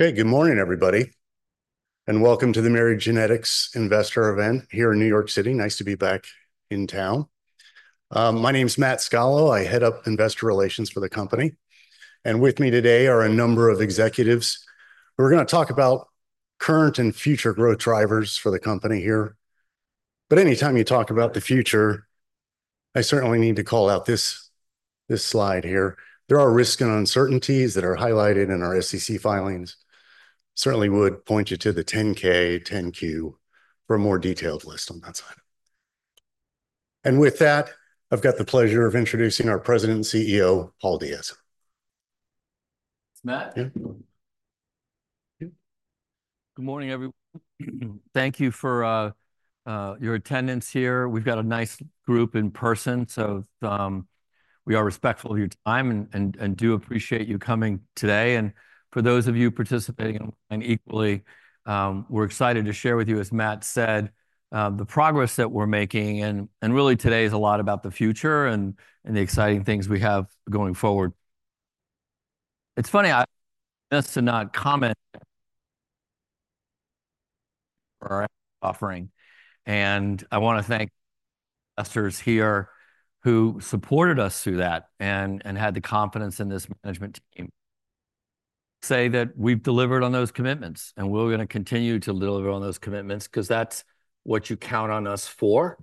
Okay, good morning, everybody, and welcome to the Myriad Genetics Investor Event here in New York City. Nice to be back in town. My name is Matt Scalo. I head up investor relations for the company. And with me today are a number of executives. We're going to talk about current and future growth drivers for the company here. But anytime you talk about the future, I certainly need to call out this slide here. There are risks and uncertainties that are highlighted in our SEC filings. Certainly would point you to the 10-K, 10-Q for a more detailed list on that side. And with that, I've got the pleasure of introducing our President and CEO, Paul Diaz. Matt? Good morning, everyone. Thank you for your attendance here. We've got a nice group in person, so we are respectful of your time and do appreciate you coming today. And for those of you participating online equally, we're excited to share with you, as Matt said, the progress that we're making. And really, today is a lot about the future and the exciting things we have going forward. It's funny, I missed to not comment on our offering. And I want to thank the investors here who supported us through that and had the confidence in this management team. Say that we've delivered on those commitments, and we're going to continue to deliver on those commitments because that's what you count on us for,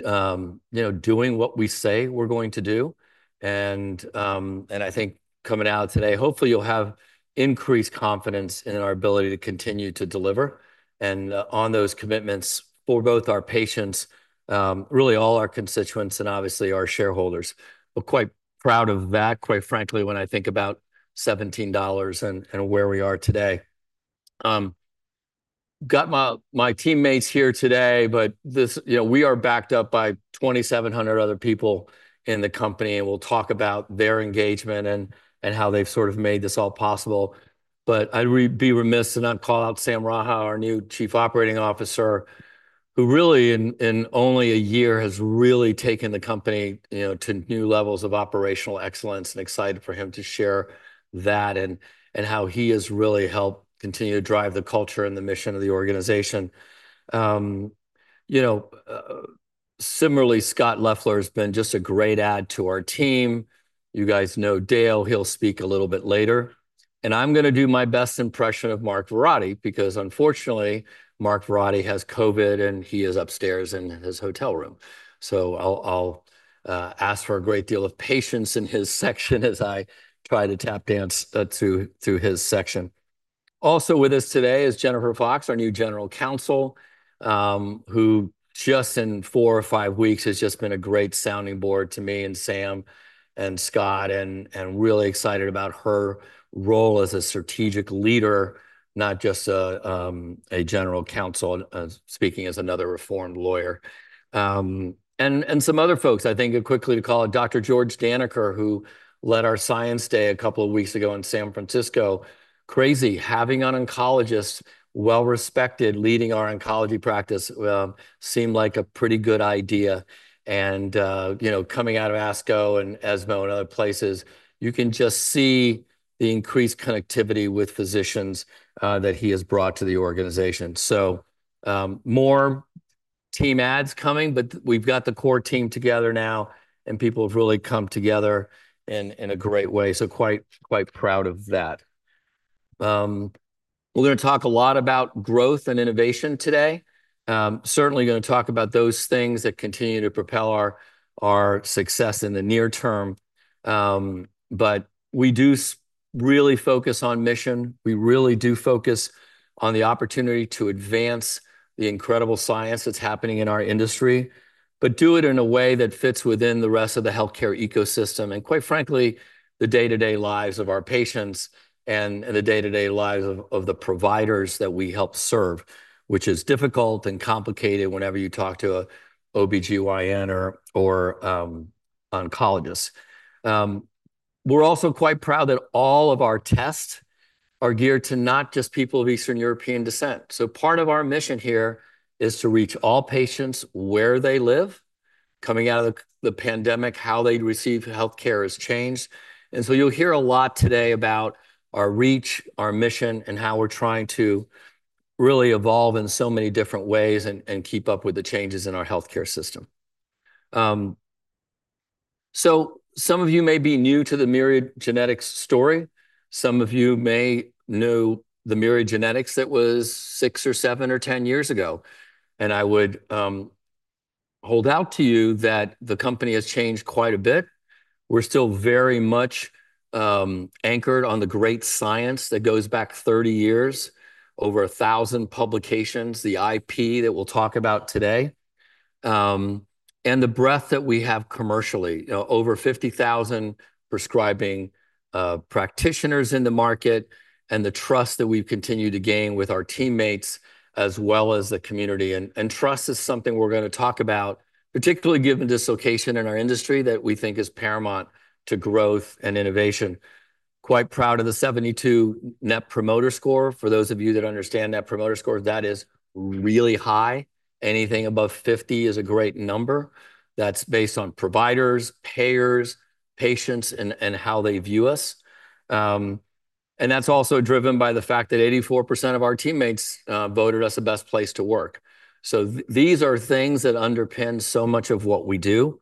doing what we say we're going to do. I think coming out today, hopefully, you'll have increased confidence in our ability to continue to deliver on those commitments for both our patients, really all our constituents, and obviously our shareholders. We're quite proud of that, quite frankly, when I think about $17 and where we are today. Got my teammates here today, but we are backed up by 2,700 other people in the company, and we'll talk about their engagement and how they've sort of made this all possible. I'd be remiss to not call out Sam Raha, our new Chief Operating Officer, who really, in only a year, has really taken the company to new levels of operational excellence. Excited for him to share that and how he has really helped continue to drive the culture and the mission of the organization. Similarly, Scott Leffler has been just a great add to our team. You guys know Dale. He'll speak a little bit later. And I'm going to do my best impression of Mark Verratti because, unfortunately, Mark Verratti has COVID, and he is upstairs in his hotel room. So I'll ask for a great deal of patience in his section as I try to tap dance through his section. Also with us today is Jennifer Fox, our new General Counsel, who just in four or five weeks has just been a great sounding board to me and Sam and Scott, and really excited about her role as a strategic leader, not just a General Counsel, speaking as another reformed lawyer. And some other folks, I think, quickly to call out Dr. George Daneker, who led our Science Day a couple of weeks ago in San Francisco. Crazy, having an oncologist, well-respected, leading our oncology practice seemed like a pretty good idea. Coming out of ASCO and ESMO and other places, you can just see the increased connectivity with physicians that he has brought to the organization. More team adds coming, but we've got the core team together now, and people have really come together in a great way. Quite proud of that. We're going to talk a lot about growth and innovation today. Certainly going to talk about those things that continue to propel our success in the near term. We do really focus on mission. We really do focus on the opportunity to advance the incredible science that's happening in our industry, but do it in a way that fits within the rest of the healthcare ecosystem and, quite frankly, the day-to-day lives of our patients and the day-to-day lives of the providers that we help serve, which is difficult and complicated whenever you talk to an OB-GYN or oncologist. We're also quite proud that all of our tests are geared to not just people of Eastern European descent, so part of our mission here is to reach all patients where they live. Coming out of the pandemic, how they receive healthcare has changed, and so you'll hear a lot today about our reach, our mission, and how we're trying to really evolve in so many different ways and keep up with the changes in our healthcare system. So some of you may be new to the Myriad Genetics story. Some of you may know the Myriad Genetics that was six or seven or ten years ago. And I would hold out to you that the company has changed quite a bit. We're still very much anchored on the great science that goes back 30 years, over 1,000 publications, the IP that we'll talk about today, and the breadth that we have commercially, over 50,000 prescribing practitioners in the market, and the trust that we've continued to gain with our teammates as well as the community. And trust is something we're going to talk about, particularly given dislocation in our industry that we think is paramount to growth and innovation. Quite proud of the 72 Net Promoter Score. For those of you that understand Net Promoter Scores, that is really high. Anything above 50 is a great number. That's based on providers, payers, patients, and how they view us. And that's also driven by the fact that 84% of our teammates voted us the best place to work. So these are things that underpin so much of what we do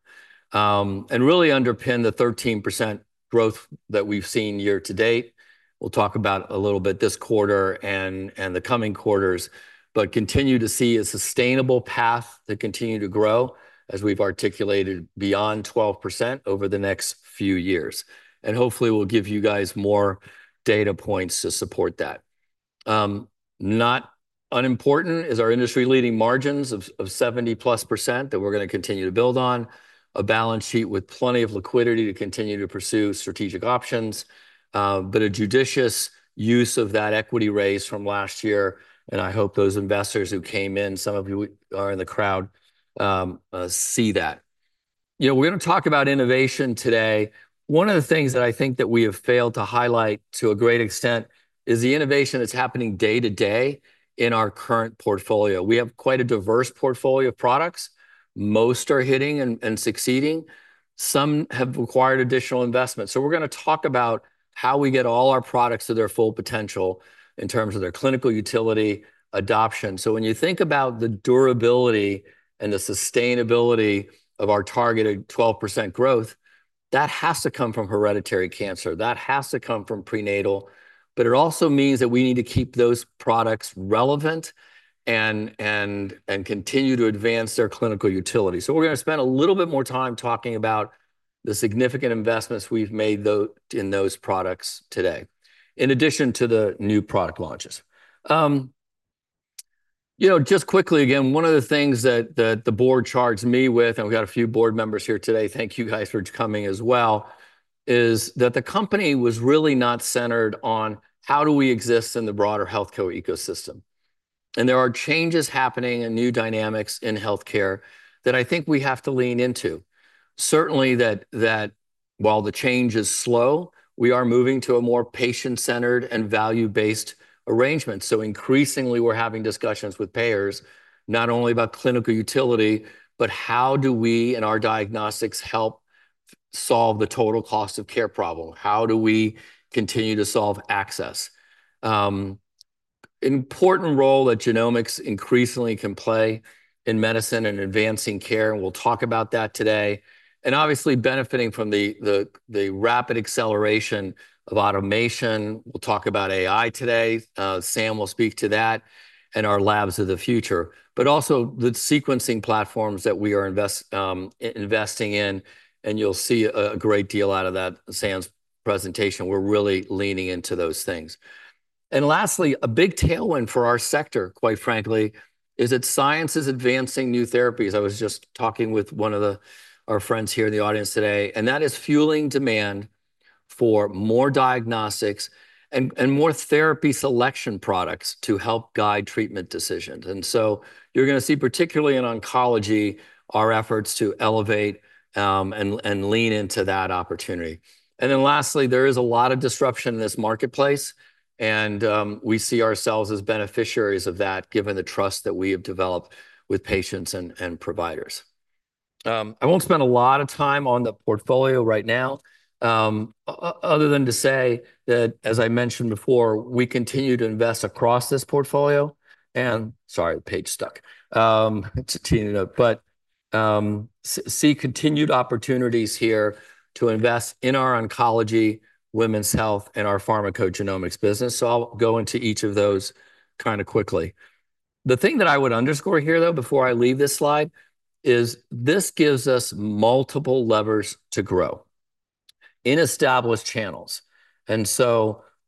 and really underpin the 13% growth that we've seen year to date. We'll talk about a little bit this quarter and the coming quarters, but continue to see a sustainable path to continue to grow as we've articulated beyond 12% over the next few years. And hopefully, we'll give you guys more data points to support that. Not unimportant is our industry-leading margins of 70%+ that we're going to continue to build on, a balance sheet with plenty of liquidity to continue to pursue strategic options, but a judicious use of that equity raise from last year. I hope those investors who came in, some of you are in the crowd, see that. We're going to talk about innovation today. One of the things that I think that we have failed to highlight to a great extent is the innovation that's happening day to day in our current portfolio. We have quite a diverse portfolio of products. Most are hitting and succeeding. Some have required additional investment. We're going to talk about how we get all our products to their full potential in terms of their clinical utility adoption. When you think about the durability and the sustainability of our targeted 12% growth, that has to come from hereditary cancer. That has to come from prenatal. But it also means that we need to keep those products relevant and continue to advance their clinical utility. So we're going to spend a little bit more time talking about the significant investments we've made in those products today, in addition to the new product launches. Just quickly, again, one of the things that the board charged me with, and we got a few board members here today, thank you guys for coming as well, is that the company was really not centered on how do we exist in the broader healthcare ecosystem, and there are changes happening and new dynamics in healthcare that I think we have to lean into. Certainly that while the change is slow, we are moving to a more patient-centered and value-based arrangement, so increasingly, we're having discussions with payers, not only about clinical utility, but how do we and our diagnostics help solve the total cost of care problem? How do we continue to solve access? important role that genomics increasingly can play in medicine and advancing care, and we'll talk about that today, and obviously benefiting from the rapid acceleration of automation. We'll talk about AI today. Sam will speak to that and our labs of the future, but also the sequencing platforms that we are investing in, and you'll see a great deal out of that in Sam's presentation. We're really leaning into those things, and lastly a big tailwind for our sector, quite frankly, is that science is advancing new therapies. I was just talking with one of our friends here in the audience today, and that is fueling demand for more diagnostics and more therapy selection products to help guide treatment decisions, and so you're going to see, particularly in oncology, our efforts to elevate and lean into that opportunity, and then lastly there is a lot of disruption in this marketplace. We see ourselves as beneficiaries of that, given the trust that we have developed with patients and providers. I won't spend a lot of time on the portfolio right now, other than to say that, as I mentioned before, we continue to invest across this portfolio. Sorry, the page stuck. It's a teeny note. But we see continued opportunities here to invest in our oncology, women's health, and our pharmacogenomics business. I'll go into each of those kind of quickly. The thing that I would underscore here, though, before I leave this slide, is this gives us multiple levers to grow in established channels.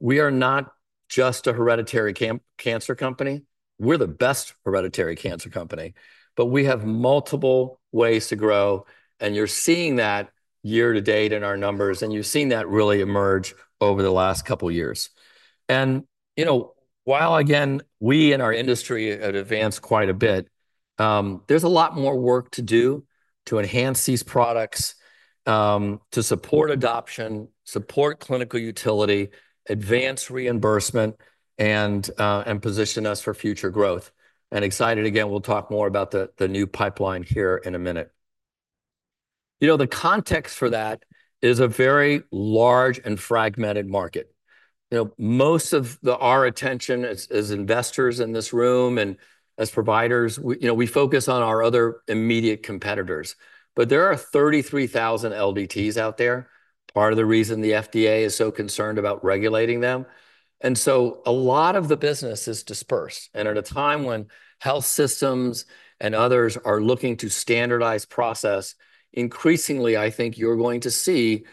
We are not just a hereditary cancer company. We're the best hereditary cancer company. But we have multiple ways to grow. You're seeing that year to date in our numbers. You've seen that really emerge over the last couple of years. While, again, we and our industry have advanced quite a bit, there's a lot more work to do to enhance these products, to support adoption, support clinical utility, advance reimbursement, and position us for future growth. Excited, again, we'll talk more about the new pipeline here in a minute. The context for that is a very large and fragmented market. Most of our attention as investors in this room and as providers, we focus on our other immediate competitors. There are 33,000 LDTs out there, part of the reason the FDA is so concerned about regulating them. So a lot of the business is dispersed. And at a time when health systems and others are looking to standardize processes, increasingly, I think you're going to see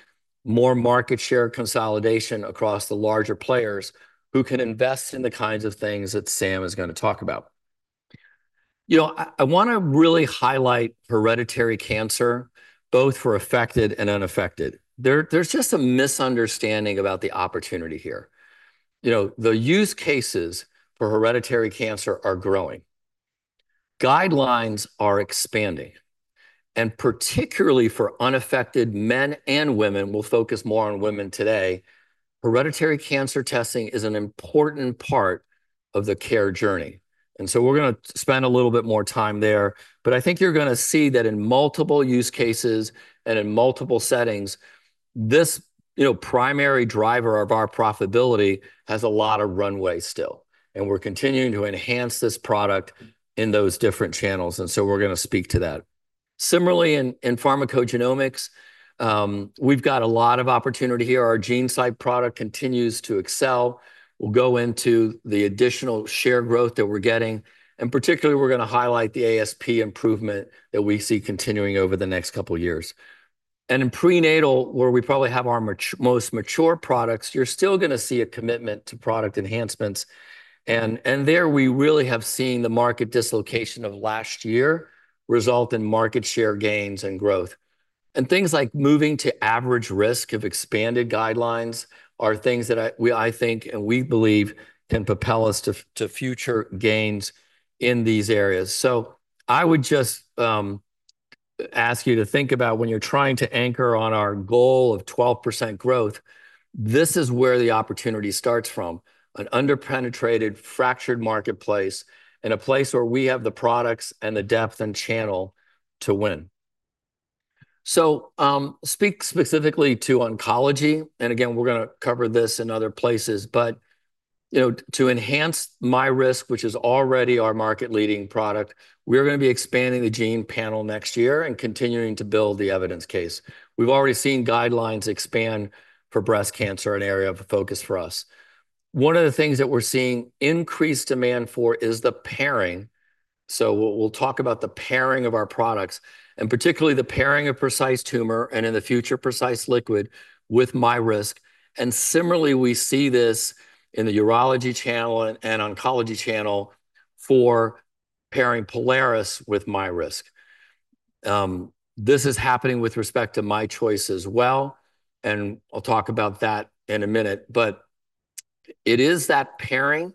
more market share consolidation across the larger players who can invest in the kinds of things that Sam is going to talk about. I want to really highlight hereditary cancer, both for affected and unaffected. There's just a misunderstanding about the opportunity here. The use cases for hereditary cancer are growing. Guidelines are expanding. And particularly for unaffected men and women, we'll focus more on women today. Hereditary cancer testing is an important part of the care journey. And so we're going to spend a little bit more time there. But I think you're going to see that in multiple use cases and in multiple settings, this primary driver of our profitability has a lot of runway still. And we're continuing to enhance this product in those different channels. And so we're going to speak to that. Similarly, in pharmacogenomics, we've got a lot of opportunity here. Our GeneSight product continues to excel. We'll go into the additional share growth that we're getting. And particularly, we're going to highlight the ASP improvement that we see continuing over the next couple of years. And in prenatal, where we probably have our most mature products, you're still going to see a commitment to product enhancements. And there, we really have seen the market dislocation of last year result in market share gains and growth. And things like moving to average risk of expanded guidelines are things that I think and we believe can propel us to future gains in these areas. So I would just ask you to think about when you're trying to anchor on our goal of 12% growth, this is where the opportunity starts from, an underpenetrated, fractured marketplace in a place where we have the products and the depth and channel to win. So speak specifically to oncology. And again, we're going to cover this in other places. But to enhance MyRisk, which is already our market-leading product, we're going to be expanding the gene panel next year and continuing to build the evidence case. We've already seen guidelines expand for breast cancer, an area of focus for us. One of the things that we're seeing increased demand for is the pairing. So we'll talk about the pairing of our products, and particularly the pairing of Precise Tumor and in the future, Precise Liquid with MyRisk. Similarly, we see this in the urology channel and oncology channel for pairing Prolaris with MyRisk. This is happening with respect to MyChoice as well. I'll talk about that in a minute. But it is that pairing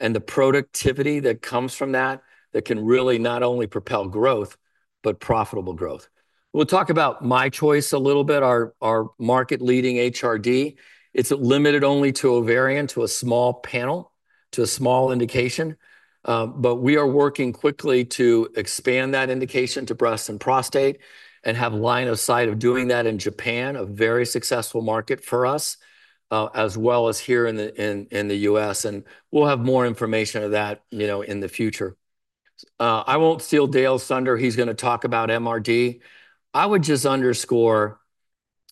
and the productivity that comes from that that can really not only propel growth, but profitable growth. We'll talk about MyChoice a little bit, our market-leading HRD. It's limited only to ovarian, to a small panel, to a small indication. But we are working quickly to expand that indication to breast and prostate and have a line of sight of doing that in Japan, a very successful market for us, as well as here in the U.S. We'll have more information of that in the future. I won't steal Dale's thunder. He's going to talk about MRD. I would just underscore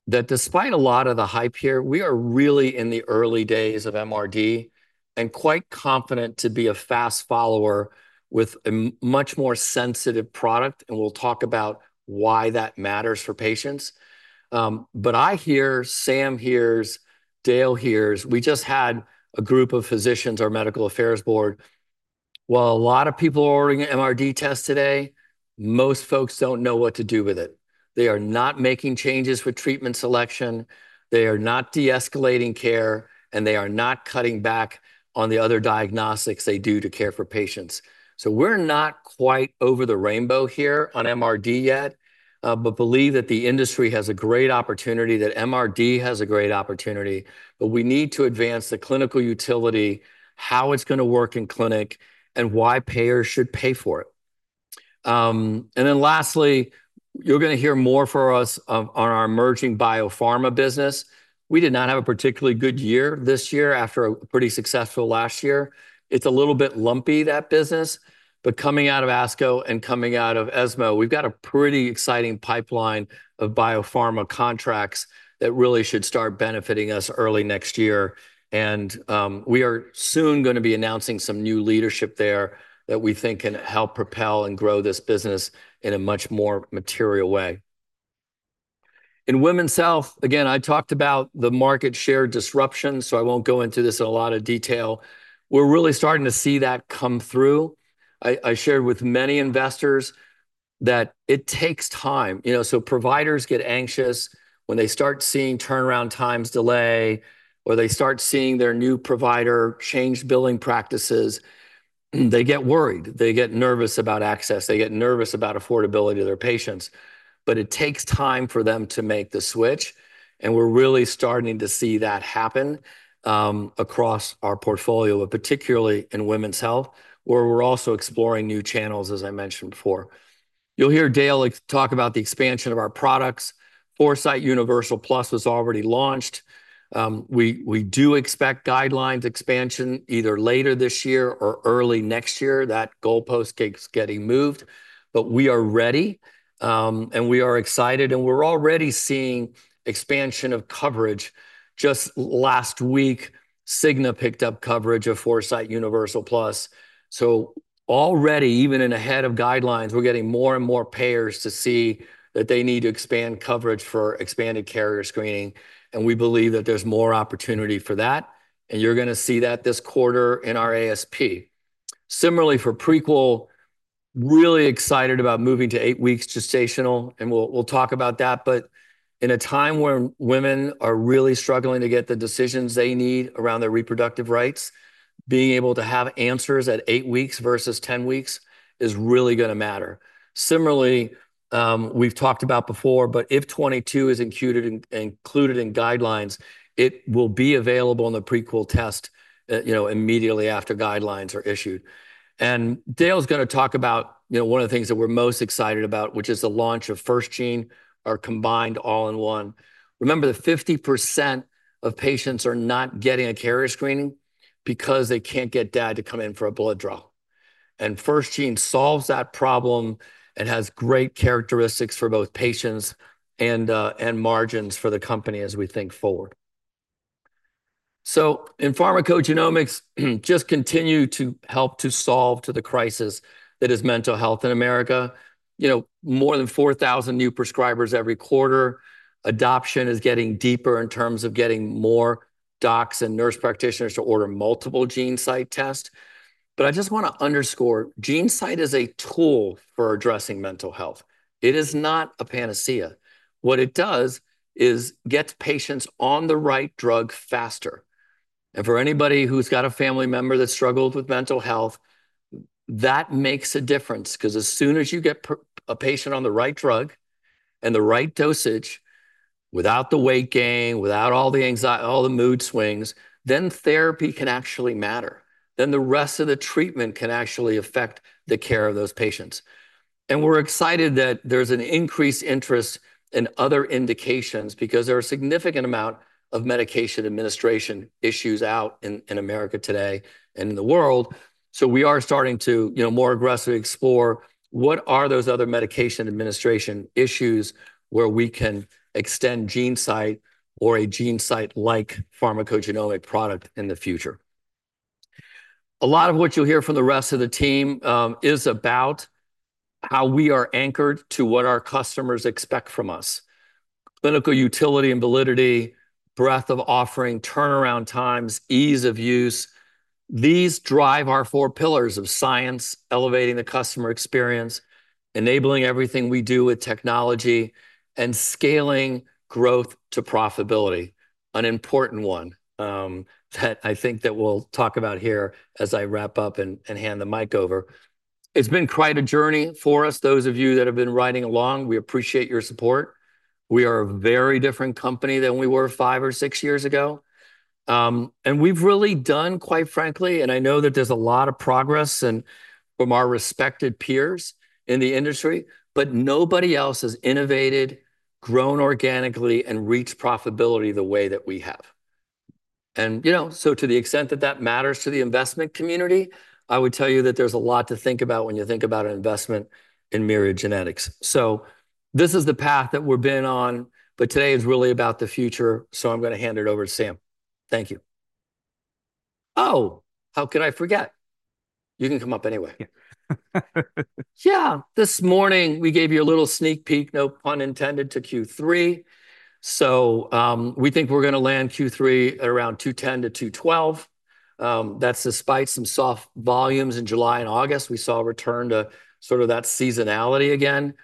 that despite a lot of the hype here, we are really in the early days of MRD and quite confident to be a fast follower with a much more sensitive product. And we'll talk about why that matters for patients. But I hear. Sam hears. Dale hears. We just had a group of physicians, our medical affairs board. While a lot of people are ordering MRD tests today, most folks don't know what to do with it. They are not making changes with treatment selection. They are not de-escalating care. And they are not cutting back on the other diagnostics they do to care for patients. So we're not quite over the rainbow here on MRD yet, but believe that the industry has a great opportunity, that MRD has a great opportunity. But we need to advance the clinical utility, how it's going to work in clinic, and why payers should pay for it. And then lastly, you're going to hear more for us on our emerging biopharma business. We did not have a particularly good year this year after a pretty successful last year. It's a little bit lumpy, that business. But coming out of ASCO and coming out of ESMO, we've got a pretty exciting pipeline of biopharma contracts that really should start benefiting us early next year. And we are soon going to be announcing some new leadership there that we think can help propel and grow this business in a much more material way. In women's health, again, I talked about the market share disruption. So I won't go into this in a lot of detail. We're really starting to see that come through. I shared with many investors that it takes time. So providers get anxious when they start seeing turnaround times delay, or they start seeing their new provider change billing practices. They get worried. They get nervous about access. They get nervous about affordability to their patients. But it takes time for them to make the switch. And we're really starting to see that happen across our portfolio, particularly in women's health, where we're also exploring new channels, as I mentioned before. You'll hear Dale talk about the expansion of our products. Foresight Universal Plus was already launched. We do expect guidelines expansion either later this year or early next year. That goalpost keeps getting moved. But we are ready. And we are excited. And we're already seeing expansion of coverage. Just last week, Cigna picked up coverage of Foresight Universal Plus. Already, even ahead of guidelines, we're getting more and more payers to see that they need to expand coverage for expanded carrier screening. And we believe that there's more opportunity for that. And you're going to see that this quarter in our ASP. Similarly, for Prequel, really excited about moving to eight weeks gestational. And we'll talk about that. But in a time where women are really struggling to get the decisions they need around their reproductive rights, being able to have answers at eight weeks versus 10 weeks is really going to matter. Similarly, we've talked about before, but if 22q is included in guidelines, it will be available in the Prequel test immediately after guidelines are issued. And Dale's going to talk about one of the things that we're most excited about, which is the launch of FirstGene, our combined all-in-one. Remember, 50% of patients are not getting a carrier screening because they can't get dad to come in for a blood draw, and FirstGene solves that problem and has great characteristics for both patients and margins for the company as we think forward, so in pharmacogenomics, just continue to help to solve the crisis that is mental health in America. More than 4,000 new prescribers every quarter. Adoption is getting deeper in terms of getting more docs and nurse practitioners to order multiple GeneSight tests, but I just want to underscore, GeneSight is a tool for addressing mental health. It is not a panacea. What it does is get patients on the right drug faster, and for anybody who's got a family member that struggled with mental health, that makes a difference. Because as soon as you get a patient on the right drug and the right dosage, without the weight gain, without all the mood swings, then therapy can actually matter. Then the rest of the treatment can actually affect the care of those patients. And we're excited that there's an increased interest in other indications because there are a significant amount of medication administration issues out in America today and in the world. So we are starting to more aggressively explore what are those other medication administration issues where we can extend GeneSight or a GeneSight-like pharmacogenomic product in the future. A lot of what you'll hear from the rest of the team is about how we are anchored to what our customers expect from us. Clinical utility and validity, breadth of offering, turnaround times, ease of use. These drive our four pillars of science, elevating the customer experience, enabling everything we do with technology, and scaling growth to profitability, an important one that I think that we'll talk about here as I wrap up and hand the mic over. It's been quite a journey for us. Those of you that have been riding along, we appreciate your support. We are a very different company than we were five or six years ago. And we've really done, quite frankly, and I know that there's a lot of progress from our respected peers in the industry, but nobody else has innovated, grown organically, and reached profitability the way that we have. And so to the extent that that matters to the investment community, I would tell you that there's a lot to think about when you think about an investment in Myriad Genetics. So this is the path that we've been on. But today is really about the future. So I'm going to hand it over to Sam. Thank you. Oh, how could I forget? You can come up anyway. Yeah. This morning, we gave you a little sneak peek, no pun intended, to Q3. So we think we're going to land Q3 at around 210-212. That's despite some soft volumes in July and August. We saw a return to sort of that seasonality again.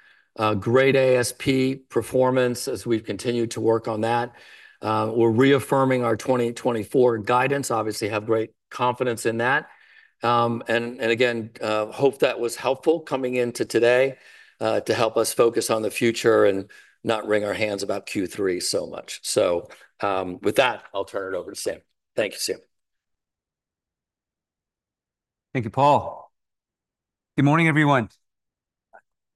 Great ASP performance as we've continued to work on that. We're reaffirming our 2024 guidance. Obviously, have great confidence in that. And again, hope that was helpful coming into today to help us focus on the future and not wring our hands about Q3 so much. So with that, I'll turn it over to Sam. Thank you, Sam. Thank you, Paul. Good morning, everyone.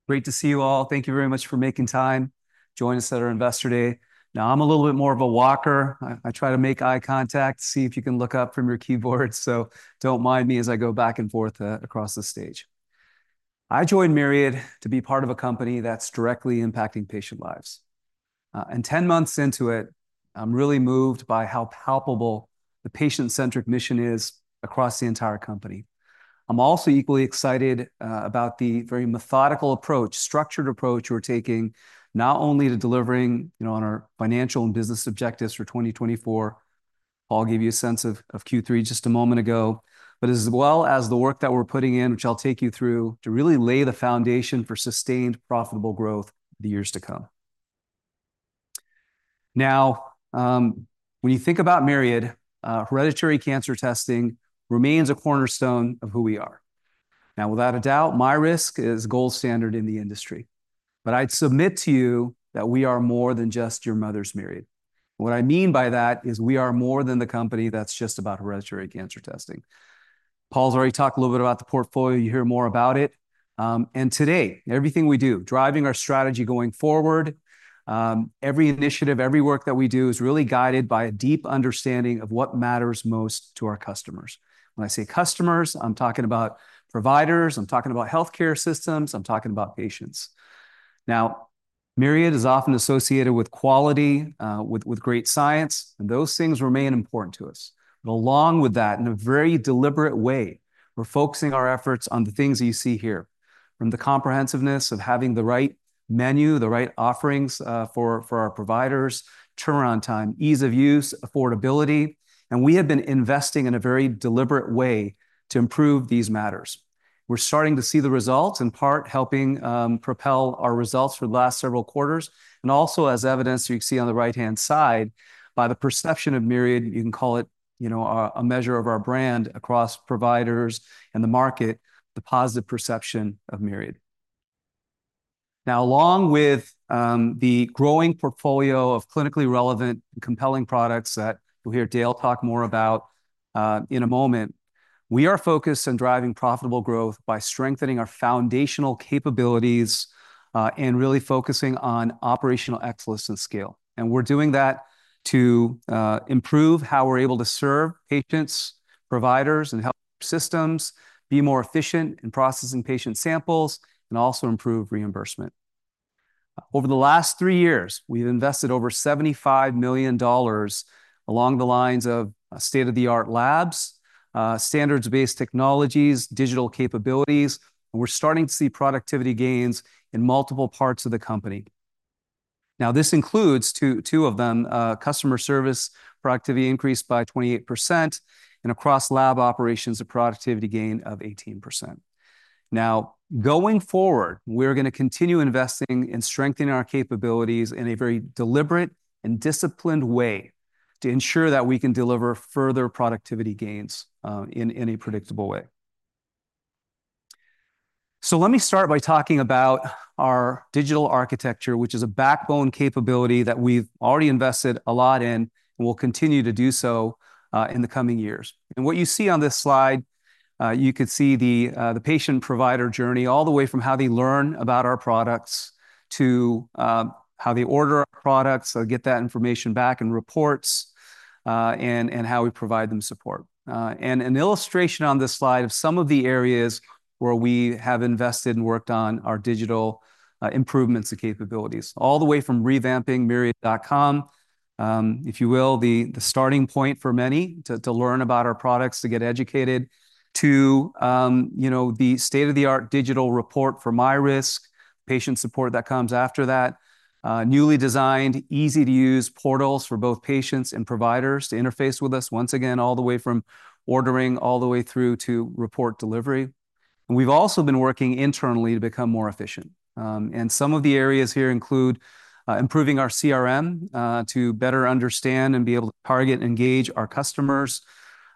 Great to see you all. Thank you very much for making time to join us at our Investor Day. Now, I'm a little bit more of a walker. I try to make eye contact, see if you can look up from your keyboard so don't mind me as I go back and forth across the stage. I joined Myriad to be part of a company that's directly impacting patient lives and 10 months into it, I'm really moved by how palpable the patient-centric mission is across the entire company. I'm also equally excited about the very methodical approach, structured approach we're taking, not only to delivering on our financial and business objectives for 2024. Paul gave you a sense of Q3 just a moment ago, but as well as the work that we're putting in, which I'll take you through to really lay the foundation for sustained profitable growth the years to come. Now, when you think about Myriad, hereditary cancer testing remains a cornerstone of who we are. Now, without a doubt, MyRisk is gold standard in the industry. But I'd submit to you that we are more than just your mother's Myriad. What I mean by that is we are more than the company that's just about hereditary cancer testing. Paul's already talked a little bit about the portfolio. You hear more about it, and today, everything we do, driving our strategy going forward, every initiative, every work that we do is really guided by a deep understanding of what matters most to our customers. When I say customers, I'm talking about providers. I'm talking about healthcare systems. I'm talking about patients. Now, Myriad is often associated with quality, with great science. And those things remain important to us. But along with that, in a very deliberate way, we're focusing our efforts on the things that you see here, from the comprehensiveness of having the right menu, the right offerings for our providers, turnaround time, ease of use, affordability. And we have been investing in a very deliberate way to improve these matters. We're starting to see the results, in part helping propel our results for the last several quarters. And also, as evidence you see on the right-hand side, by the perception of Myriad, you can call it a measure of our brand across providers and the market, the positive perception of Myriad. Now, along with the growing portfolio of clinically relevant and compelling products that you'll hear Dale talk more about in a moment, we are focused on driving profitable growth by strengthening our foundational capabilities and really focusing on operational excellence and scale. And we're doing that to improve how we're able to serve patients, providers, and health systems, be more efficient in processing patient samples, and also improve reimbursement. Over the last three years, we've invested over $75 million along the lines of state-of-the-art labs, standards-based technologies, digital capabilities. And we're starting to see productivity gains in multiple parts of the company. Now, this includes two of them: customer service productivity increased by 28%, and across lab operations, a productivity gain of 18%. Now, going forward, we're going to continue investing in strengthening our capabilities in a very deliberate and disciplined way to ensure that we can deliver further productivity gains in a predictable way. So let me start by talking about our digital architecture, which is a backbone capability that we've already invested a lot in and will continue to do so in the coming years. And what you see on this slide, you could see the patient-provider journey all the way from how they learn about our products to how they order our products, get that information back in reports, and how we provide them support. An illustration on this slide of some of the areas where we have invested and worked on our digital improvements and capabilities, all the way from revamping Myriad.com, if you will, the starting point for many to learn about our products, to get educated, to the state-of-the-art digital report for MyRisk, patient support that comes after that, newly designed, easy-to-use portals for both patients and providers to interface with us, once again, all the way from ordering all the way through to report delivery. We've also been working internally to become more efficient. Some of the areas here include improving our CRM to better understand and be able to target and engage our customers,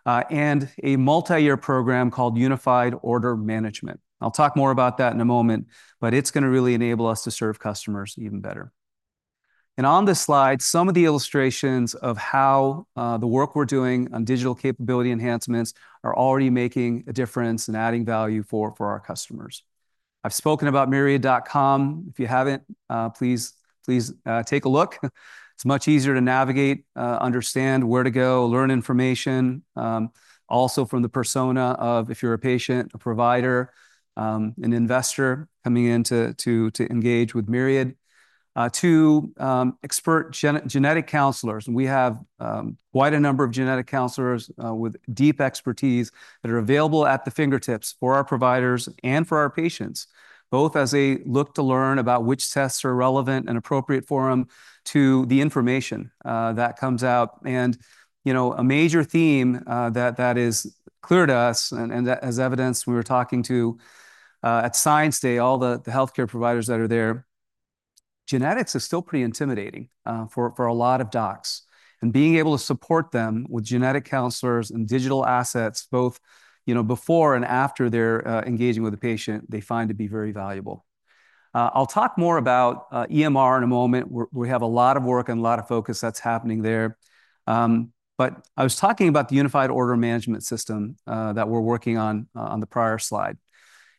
and a multi-year program called Unified Order Management. I'll talk more about that in a moment, but it's going to really enable us to serve customers even better. On this slide, some of the illustrations of how the work we're doing on digital capability enhancements are already making a difference and adding value for our customers. I've spoken about Myriad.com. If you haven't, please take a look. It's much easier to navigate, understand where to go, learn information, also from the persona of, if you're a patient, a provider, an investor coming in to engage with Myriad, to expert genetic counselors. We have quite a number of genetic counselors with deep expertise that are available at the fingertips for our providers and for our patients, both as they look to learn about which tests are relevant and appropriate for them to the information that comes out. A major theme that is clear to us, and as evidenced, we were talking to, at Science Day, all the healthcare providers that are there, genetics is still pretty intimidating for a lot of docs. Being able to support them with genetic counselors and digital assets, both before and after they're engaging with a patient, they find to be very valuable. I'll talk more about EMR in a moment. We have a lot of work and a lot of focus that's happening there. I was talking about the Unified Order Management system that we're working on on the prior slide.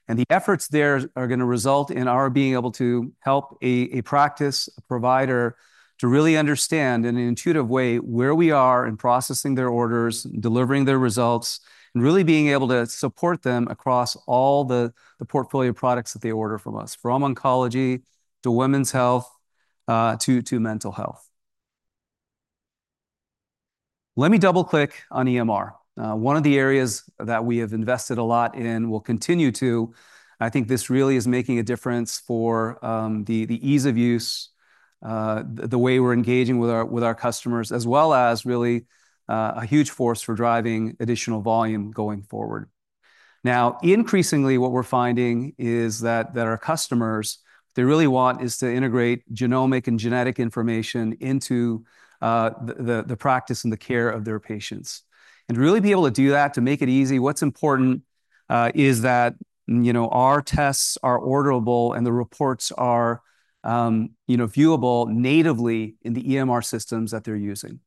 The efforts there are going to result in our being able to help a practice, a provider, to really understand in an intuitive way where we are in processing their orders, delivering their results, and really being able to support them across all the portfolio products that they order from us, from oncology to women's health to mental health. Let me double-click on EMR. One of the areas that we have invested a lot in, we'll continue to, I think this really is making a difference for the ease of use, the way we're engaging with our customers, as well as really a huge force for driving additional volume going forward. Now, increasingly, what we're finding is that our customers, what they really want is to integrate genomic and genetic information into the practice and the care of their patients. To really be able to do that, to make it easy, what's important is that our tests are orderable and the reports are viewable natively in the EMR systems that they're using.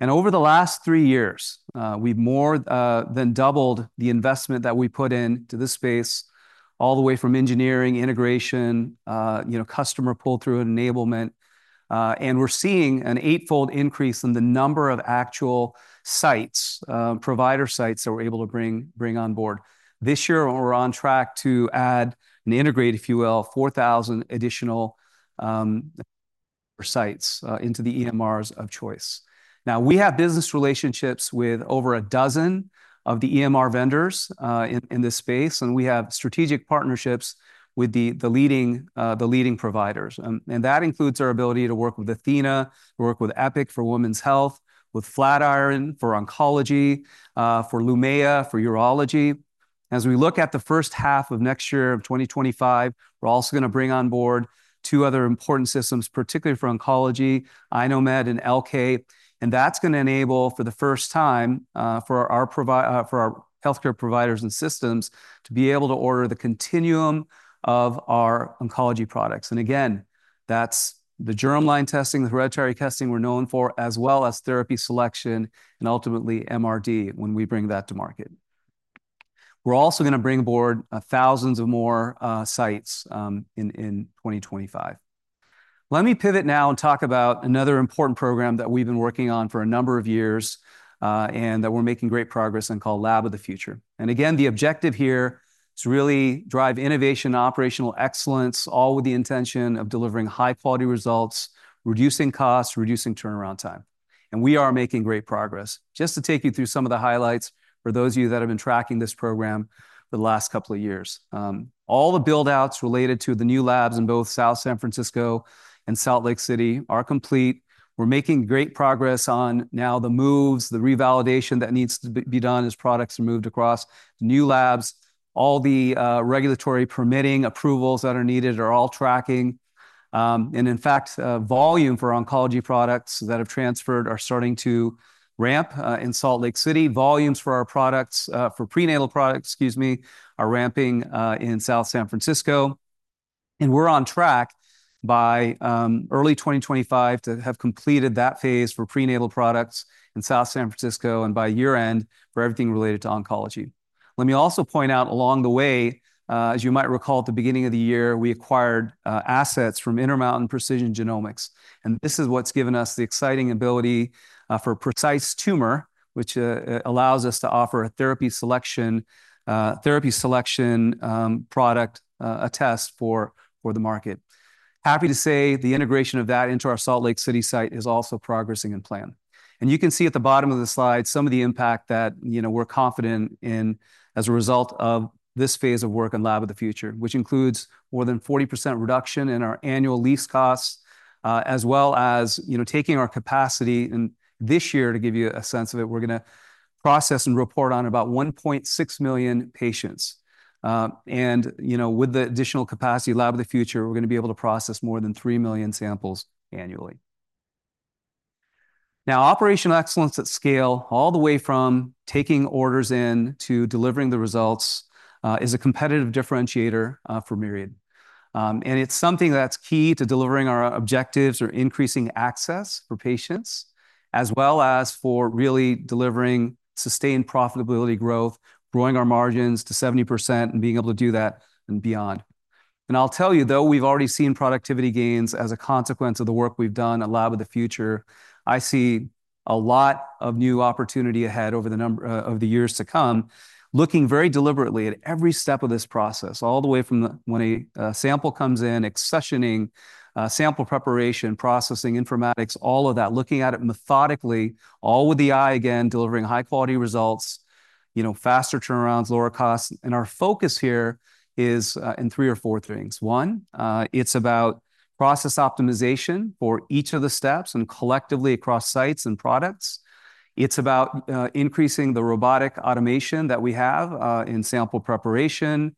Over the last three years, we've more than doubled the investment that we put into this space, all the way from engineering, integration, customer pull-through enablement. We're seeing an eightfold increase in the number of actual sites, provider sites that we're able to bring on board. This year, we're on track to add and integrate, if you will, 4,000 additional sites into the EMRs of choice. Now, we have business relationships with over a dozen of the EMR vendors in this space. We have strategic partnerships with the leading providers. That includes our ability to work with Athena, work with Epic for women's health, with Flatiron for oncology, for Lumea, for urology. As we look at the first half of next year, of 2025, we're also going to bring on board two other important systems, particularly for oncology, iKnowMed and Elekta. And that's going to enable, for the first time, for our healthcare providers and systems to be able to order the continuum of our oncology products. And again, that's the germline testing, the hereditary testing we're known for, as well as therapy selection and ultimately MRD when we bring that to market. We're also going to bring aboard thousands of more sites in 2025. Let me pivot now and talk about another important program that we've been working on for a number of years and that we're making great progress on called Lab of the Future. And again, the objective here is to really drive innovation and operational excellence, all with the intention of delivering high-quality results, reducing costs, reducing turnaround time. And we are making great progress. Just to take you through some of the highlights for those of you that have been tracking this program for the last couple of years. All the buildouts related to the new labs in both South San Francisco and Salt Lake City are complete. We're making great progress on now the moves, the revalidation that needs to be done as products are moved across new labs. All the regulatory permitting approvals that are needed are all tracking. And in fact, volume for oncology products that have transferred are starting to ramp in Salt Lake City. Volumes for our products, for prenatal products, excuse me, are ramping in South San Francisco. We're on track by early 2025 to have completed that phase for prenatal products in South San Francisco and by year-end for everything related to oncology. Let me also point out along the way, as you might recall at the beginning of the year, we acquired assets from Intermountain Precision Genomics. And this is what's given us the exciting ability for Precise Tumor, which allows us to offer a therapy selection product, a test for the market. Happy to say the integration of that into our Salt Lake City site is also progressing on plan. And you can see at the bottom of the slide some of the impact that we're confident in as a result of this phase of work in Lab of the Future, which includes more than 40% reduction in our annual lease costs, as well as taking our capacity. This year, to give you a sense of it, we're going to process and report on about 1.6 million patients. With the additional capacity Lab of the Future, we're going to be able to process more than 3 million samples annually. Now, operational excellence at scale, all the way from taking orders in to delivering the results, is a competitive differentiator for Myriad. It's something that's key to delivering our objectives or increasing access for patients, as well as for really delivering sustained profitability growth, growing our margins to 70% and being able to do that and beyond. I'll tell you, though, we've already seen productivity gains as a consequence of the work we've done at Lab of the Future. I see a lot of new opportunity ahead over the years to come, looking very deliberately at every step of this process, all the way from when a sample comes in, accessioning, sample preparation, processing, informatics, all of that, looking at it methodically, all with the eye, again, delivering high-quality results, faster turnarounds, lower costs, and our focus here is in three or four things. One, it's about process optimization for each of the steps and collectively across sites and products. It's about increasing the robotic automation that we have in sample preparation,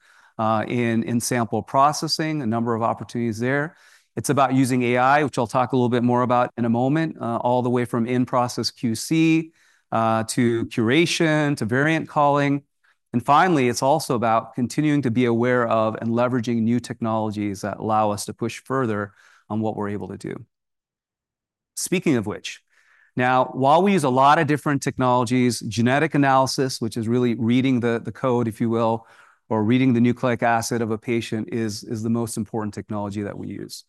in sample processing, a number of opportunities there. It's about using AI, which I'll talk a little bit more about in a moment, all the way from in-process QC to curation to variant calling. And finally, it's also about continuing to be aware of and leveraging new technologies that allow us to push further on what we're able to do. Speaking of which, now, while we use a lot of different technologies, genetic analysis, which is really reading the code, if you will, or reading the nucleic acid of a patient, is the most important technology that we use.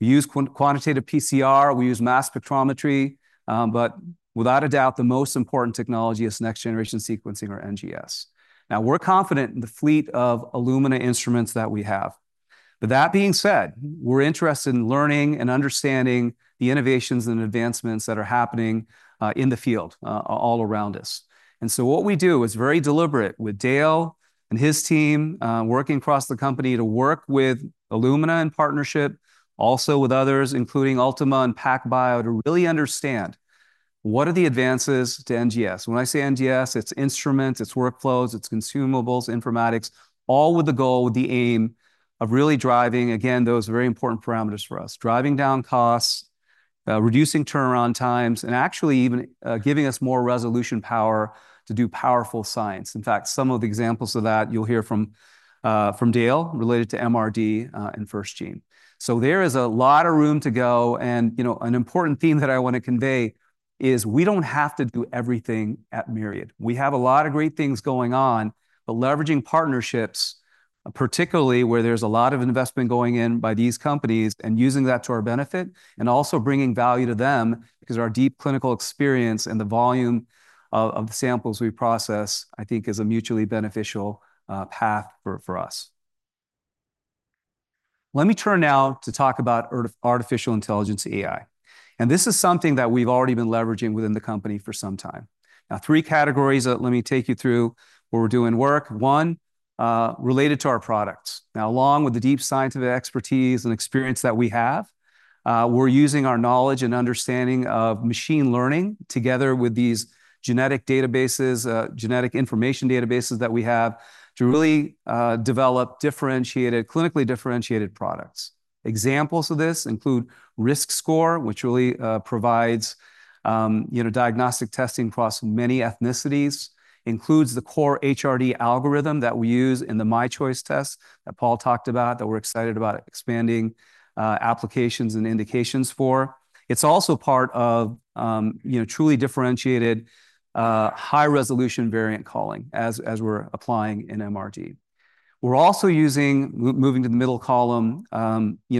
We use quantitative PCR. We use mass spectrometry. But without a doubt, the most important technology is next-generation sequencing or NGS. Now, we're confident in the fleet of Illumina instruments that we have. But that being said, we're interested in learning and understanding the innovations and advancements that are happening in the field all around us. What we do is very deliberate with Dale and his team working across the company to work with Illumina in partnership, also with others, including Ultima and PacBio, to really understand what are the advances to NGS. When I say NGS, it is instruments, it is workflows, it is consumables, informatics, all with the goal, with the aim of really driving, again, those very important parameters for us, driving down costs, reducing turnaround times, and actually even giving us more resolution power to do powerful science. In fact, some of the examples of that you will hear from Dale related to MRD and FirstGene. There is a lot of room to go. An important theme that I want to convey is we do not have to do everything at Myriad. We have a lot of great things going on, but leveraging partnerships, particularly where there's a lot of investment going in by these companies and using that to our benefit and also bringing value to them because our deep clinical experience and the volume of samples we process, I think, is a mutually beneficial path for us. Let me turn now to talk about artificial intelligence, AI, and this is something that we've already been leveraging within the company for some time. Now, three categories that let me take you through where we're doing work. One, related to our products. Now, along with the deep scientific expertise and experience that we have, we're using our knowledge and understanding of machine learning together with these genetic databases, genetic information databases that we have to really develop differentiated, clinically differentiated products. Examples of this include RiskScore, which really provides diagnostic testing across many ethnicities, includes the core HRD algorithm that we use in the MyChoice test that Paul talked about that we're excited about expanding applications and indications for. It's also part of truly differentiated high-resolution variant calling as we're applying in MRD. We're also using, moving to the middle column,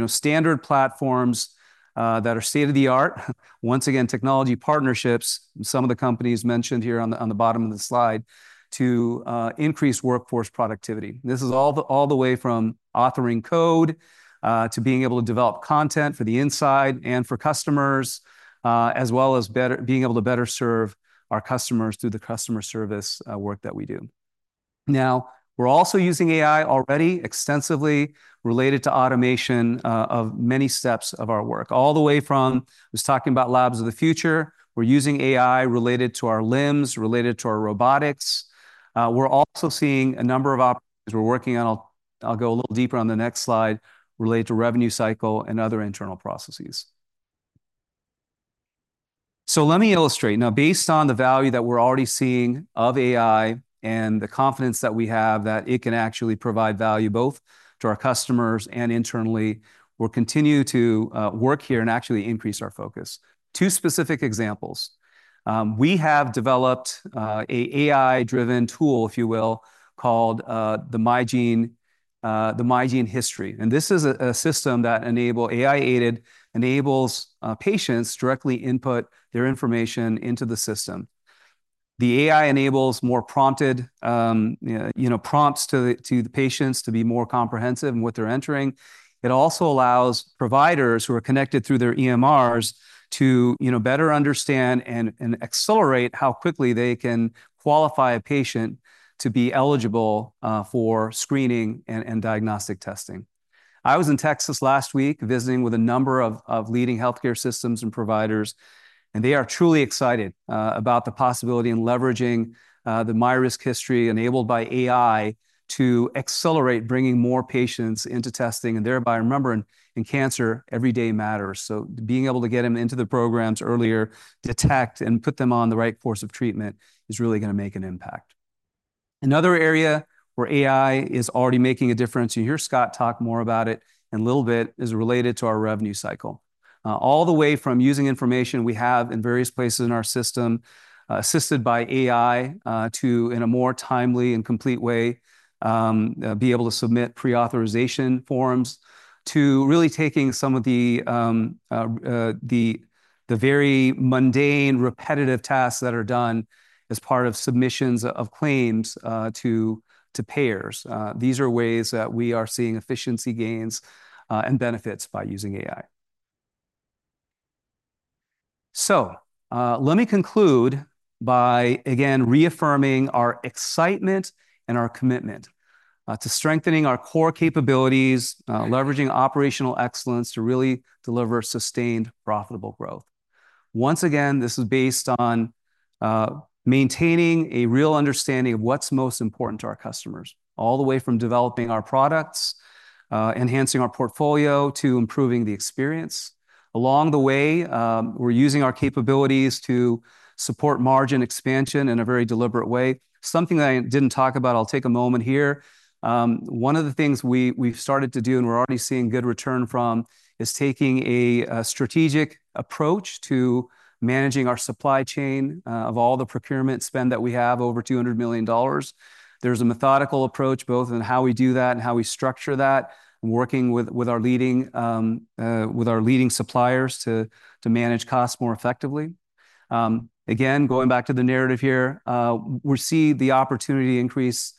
standard platforms that are state-of-the-art. Once again, technology partnerships, some of the companies mentioned here on the bottom of the slide, to increase workforce productivity. This is all the way from authoring code to being able to develop content for the inside and for customers, as well as being able to better serve our customers through the customer service work that we do. Now, we're also using AI already extensively related to automation of many steps of our work, all the way from. I was talking about labs of the future. We're using AI related to our LIMS, related to our robotics. We're also seeing a number of opportunities we're working on. I'll go a little deeper on the next slide related to revenue cycle and other internal processes. So let me illustrate. Now, based on the value that we're already seeing of AI and the confidence that we have that it can actually provide value both to our customers and internally, we'll continue to work here and actually increase our focus. Two specific examples. We have developed an AI-driven tool, if you will, called the MyGeneHistory. And this is a system that, AI-aided, enables patients to directly input their information into the system. The AI enables more prompted prompts to the patients to be more comprehensive in what they're entering. It also allows providers who are connected through their EMRs to better understand and accelerate how quickly they can qualify a patient to be eligible for screening and diagnostic testing. I was in Texas last week visiting with a number of leading healthcare systems and providers, and they are truly excited about the possibility of leveraging the MyGeneHistory enabled by AI to accelerate bringing more patients into testing and thereby remembering in cancer every day matters. Being able to get them into the programs earlier, detect, and put them on the right course of treatment is really going to make an impact. Another area where AI is already making a difference, you'll hear Scott talk more about it in a little bit, is related to our revenue cycle. All the way from using information we have in various places in our system, assisted by AI to, in a more timely and complete way, be able to submit prior authorization forms to really taking some of the very mundane, repetitive tasks that are done as part of submissions of claims to payers. These are ways that we are seeing efficiency gains and benefits by using AI. So let me conclude by, again, reaffirming our excitement and our commitment to strengthening our core capabilities, leveraging operational excellence to really deliver sustained profitable growth. Once again, this is based on maintaining a real understanding of what's most important to our customers, all the way from developing our products, enhancing our portfolio to improving the experience. Along the way, we're using our capabilities to support margin expansion in a very deliberate way. Something that I didn't talk about, I'll take a moment here. One of the things we've started to do and we're already seeing good return from is taking a strategic approach to managing our supply chain of all the procurement spend that we have over $200 million. There's a methodical approach both in how we do that and how we structure that, working with our leading suppliers to manage costs more effectively. Again, going back to the narrative here, we see the opportunity increase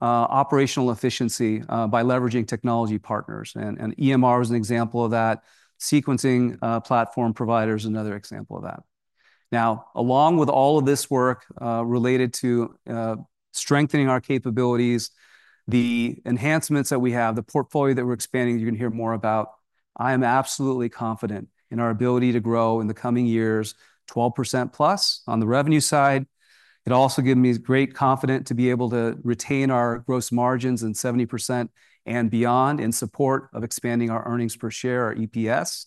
operational efficiency by leveraging technology partners, and EMR is an example of that. Sequencing platform providers is another example of that. Now, along with all of this work related to strengthening our capabilities, the enhancements that we have, the portfolio that we're expanding, you're going to hear more about. I am absolutely confident in our ability to grow in the coming years, 12%+ on the revenue side. It also gives me great confidence to be able to retain our gross margins in 70% and beyond in support of expanding our earnings per share, our EPS.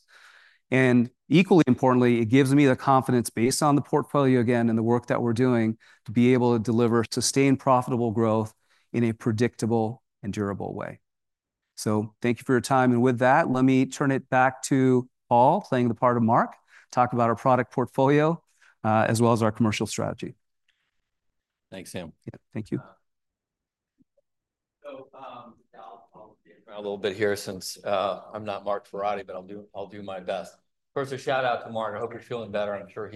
And equally importantly, it gives me the confidence based on the portfolio, again, and the work that we're doing to be able to deliver sustained profitable growth in a predictable and durable way. So thank you for your time. And with that, let me turn it back to Paul playing the part of Mark, talk about our product portfolio, as well as our commercial strategy. Thanks, Sam. Yeah, thank you. So I'll be around a little bit here since I'm not Mark Verratti, but I'll do my best. First, a shout-out to Mark. I hope you're feeling better. I'm sure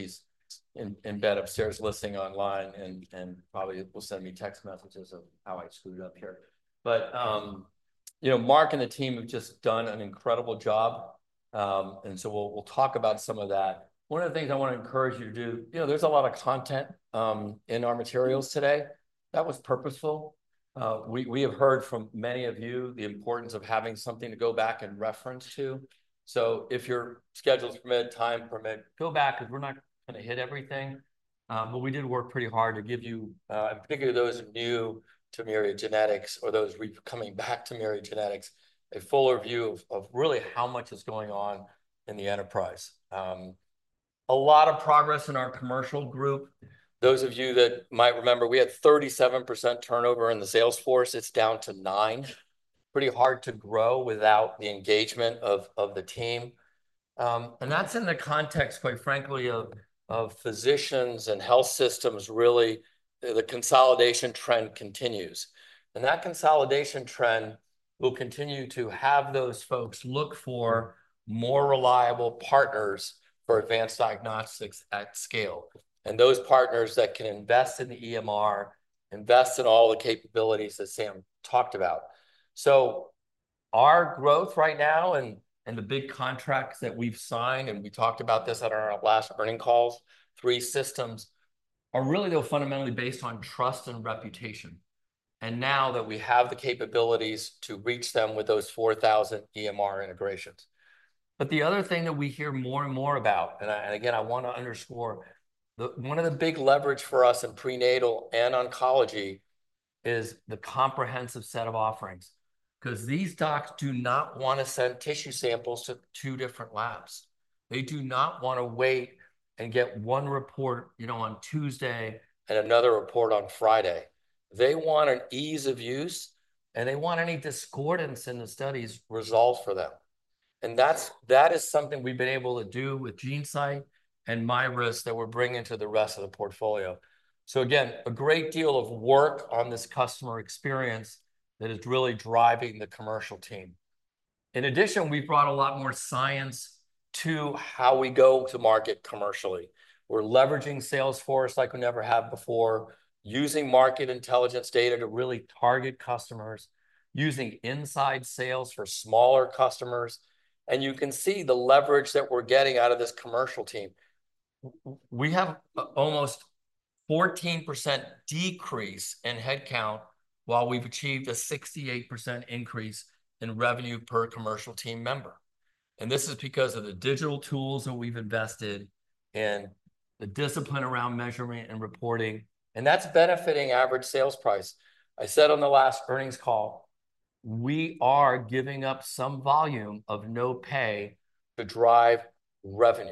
he's in bed upstairs listening online and probably will send me text messages of how I screwed up here. But Mark and the team have just done an incredible job, and so we'll talk about some of that. One of the things I want to encourage you to do, there's a lot of content in our materials today. That was purposeful. We have heard from many of you the importance of having something to go back and reference to. So if your schedule's permitted, time permitted, go back because we're not going to hit everything. But we did work pretty hard to give you, and particularly those new to Myriad Genetics or those coming back to Myriad Genetics, a fuller view of really how much is going on in the enterprise. A lot of progress in our commercial group. Those of you that might remember, we had 37% turnover in the sales force. It's down to nine. Pretty hard to grow without the engagement of the team. That's in the context, quite frankly, of physicians and health systems, really, the consolidation trend continues. That consolidation trend will continue to have those folks look for more reliable partners for advanced diagnostics at scale. Those partners that can invest in the EMR, invest in all the capabilities that Sam talked about. Our growth right now and the big contracts that we've signed, and we talked about this at our last earnings calls, three systems are really fundamentally based on trust and reputation. Now that we have the capabilities to reach them with those 4,000 EMR integrations. The other thing that we hear more and more about, and again, I want to underscore, one of the big leverages for us in prenatal and oncology is the comprehensive set of offerings. Because these docs do not want to send tissue samples to two different labs. They do not want to wait and get one report on Tuesday and another report on Friday. They want an ease of use, and they want any discordance in the studies resolved for them, and that is something we've been able to do with GeneSight and MyRisk that we're bringing to the rest of the portfolio, so again, a great deal of work on this customer experience that is really driving the commercial team. In addition, we've brought a lot more science to how we go to market commercially. We're leveraging Salesforce like we never have before, using market intelligence data to really target customers, using inside sales for smaller customers, and you can see the leverage that we're getting out of this commercial team. We have almost 14% decrease in headcount while we've achieved a 68% increase in revenue per commercial team member. And this is because of the digital tools that we've invested in, the discipline around measurement and reporting, and that's benefiting average sales price. I said on the last earnings call, we are giving up some volume of no pay to drive revenue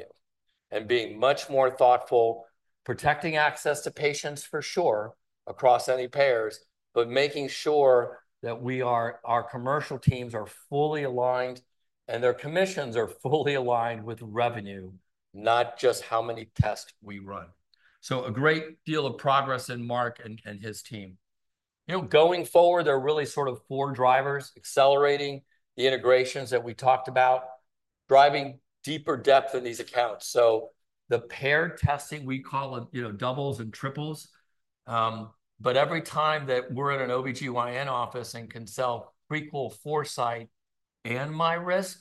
and being much more thoughtful, protecting access to patients for sure across any payers, but making sure that our commercial teams are fully aligned and their commissions are fully aligned with revenue, not just how many tests we run. So a great deal of progress in Mark and his team. Going forward, there are really sort of four drivers accelerating the integrations that we talked about, driving deeper depth in these accounts. So the pair testing, we call it doubles and triples. But every time that we're in an OB/GYN office and can sell Prequel, Foresight, and MyRisk,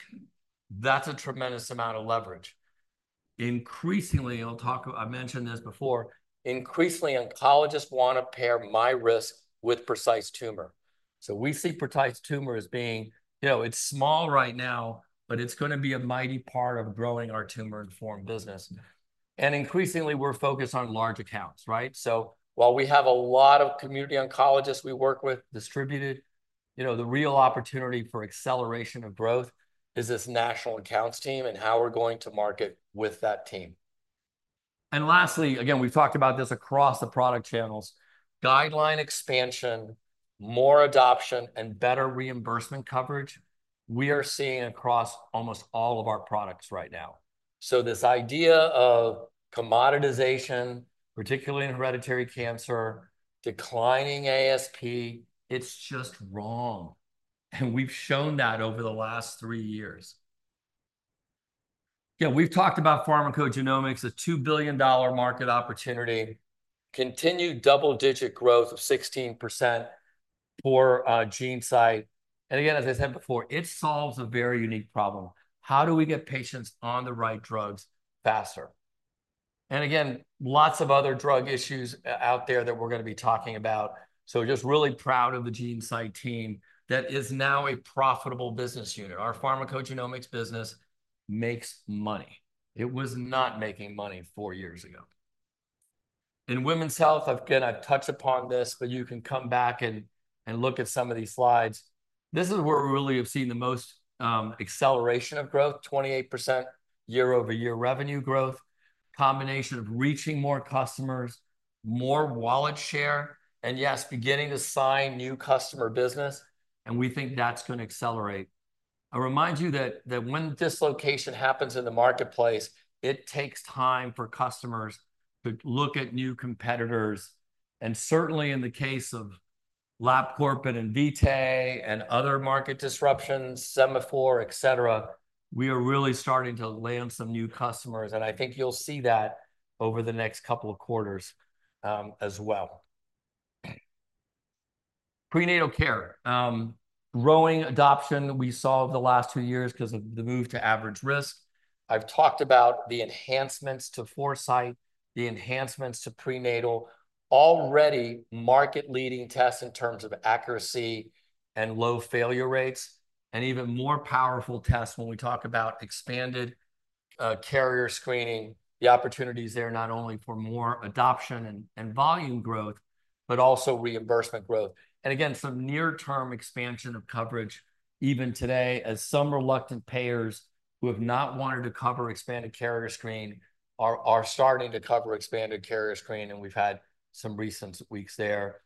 that's a tremendous amount of leverage. Increasingly, I'll talk about, I mentioned this before, increasingly, oncologists want to pair MyRisk with Precise Tumor. So we see Precise Tumor as being, it's small right now, but it's going to be a mighty part of growing our tumor-informed business. And increasingly, we're focused on large accounts, right? So while we have a lot of community oncologists we work with, distributed, the real opportunity for acceleration of growth is this national accounts team and how we're going to market with that team. And lastly, again, we've talked about this across the product channels, guideline expansion, more adoption, and better reimbursement coverage we are seeing across almost all of our products right now. So this idea of commoditization, particularly in hereditary cancer, declining ASP, it's just wrong. And we've shown that over the last three years. Yeah, we've talked about pharmacogenomics, a $2 billion market opportunity, continued double-digit growth of 16% for GeneSight, and again, as I said before, it solves a very unique problem. How do we get patients on the right drugs faster, and again, lots of other drug issues out there that we're going to be talking about, so just really proud of the GeneSight team that is now a profitable business unit. Our pharmacogenomics business makes money. It was not making money four years ago. In women's health, again, I've touched upon this, but you can come back and look at some of these slides. This is where we really have seen the most acceleration of growth, 28% year-over-year revenue growth, combination of reaching more customers, more wallet share, and yes, beginning to sign new customer business, and we think that's going to accelerate. I remind you that when dislocation happens in the marketplace, it takes time for customers to look at new competitors. And certainly in the case of Labcorp and Invitae and other market disruptions, Sema4, etc., we are really starting to land some new customers. And I think you'll see that over the next couple of quarters as well. Prenatal care, growing adoption we saw over the last two years because of the move to average risk. I've talked about the enhancements to Foresight, the enhancements to prenatal, already market-leading tests in terms of accuracy and low failure rates, and even more powerful tests when we talk about expanded carrier screening, the opportunities there not only for more adoption and volume growth, but also reimbursement growth. And again, some near-term expansion of coverage even today as some reluctant payers who have not wanted to cover expanded carrier screen are starting to cover expanded carrier screen, and we've had some recent wins there.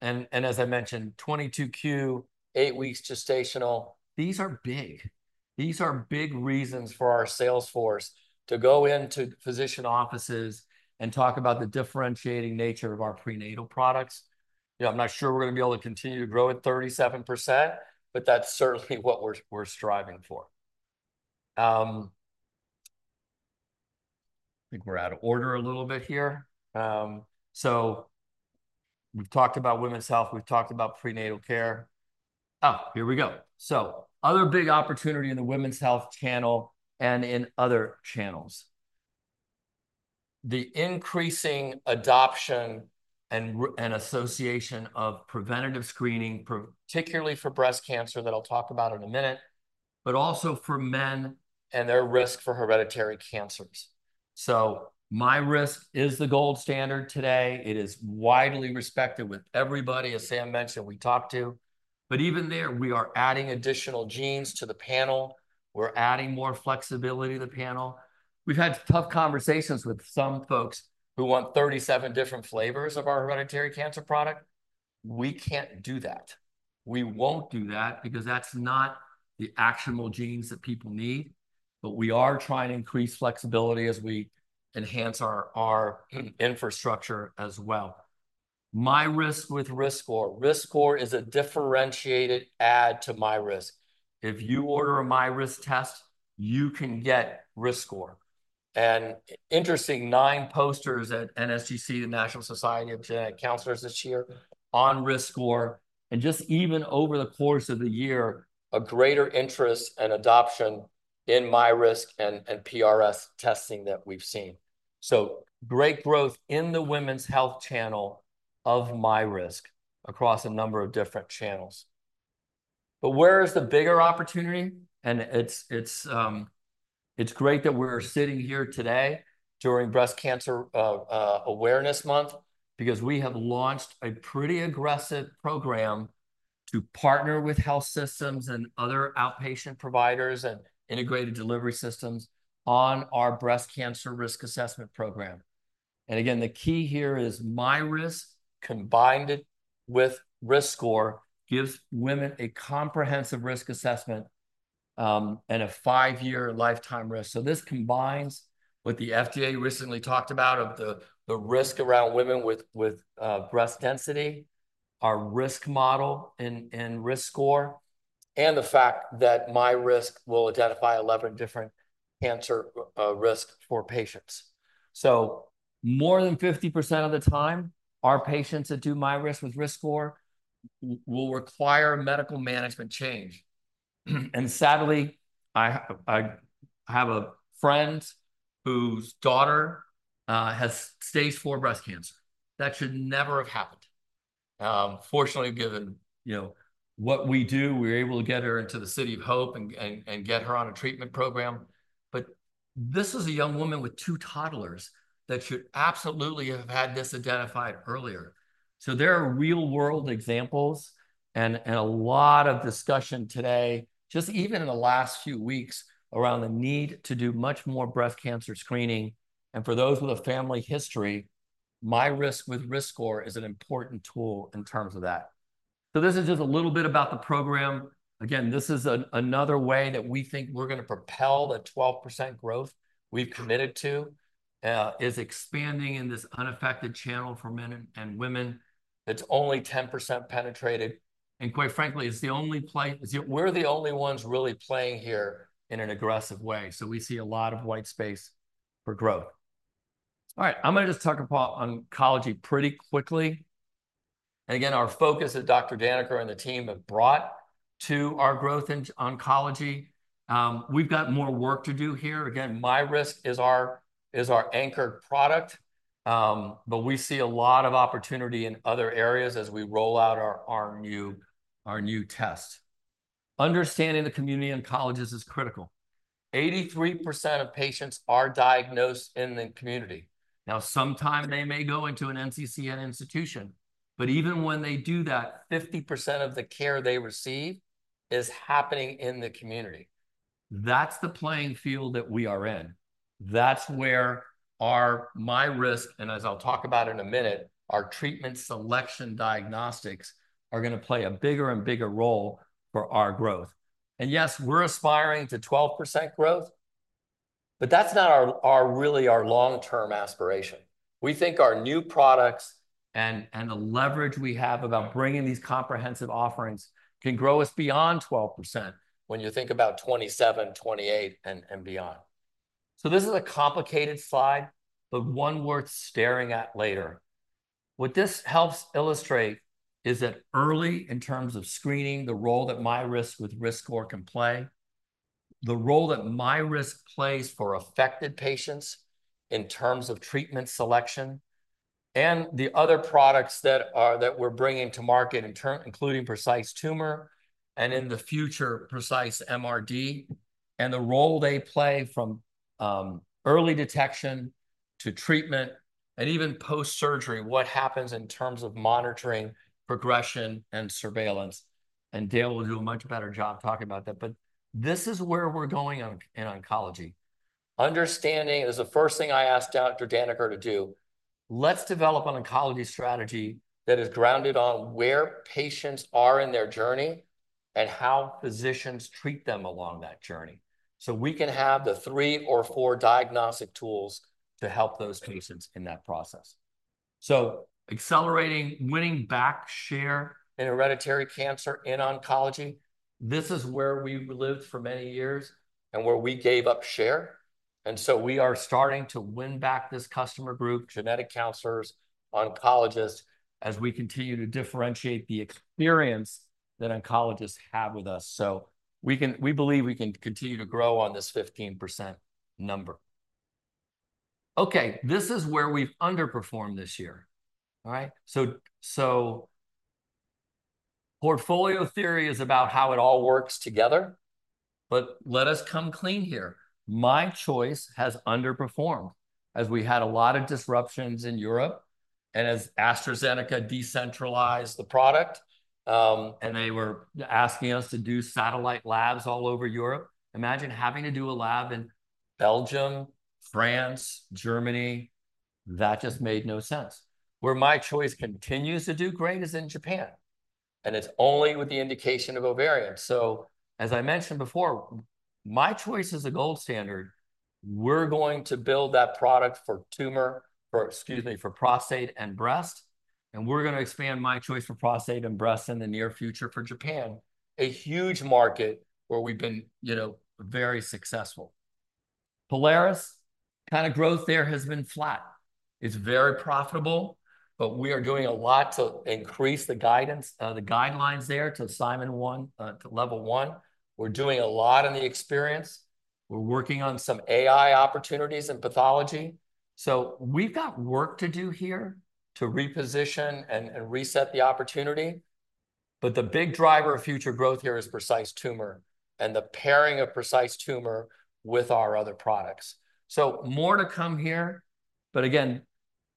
And as I mentioned, 22q, eight weeks gestational, these are big. These are big reasons for our sales force to go into physician offices and talk about the differentiating nature of our prenatal products. I'm not sure we're going to be able to continue to grow at 37%, but that's certainly what we're striving for. I think we're out of order a little bit here. So we've talked about women's health, we've talked about prenatal care. Oh, here we go. So other big opportunity in the women's health channel and in other channels. The increasing adoption and association of preventative screening, particularly for breast cancer that I'll talk about in a minute, but also for men and their risk for hereditary cancers, so MyRisk is the gold standard today. It is widely respected with everybody, as Sam mentioned, we talked to, but even there, we are adding additional genes to the panel. We're adding more flexibility to the panel. We've had tough conversations with some folks who want 37 different flavors of our hereditary cancer product. We can't do that. We won't do that because that's not the actionable genes that people need, but we are trying to increase flexibility as we enhance our infrastructure as well. MyRisk with RiskScore. RiskScore is a differentiated add to MyRisk. If you order a MyRisk test, you can get RiskScore, and interesting, nine posters at NSGC, the National Society of Genetic Counselors this year on RiskScore. And just even over the course of the year, a greater interest and adoption in MyRisk and PRS testing that we've seen. So great growth in the women's health channel of MyRisk across a number of different channels. But where is the bigger opportunity? And it's great that we're sitting here today during Breast Cancer Awareness Month because we have launched a pretty aggressive program to partner with health systems and other outpatient providers and integrated delivery systems on our breast cancer risk assessment program. And again, the key here is MyRisk combined with RiskScore gives women a comprehensive risk assessment and a five-year lifetime risk. So this combines what the FDA recently talked about of the risk around women with breast density, our risk model and RiskScore, and the fact that MyRisk will identify 11 different cancer risks for patients. So more than 50% of the time, our patients that do MyRisk with RiskScore will require medical management change. And sadly, I have a friend whose daughter has stage four breast cancer. That should never have happened. Fortunately, given what we do, we were able to get her into the City of Hope and get her on a treatment program. But this is a young woman with two toddlers that should absolutely have had this identified earlier. So there are real-world examples and a lot of discussion today, just even in the last few weeks around the need to do much more breast cancer screening. And for those with a family history, MyRisk with RiskScore is an important tool in terms of that. So this is just a little bit about the program. Again, this is another way that we think we're going to propel the 12% growth we've committed to: is expanding in this unaffected channel for men and women. It's only 10% penetrated, and quite frankly, it's the only place. We're the only ones really playing here in an aggressive way, so we see a lot of white space for growth. All right, I'm going to just talk about oncology pretty quickly. Again, our focus that Dr. Daneker and the team have brought to our growth in oncology, we've got more work to do here. Again, MyRisk is our anchor product, but we see a lot of opportunity in other areas as we roll out our new tests. Understanding the community and oncologists is critical. 83% of patients are diagnosed in the community. Now, sometimes they may go into an NCCN institution, but even when they do that, 50% of the care they receive is happening in the community. That's the playing field that we are in. That's where our MyRisk, and as I'll talk about in a minute, our treatment selection diagnostics are going to play a bigger and bigger role for our growth. And yes, we're aspiring to 12% growth, but that's not really our long-term aspiration. We think our new products and the leverage we have about bringing these comprehensive offerings can grow us beyond 12% when you think about 2027, 2028, and beyond. So this is a complicated slide, but one worth staring at later. What this helps illustrate is that early in terms of screening, the role that MyRisk with RiskScore can play, the role that MyRisk plays for affected patients in terms of treatment selection, and the other products that we're bringing to market, including Precise Tumor and in the future, Precise MRD, and the role they play from early detection to treatment and even post-surgery, what happens in terms of monitoring, progression, and surveillance. And Dale will do a much better job talking about that. But this is where we're going in oncology. Understanding is the first thing I asked Dr. Daneker to do. Let's develop an oncology strategy that is grounded on where patients are in their journey and how physicians treat them along that journey. So we can have the three or four diagnostic tools to help those patients in that process. Accelerating winning back share in hereditary cancer in oncology, this is where we lived for many years and where we gave up share. And so we are starting to win back this customer group, genetic counselors, oncologists, as we continue to differentiate the experience that oncologists have with us. So we believe we can continue to grow on this 15% number. Okay, this is where we've underperformed this year. All right? So portfolio theory is about how it all works together. But let us come clean here. MyChoice has underperformed as we had a lot of disruptions in Europe and as AstraZeneca decentralized the product and they were asking us to do satellite labs all over Europe. Imagine having to do a lab in Belgium, France, Germany. That just made no sense. Where MyChoice continues to do great is in Japan. And it's only with the indication of ovarian. So as I mentioned before, MyChoice is a gold standard. We're going to build that product for tumor, for excuse me, for prostate and breast. And we're going to expand MyChoice for prostate and breast in the near future for Japan, a huge market where we've been very successful. Prolaris, kind of growth there has been flat. It's very profitable, but we are doing a lot to increase the guidance, the guidelines there to NCCN 1, to level one. We're doing a lot in the experience. We're working on some AI opportunities in pathology. So we've got work to do here to reposition and reset the opportunity. But the big driver of future growth here is Precise Tumor and the pairing of Precise Tumor with our other products. So more to come here. But again,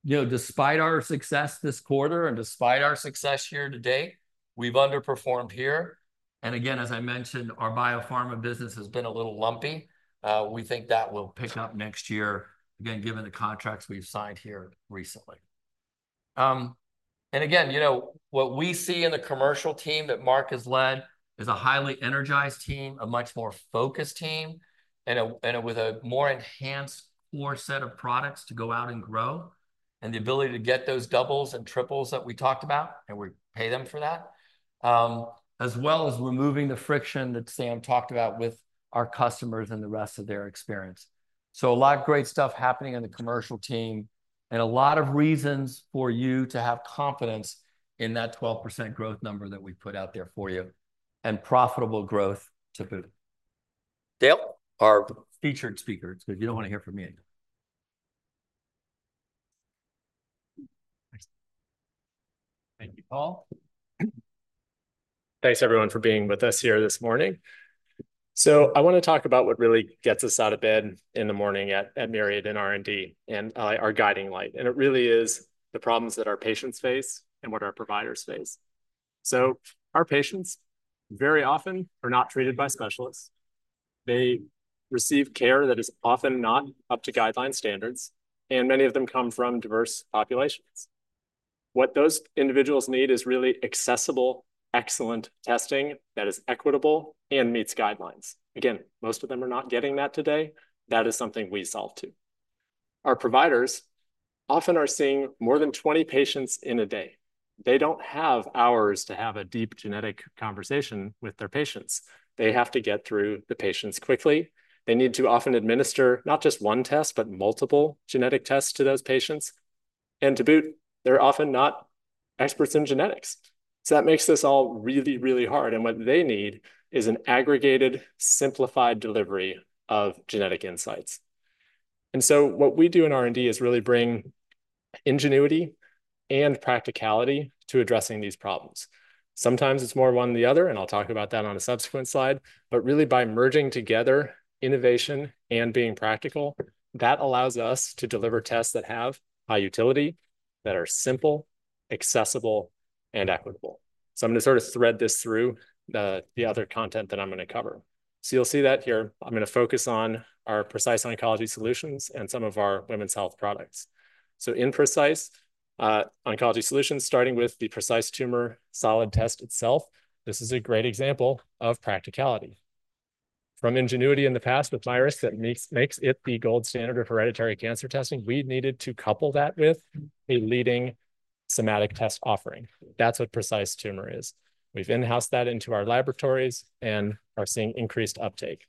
despite our success this quarter and despite our success here today, we've underperformed here. Again, as I mentioned, our biopharma business has been a little lumpy. We think that will pick up next year, again, given the contracts we've signed here recently. Again, what we see in the commercial team that Mark has led is a highly energized team, a much more focused team, and with a more enhanced core set of products to go out and grow, and the ability to get those doubles and triples that we talked about, and we pay them for that, as well as removing the friction that Sam talked about with our customers and the rest of their experience. A lot of great stuff happening in the commercial team and a lot of reasons for you to have confidence in that 12% growth number that we've put out there for you and profitable growth to boot. Dale, our featured speaker, because you don't want to hear from me anymore. Thank you, Paul. Thanks, everyone, for being with us here this morning. So I want to talk about what really gets us out of bed in the morning at Myriad and R&D and our guiding light. And it really is the problems that our patients face and what our providers face. So our patients very often are not treated by specialists. They receive care that is often not up to guideline standards, and many of them come from diverse populations. What those individuals need is really accessible, excellent testing that is equitable and meets guidelines. Again, most of them are not getting that today. That is something we solve too. Our providers often are seeing more than 20 patients in a day. They don't have hours to have a deep genetic conversation with their patients. They have to get through the patients quickly. They need to often administer not just one test, but multiple genetic tests to those patients. And to boot, they're often not experts in genetics. So that makes this all really, really hard. And what they need is an aggregated, simplified delivery of genetic insights. And so what we do in R&D is really bring ingenuity and practicality to addressing these problems. Sometimes it's more one than the other, and I'll talk about that on a subsequent slide, but really by merging together innovation and being practical, that allows us to deliver tests that have high utility, that are simple, accessible, and equitable. So I'm going to sort of thread this through the other content that I'm going to cover. So you'll see that here. I'm going to focus on our Precise Oncology Solutions and some of our women's health products. So in Precise Oncology Solutions, starting with the Precise Tumor solid test itself, this is a great example of practicality. From ingenuity in the past with MyRisk that makes it the gold standard of hereditary cancer testing, we needed to couple that with a leading somatic test offering. That's what Precise Tumor is. We've in-house that into our laboratories and are seeing increased uptake.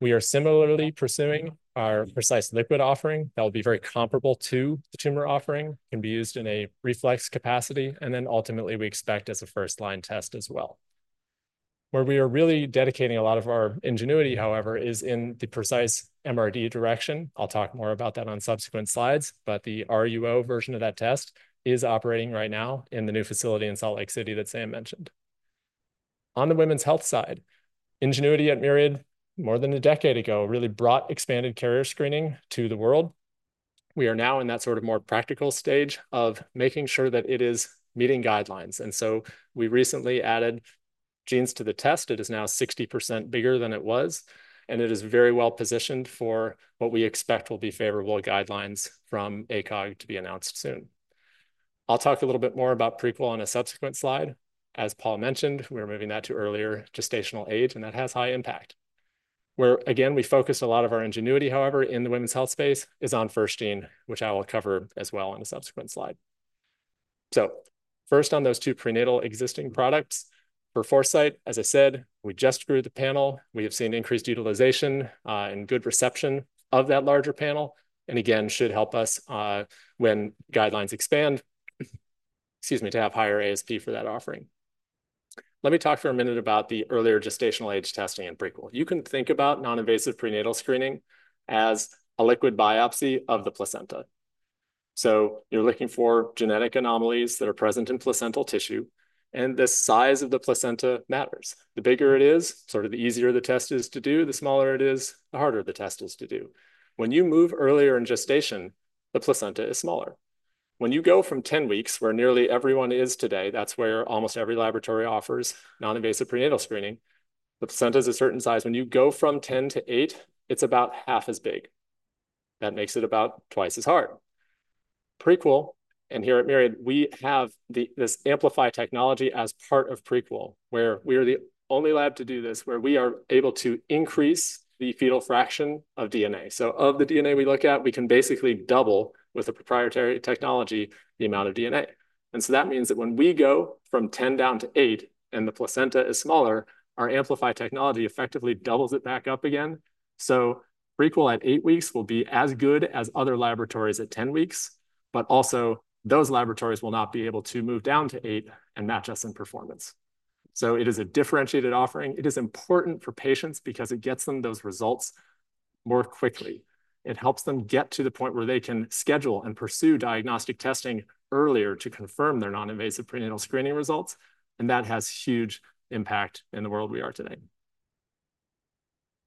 We are similarly pursuing our Precise Liquid offering that will be very comparable to the tumor offering. It can be used in a reflex capacity, and then ultimately, we expect as a first-line test as well. Where we are really dedicating a lot of our ingenuity, however, is in the Precise MRD direction. I'll talk more about that on subsequent slides, but the RUO version of that test is operating right now in the new facility in Salt Lake City that Sam mentioned. On the women's health side, ingenuity at Myriad more than a decade ago really brought expanded carrier screening to the world. We are now in that sort of more practical stage of making sure that it is meeting guidelines. And so we recently added genes to the test. It is now 60% bigger than it was, and it is very well positioned for what we expect will be favorable guidelines from ACOG to be announced soon. I'll talk a little bit more about Prequel on a subsequent slide. As Paul mentioned, we're moving that to earlier gestational age, and that has high impact. Where, again, we focus a lot of our ingenuity, however, in the women's health space is on FirstGene, which I will cover as well in a subsequent slide. So first on those two prenatal existing products for Foresight, as I said, we just grew the panel. We have seen increased utilization and good reception of that larger panel, and again, should help us when guidelines expand, excuse me, to have higher ASP for that offering. Let me talk for a minute about the earlier gestational age testing and Prequel. You can think about non-invasive prenatal screening as a liquid biopsy of the placenta. So you're looking for genetic anomalies that are present in placental tissue, and the size of the placenta matters. The bigger it is, sort of the easier the test is to do, the smaller it is, the harder the test is to do. When you move earlier in gestation, the placenta is smaller. When you go from 10 weeks, where nearly everyone is today, that's where almost every laboratory offers non-invasive prenatal screening, the placenta is a certain size. When you go from 10-8, it's about half as big. That makes it about twice as hard. Prequel, and here at Myriad, we have this Amplify technology as part of Prequel, where we are the only lab to do this, where we are able to increase the fetal fraction of DNA. So of the DNA we look at, we can basically double with a proprietary technology the amount of DNA. And so that means that when we go from 10 down to eight and the placenta is smaller, our Amplify technology effectively doubles it back up again. So Prequel at eight weeks will be as good as other laboratories at 10 weeks, but also those laboratories will not be able to move down to eight and match us in performance. So it is a differentiated offering. It is important for patients because it gets them those results more quickly. It helps them get to the point where they can schedule and pursue diagnostic testing earlier to confirm their non-invasive prenatal screening results, and that has huge impact in the world we are today.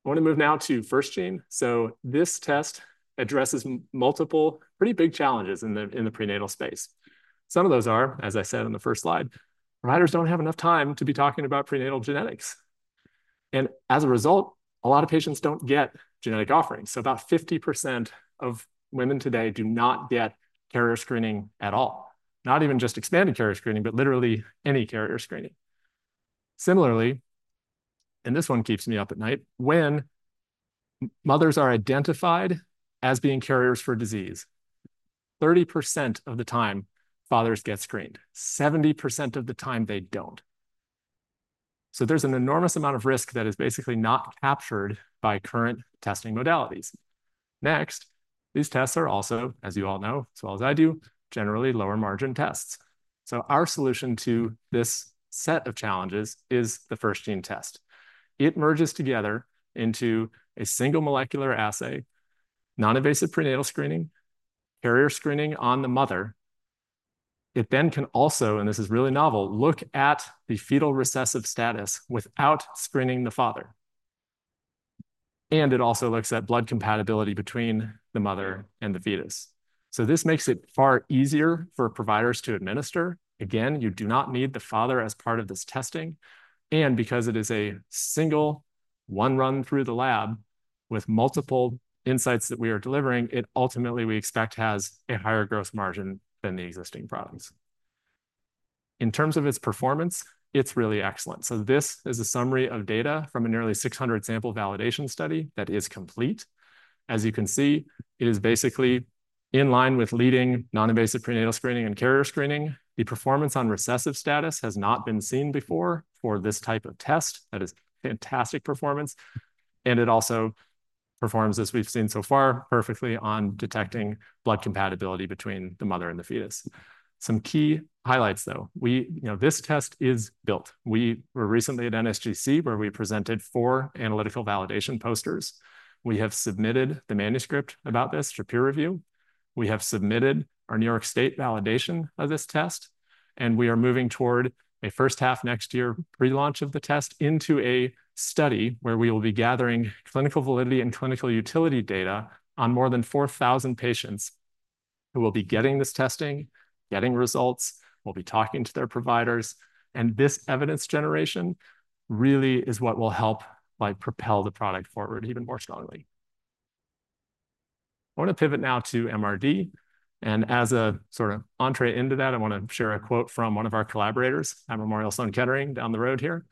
I want to move now to FirstGene, so this test addresses multiple pretty big challenges in the prenatal space. Some of those are, as I said on the first slide, providers don't have enough time to be talking about prenatal genetics, and as a result, a lot of patients don't get genetic offerings, so about 50% of women today do not get carrier screening at all, not even just expanded carrier screening, but literally any carrier screening. Similarly, and this one keeps me up at night, when mothers are identified as being carriers for disease, 30% of the time fathers get screened, 70% of the time they don't. There's an enormous amount of risk that is basically not captured by current testing modalities. Next, these tests are also, as you all know, as well as I do, generally lower margin tests. Our solution to this set of challenges is the FirstGene test. It merges together into a single molecular assay, non-invasive prenatal screening, carrier screening on the mother. It then can also, and this is really novel, look at the fetal recessive status without screening the father. It also looks at blood compatibility between the mother and the fetus. This makes it far easier for providers to administer. Again, you do not need the father as part of this testing. Because it is a single one run through the lab with multiple insights that we are delivering, it ultimately we expect has a higher gross margin than the existing products. In terms of its performance, it's really excellent. So this is a summary of data from a nearly 600-sample validation study that is complete. As you can see, it is basically in line with leading non-invasive prenatal screening and carrier screening. The performance on recessive status has not been seen before for this type of test. That is fantastic performance. And it also performs, as we've seen so far, perfectly on detecting blood compatibility between the mother and the fetus. Some key highlights, though. This test is built. We were recently at NSGC, where we presented four analytical validation posters. We have submitted the manuscript about this to peer review. We have submitted our New York State validation of this test. We are moving toward a first half next year pre-launch of the test into a study where we will be gathering clinical validity and clinical utility data on more than 4,000 patients who will be getting this testing, getting results. We'll be talking to their providers. This evidence generation really is what will help propel the product forward even more strongly. I want to pivot now to MRD. As a sort of entree into that, I want to share a quote from one of our collaborators, Memorial Sloan Kettering down the road here.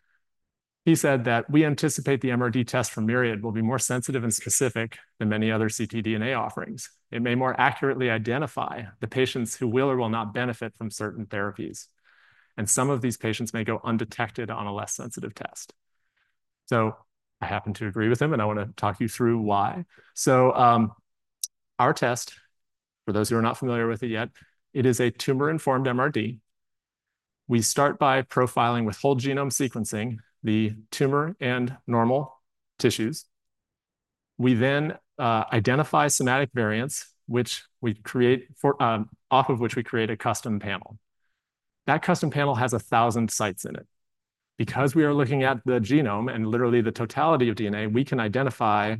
He said that we anticipate the MRD test from Myriad will be more sensitive and specific than many other ctDNA offerings. It may more accurately identify the patients who will or will not benefit from certain therapies. Some of these patients may go undetected on a less sensitive test. I happen to agree with him, and I want to talk you through why. Our test, for those who are not familiar with it yet, it is a tumor-informed MRD. We start by profiling with whole genome sequencing the tumor and normal tissues. We then identify somatic variants, off of which we create a custom panel. That custom panel has 1,000 sites in it. Because we are looking at the genome and literally the totality of DNA, we can identify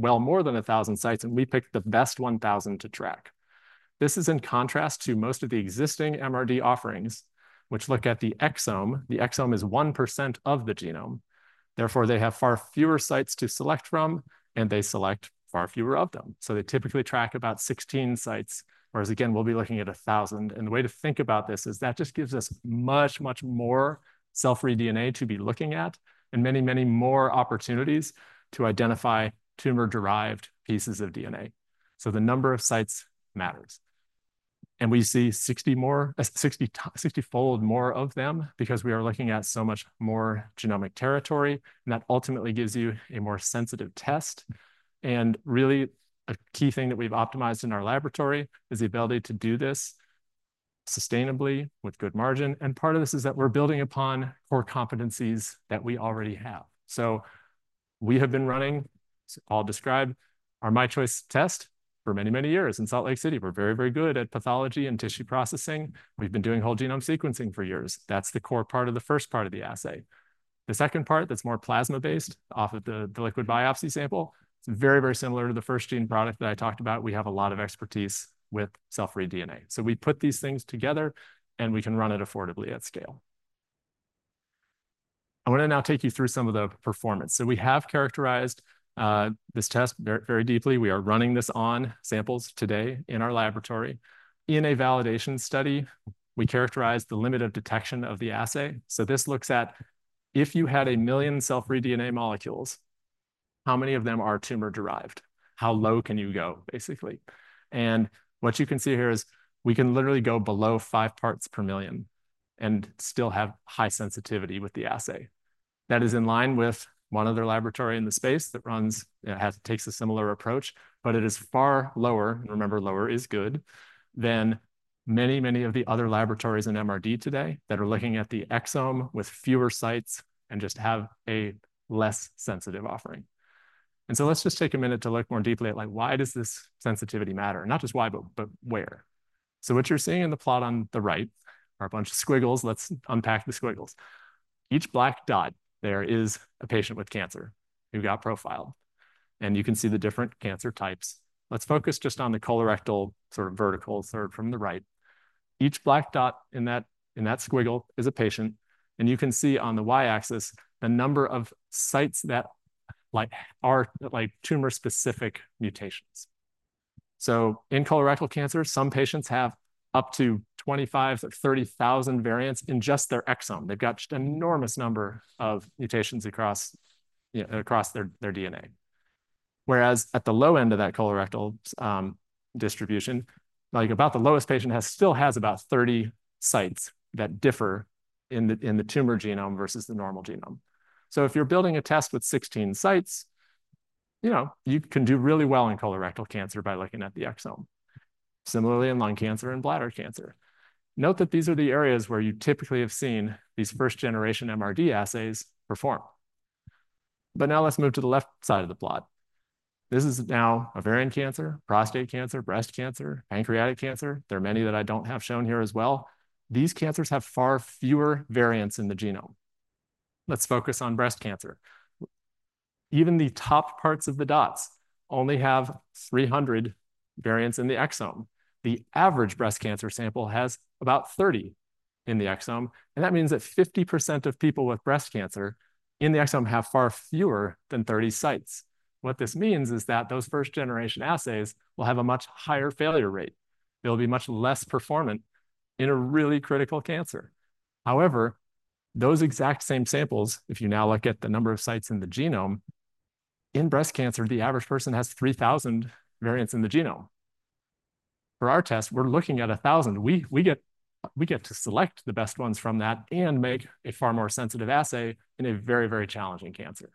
well more than 1,000 sites, and we pick the best 1,000 to track. This is in contrast to most of the existing MRD offerings, which look at the exome. The exome is 1% of the genome. Therefore, they have far fewer sites to select from, and they select far fewer of them. They typically track about 16 sites, whereas, again, we'll be looking at 1,000. The way to think about this is that just gives us much, much more cell-free DNA to be looking at and many, many more opportunities to identify tumor-derived pieces of DNA. The number of sites matters. We see 60-fold more of them because we are looking at so much more genomic territory. That ultimately gives you a more sensitive test. Really, a key thing that we've optimized in our laboratory is the ability to do this sustainably with good margin. Part of this is that we're building upon core competencies that we already have. We have been running, I'll describe, our MyChoice test for many, many years in Salt Lake City. We're very, very good at pathology and tissue processing. We've been doing whole genome sequencing for years. That's the core part of the first part of the assay. The second part that's more plasma-based off of the liquid biopsy sample, it's very, very similar to the FirstGene product that I talked about. We have a lot of expertise with cell-free DNA. So we put these things together, and we can run it affordably at scale. I want to now take you through some of the performance. So we have characterized this test very deeply. We are running this on samples today in our laboratory. In a validation study, we characterize the limit of detection of the assay. So this looks at if you had a million cell-free DNA molecules, how many of them are tumor-derived? How low can you go, basically? And what you can see here is we can literally go below five parts per million and still have high sensitivity with the assay. That is in line with one other laboratory in the space that runs, takes a similar approach, but it is far lower, and remember, lower is good than many, many of the other laboratories in MRD today that are looking at the exome with fewer sites and just have a less sensitive offering, and so let's just take a minute to look more deeply at why does this sensitivity matter? Not just why, but where, so what you're seeing in the plot on the right are a bunch of squiggles. Let's unpack the squiggles. Each black dot there is a patient with cancer who got profiled, and you can see the different cancer types. Let's focus just on the colorectal sort of vertical third from the right. Each black dot in that squiggle is a patient. You can see on the y-axis the number of sites that are tumor-specific mutations. So in colorectal cancer, some patients have up to 25,000 or 30,000 variants in just their exome. They've got an enormous number of mutations across their DNA. Whereas at the low end of that colorectal distribution, like about the lowest patient still has about 30 sites that differ in the tumor genome versus the normal genome. So if you're building a test with 16 sites, you can do really well in colorectal cancer by looking at the exome. Similarly, in lung cancer and bladder cancer. Note that these are the areas where you typically have seen these first-generation MRD assays perform. But now let's move to the left side of the plot. This is now ovarian cancer, prostate cancer, breast cancer, pancreatic cancer. There are many that I don't have shown here as well. These cancers have far fewer variants in the genome. Let's focus on breast cancer. Even the top parts of the dots only have 300 variants in the exome. The average breast cancer sample has about 30 in the exome, and that means that 50% of people with breast cancer in the exome have far fewer than 30 sites. What this means is that those first-generation assays will have a much higher failure rate. They'll be much less performant in a really critical cancer. However, those exact same samples, if you now look at the number of sites in the genome, in breast cancer, the average person has 3,000 variants in the genome. For our test, we're looking at 1,000. We get to select the best ones from that and make a far more sensitive assay in a very, very challenging cancer.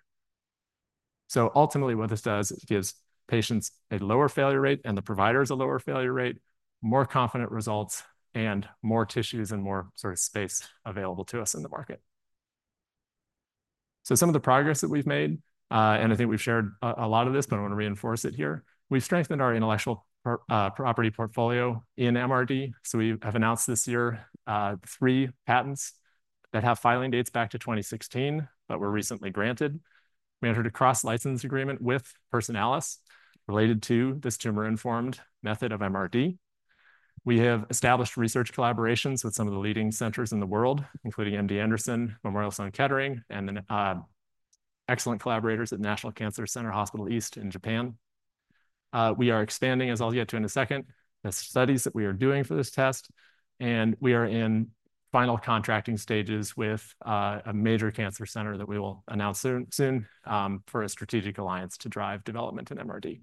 So ultimately, what this does is gives patients a lower failure rate and the providers a lower failure rate, more confident results, and more tissues and more sort of space available to us in the market. So some of the progress that we've made, and I think we've shared a lot of this, but I want to reinforce it here. We've strengthened our intellectual property portfolio in MRD. So we have announced this year three patents that have filing dates back to 2016, but were recently granted. We entered a cross-license agreement with Personalis related to this tumor-informed method of MRD. We have established research collaborations with some of the leading centers in the world, including MD Anderson, Memorial Sloan Kettering, and excellent collaborators at National Cancer Center Hospital East in Japan. We are expanding, as I'll get to in a second, the studies that we are doing for this test, and we are in final contracting stages with a major cancer center that we will announce soon for a strategic alliance to drive development in MRD.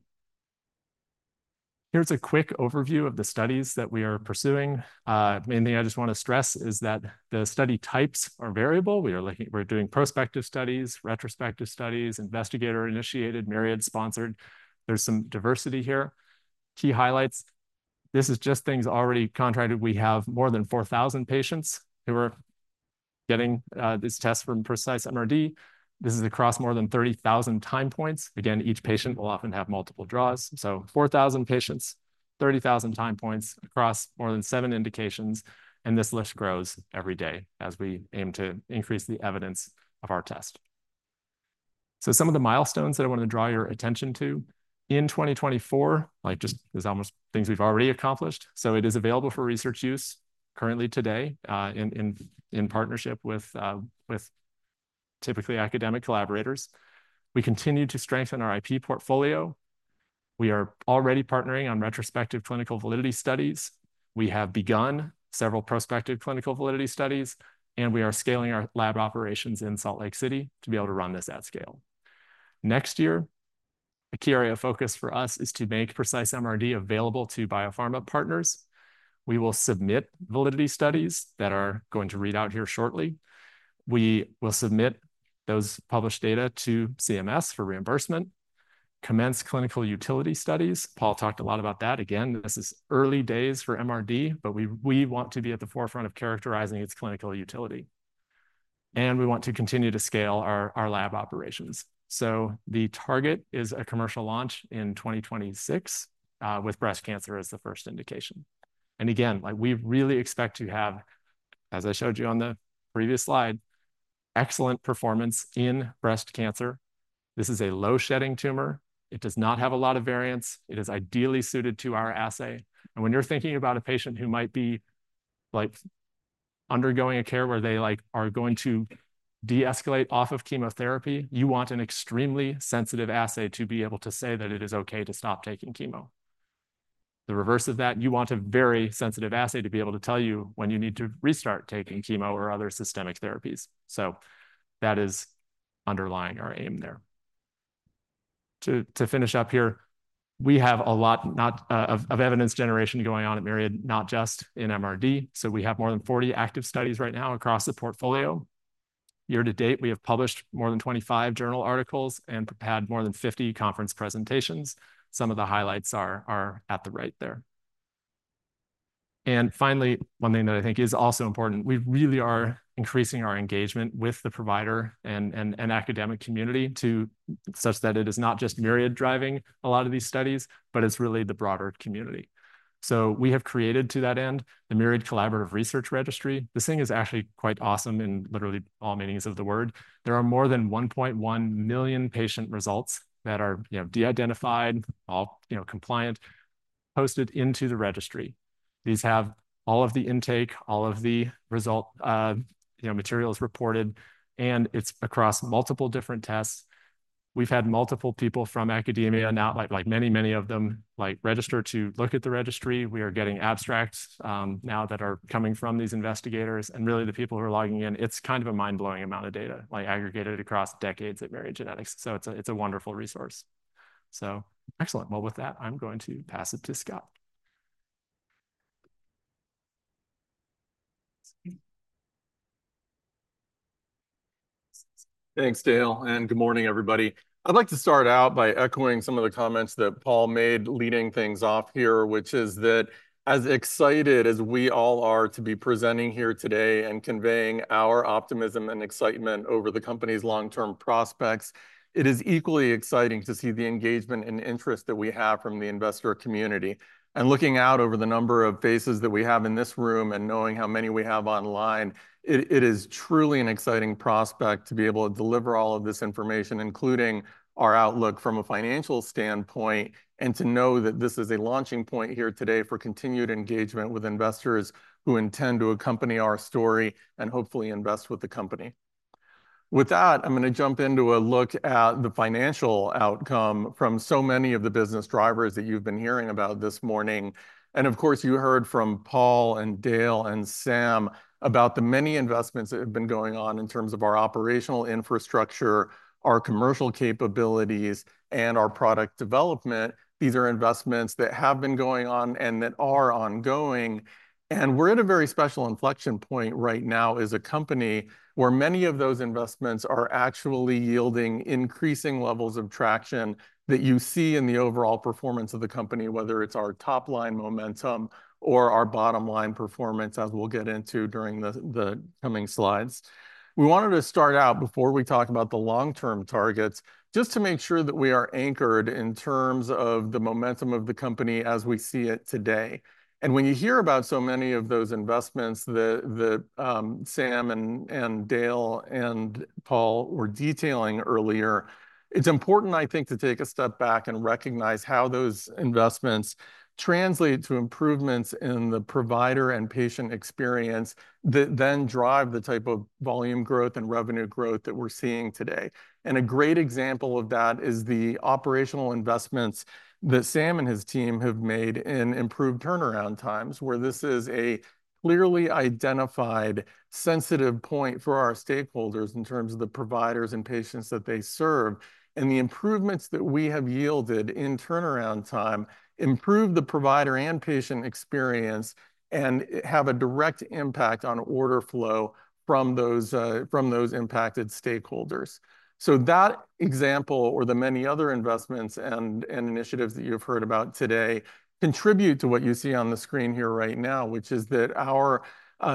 Here's a quick overview of the studies that we are pursuing. Mainly, I just want to stress is that the study types are variable. We are looking at, we're doing prospective studies, retrospective studies, investigator-initiated, Myriad-sponsored. There's some diversity here. Key highlights. This is just things already contracted. We have more than 4,000 patients who are getting this test from Precise MRD. This is across more than 30,000 time points. Again, each patient will often have multiple draws. So 4,000 patients, 30,000 time points across more than seven indications, and this list grows every day as we aim to increase the evidence of our test. Some of the milestones that I want to draw your attention to in 2024, like just there's almost things we've already accomplished. It is available for research use currently today in partnership with typically academic collaborators. We continue to strengthen our IP portfolio. We are already partnering on retrospective clinical validity studies. We have begun several prospective clinical validity studies. We are scaling our lab operations in Salt Lake City to be able to run this at scale. Next year, a key area of focus for us is to make Precise MRD available to biopharma partners. We will submit validity studies that are going to read out here shortly. We will submit those published data to CMS for reimbursement, commence clinical utility studies. Paul talked a lot about that. Again, this is early days for MRD, but we want to be at the forefront of characterizing its clinical utility, and we want to continue to scale our lab operations, so the target is a commercial launch in 2026 with breast cancer as the first indication, and again, we really expect to have, as I showed you on the previous slide, excellent performance in breast cancer. This is a low-shedding tumor. It does not have a lot of variants. It is ideally suited to our assay. And when you're thinking about a patient who might be undergoing a care where they are going to de-escalate off of chemotherapy, you want an extremely sensitive assay to be able to say that it is okay to stop taking chemo. The reverse of that, you want a very sensitive assay to be able to tell you when you need to restart taking chemo or other systemic therapies. So that is underlying our aim there. To finish up here, we have a lot of evidence generation going on at Myriad, not just in MRD. So we have more than 40 active studies right now across the portfolio. Year to date, we have published more than 25 journal articles and had more than 50 conference presentations. Some of the highlights are at the right there. And finally, one thing that I think is also important, we really are increasing our engagement with the provider and academic community such that it is not just Myriad driving a lot of these studies, but it's really the broader community. So we have created to that end the Myriad Collaborative Research Registry. This thing is actually quite awesome in literally all meanings of the word. There are more than 1.1 million patient results that are de-identified, all compliant, posted into the registry. These have all of the intake, all of the materials reported, and it's across multiple different tests. We've had multiple people from academia, now like many, many of them, register to look at the registry. We are getting abstracts now that are coming from these investigators. And really, the people who are logging in, it's kind of a mind-blowing amount of data, like aggregated across decades at Myriad Genetics. So it's a wonderful resource. So excellent. Well, with that, I'm going to pass it to Scott. Thanks, Dale. And good morning, everybody. I'd like to start out by echoing some of the comments that Paul made leading things off here, which is that as excited as we all are to be presenting here today and conveying our optimism and excitement over the company's long-term prospects, it is equally exciting to see the engagement and interest that we have from the investor community, and looking out over the number of faces that we have in this room and knowing how many we have online, it is truly an exciting prospect to be able to deliver all of this information, including our outlook from a financial standpoint, and to know that this is a launching point here today for continued engagement with investors who intend to accompany our story and hopefully invest with the company. With that, I'm going to jump into a look at the financial outcome from so many of the business drivers that you've been hearing about this morning. Of course, you heard from Paul and Dale and Sam about the many investments that have been going on in terms of our operational infrastructure, our commercial capabilities, and our product development. These are investments that have been going on and that are ongoing. We're at a very special inflection point right now as a company where many of those investments are actually yielding increasing levels of traction that you see in the overall performance of the company, whether it's our top-line momentum or our bottom-line performance, as we'll get into during the coming slides. We wanted to start out before we talk about the long-term targets, just to make sure that we are anchored in terms of the momentum of the company as we see it today, and when you hear about so many of those investments that Sam and Dale and Paul were detailing earlier, it's important, I think, to take a step back and recognize how those investments translate to improvements in the provider and patient experience that then drive the type of volume growth and revenue growth that we're seeing today, and a great example of that is the operational investments that Sam and his team have made in improved turnaround times, where this is a clearly identified sensitive point for our stakeholders in terms of the providers and patients that they serve. And the improvements that we have yielded in turnaround time improve the provider and patient experience and have a direct impact on order flow from those impacted stakeholders. So that example, or the many other investments and initiatives that you've heard about today, contribute to what you see on the screen here right now, which is that our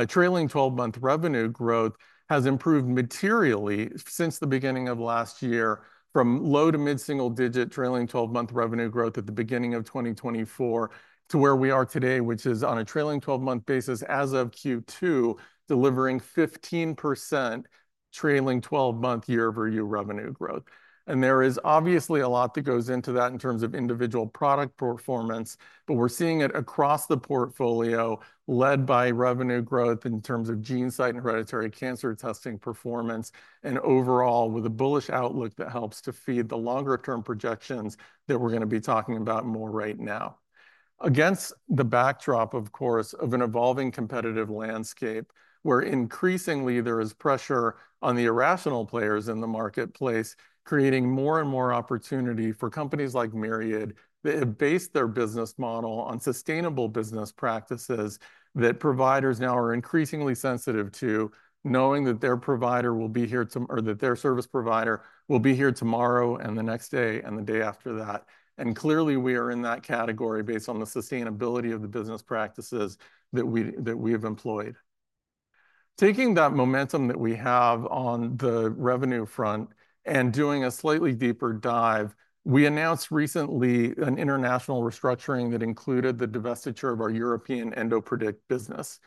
trailing 12-month revenue growth has improved materially since the beginning of last year from low to mid-single-digit trailing 12-month revenue growth at the beginning of 2024 to where we are today, which is on a trailing 12-month basis as of Q2, delivering 15% trailing 12-month year-over-year revenue growth. And there is obviously a lot that goes into that in terms of individual product performance, but we're seeing it across the portfolio led by revenue growth in terms of GeneSight and hereditary cancer testing performance and overall with a bullish outlook that helps to feed the longer-term projections that we're going to be talking about more right now. Against the backdrop, of course, of an evolving competitive landscape where increasingly there is pressure on the irrational players in the marketplace, creating more and more opportunity for companies like Myriad that have based their business model on sustainable business practices that providers now are increasingly sensitive to, knowing that their provider will be here tomorrow or that their service provider will be here tomorrow and the next day and the day after that. And clearly, we are in that category based on the sustainability of the business practices that we have employed. Taking that momentum that we have on the revenue front and doing a slightly deeper dive, we announced recently an international restructuring that included the divestiture of our European EndoPredict business.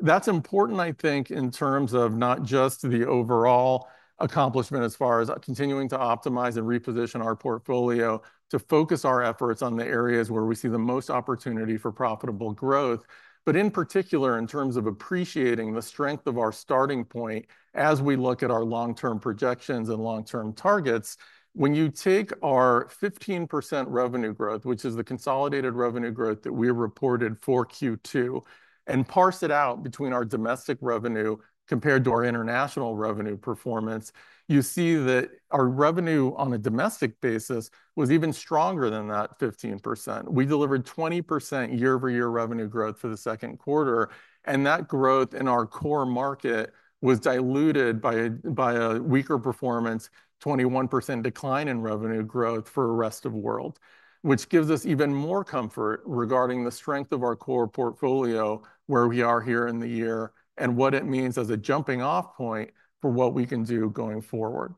That's important, I think, in terms of not just the overall accomplishment as far as continuing to optimize and reposition our portfolio to focus our efforts on the areas where we see the most opportunity for profitable growth, but in particular in terms of appreciating the strength of our starting point as we look at our long-term projections and long-term targets. When you take our 15% revenue growth, which is the consolidated revenue growth that we reported for Q2, and parse it out between our domestic revenue compared to our international revenue performance, you see that our revenue on a domestic basis was even stronger than that 15%. We delivered 20% year-over-year revenue growth for the second quarter, and that growth in our core market was diluted by a weaker performance, 21% decline in revenue growth for the rest of the world, which gives us even more comfort regarding the strength of our core portfolio where we are here in the year and what it means as a jumping-off point for what we can do going forward.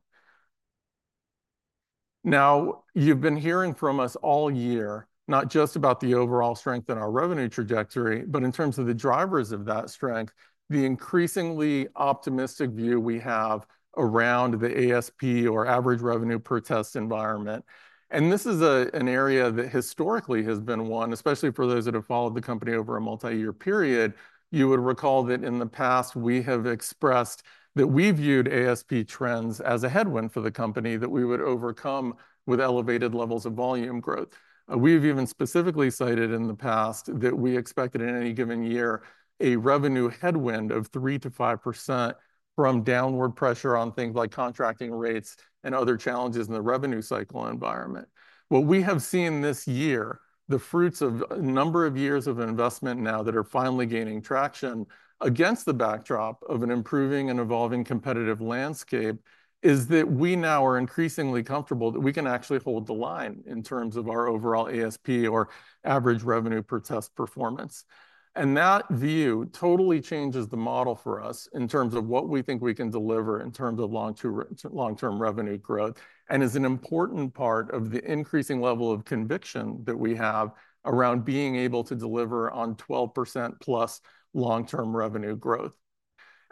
Now, you've been hearing from us all year, not just about the overall strength in our revenue trajectory, but in terms of the drivers of that strength, the increasingly optimistic view we have around the ASP or average revenue per test environment, and this is an area that historically has been one, especially for those that have followed the company over a multi-year period. You would recall that in the past, we have expressed that we viewed ASP trends as a headwind for the company that we would overcome with elevated levels of volume growth. We have even specifically cited in the past that we expected in any given year a revenue headwind of 3%-5% from downward pressure on things like contracting rates and other challenges in the revenue cycle environment. What we have seen this year, the fruits of a number of years of investment now that are finally gaining traction against the backdrop of an improving and evolving competitive landscape, is that we now are increasingly comfortable that we can actually hold the line in terms of our overall ASP or average revenue per test performance. And that view totally changes the model for us in terms of what we think we can deliver in terms of long-term revenue growth and is an important part of the increasing level of conviction that we have around being able to deliver on 12% plus long-term revenue growth.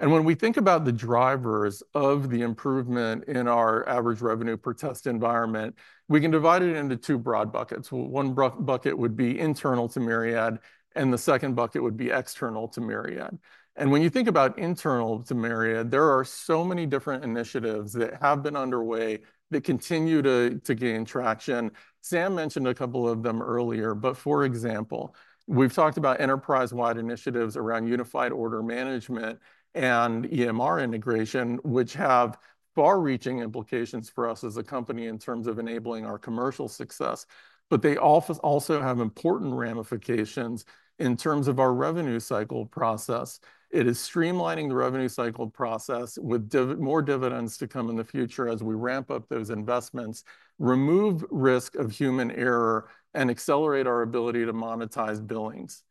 And when we think about the drivers of the improvement in our average revenue per test environment, we can divide it into two broad buckets. One bucket would be internal to Myriad, and the second bucket would be external to Myriad. When you think about internal to Myriad, there are so many different initiatives that have been underway that continue to gain traction. Sam mentioned a couple of them earlier, but for example, we've talked about enterprise-wide initiatives around unified order management and EMR integration, which have far-reaching implications for us as a company in terms of enabling our commercial success, but they also have important ramifications in terms of our revenue cycle process. It is streamlining the revenue cycle process with more dividends to come in the future as we ramp up those investments, remove risk of human error, and accelerate our ability to monetize billings.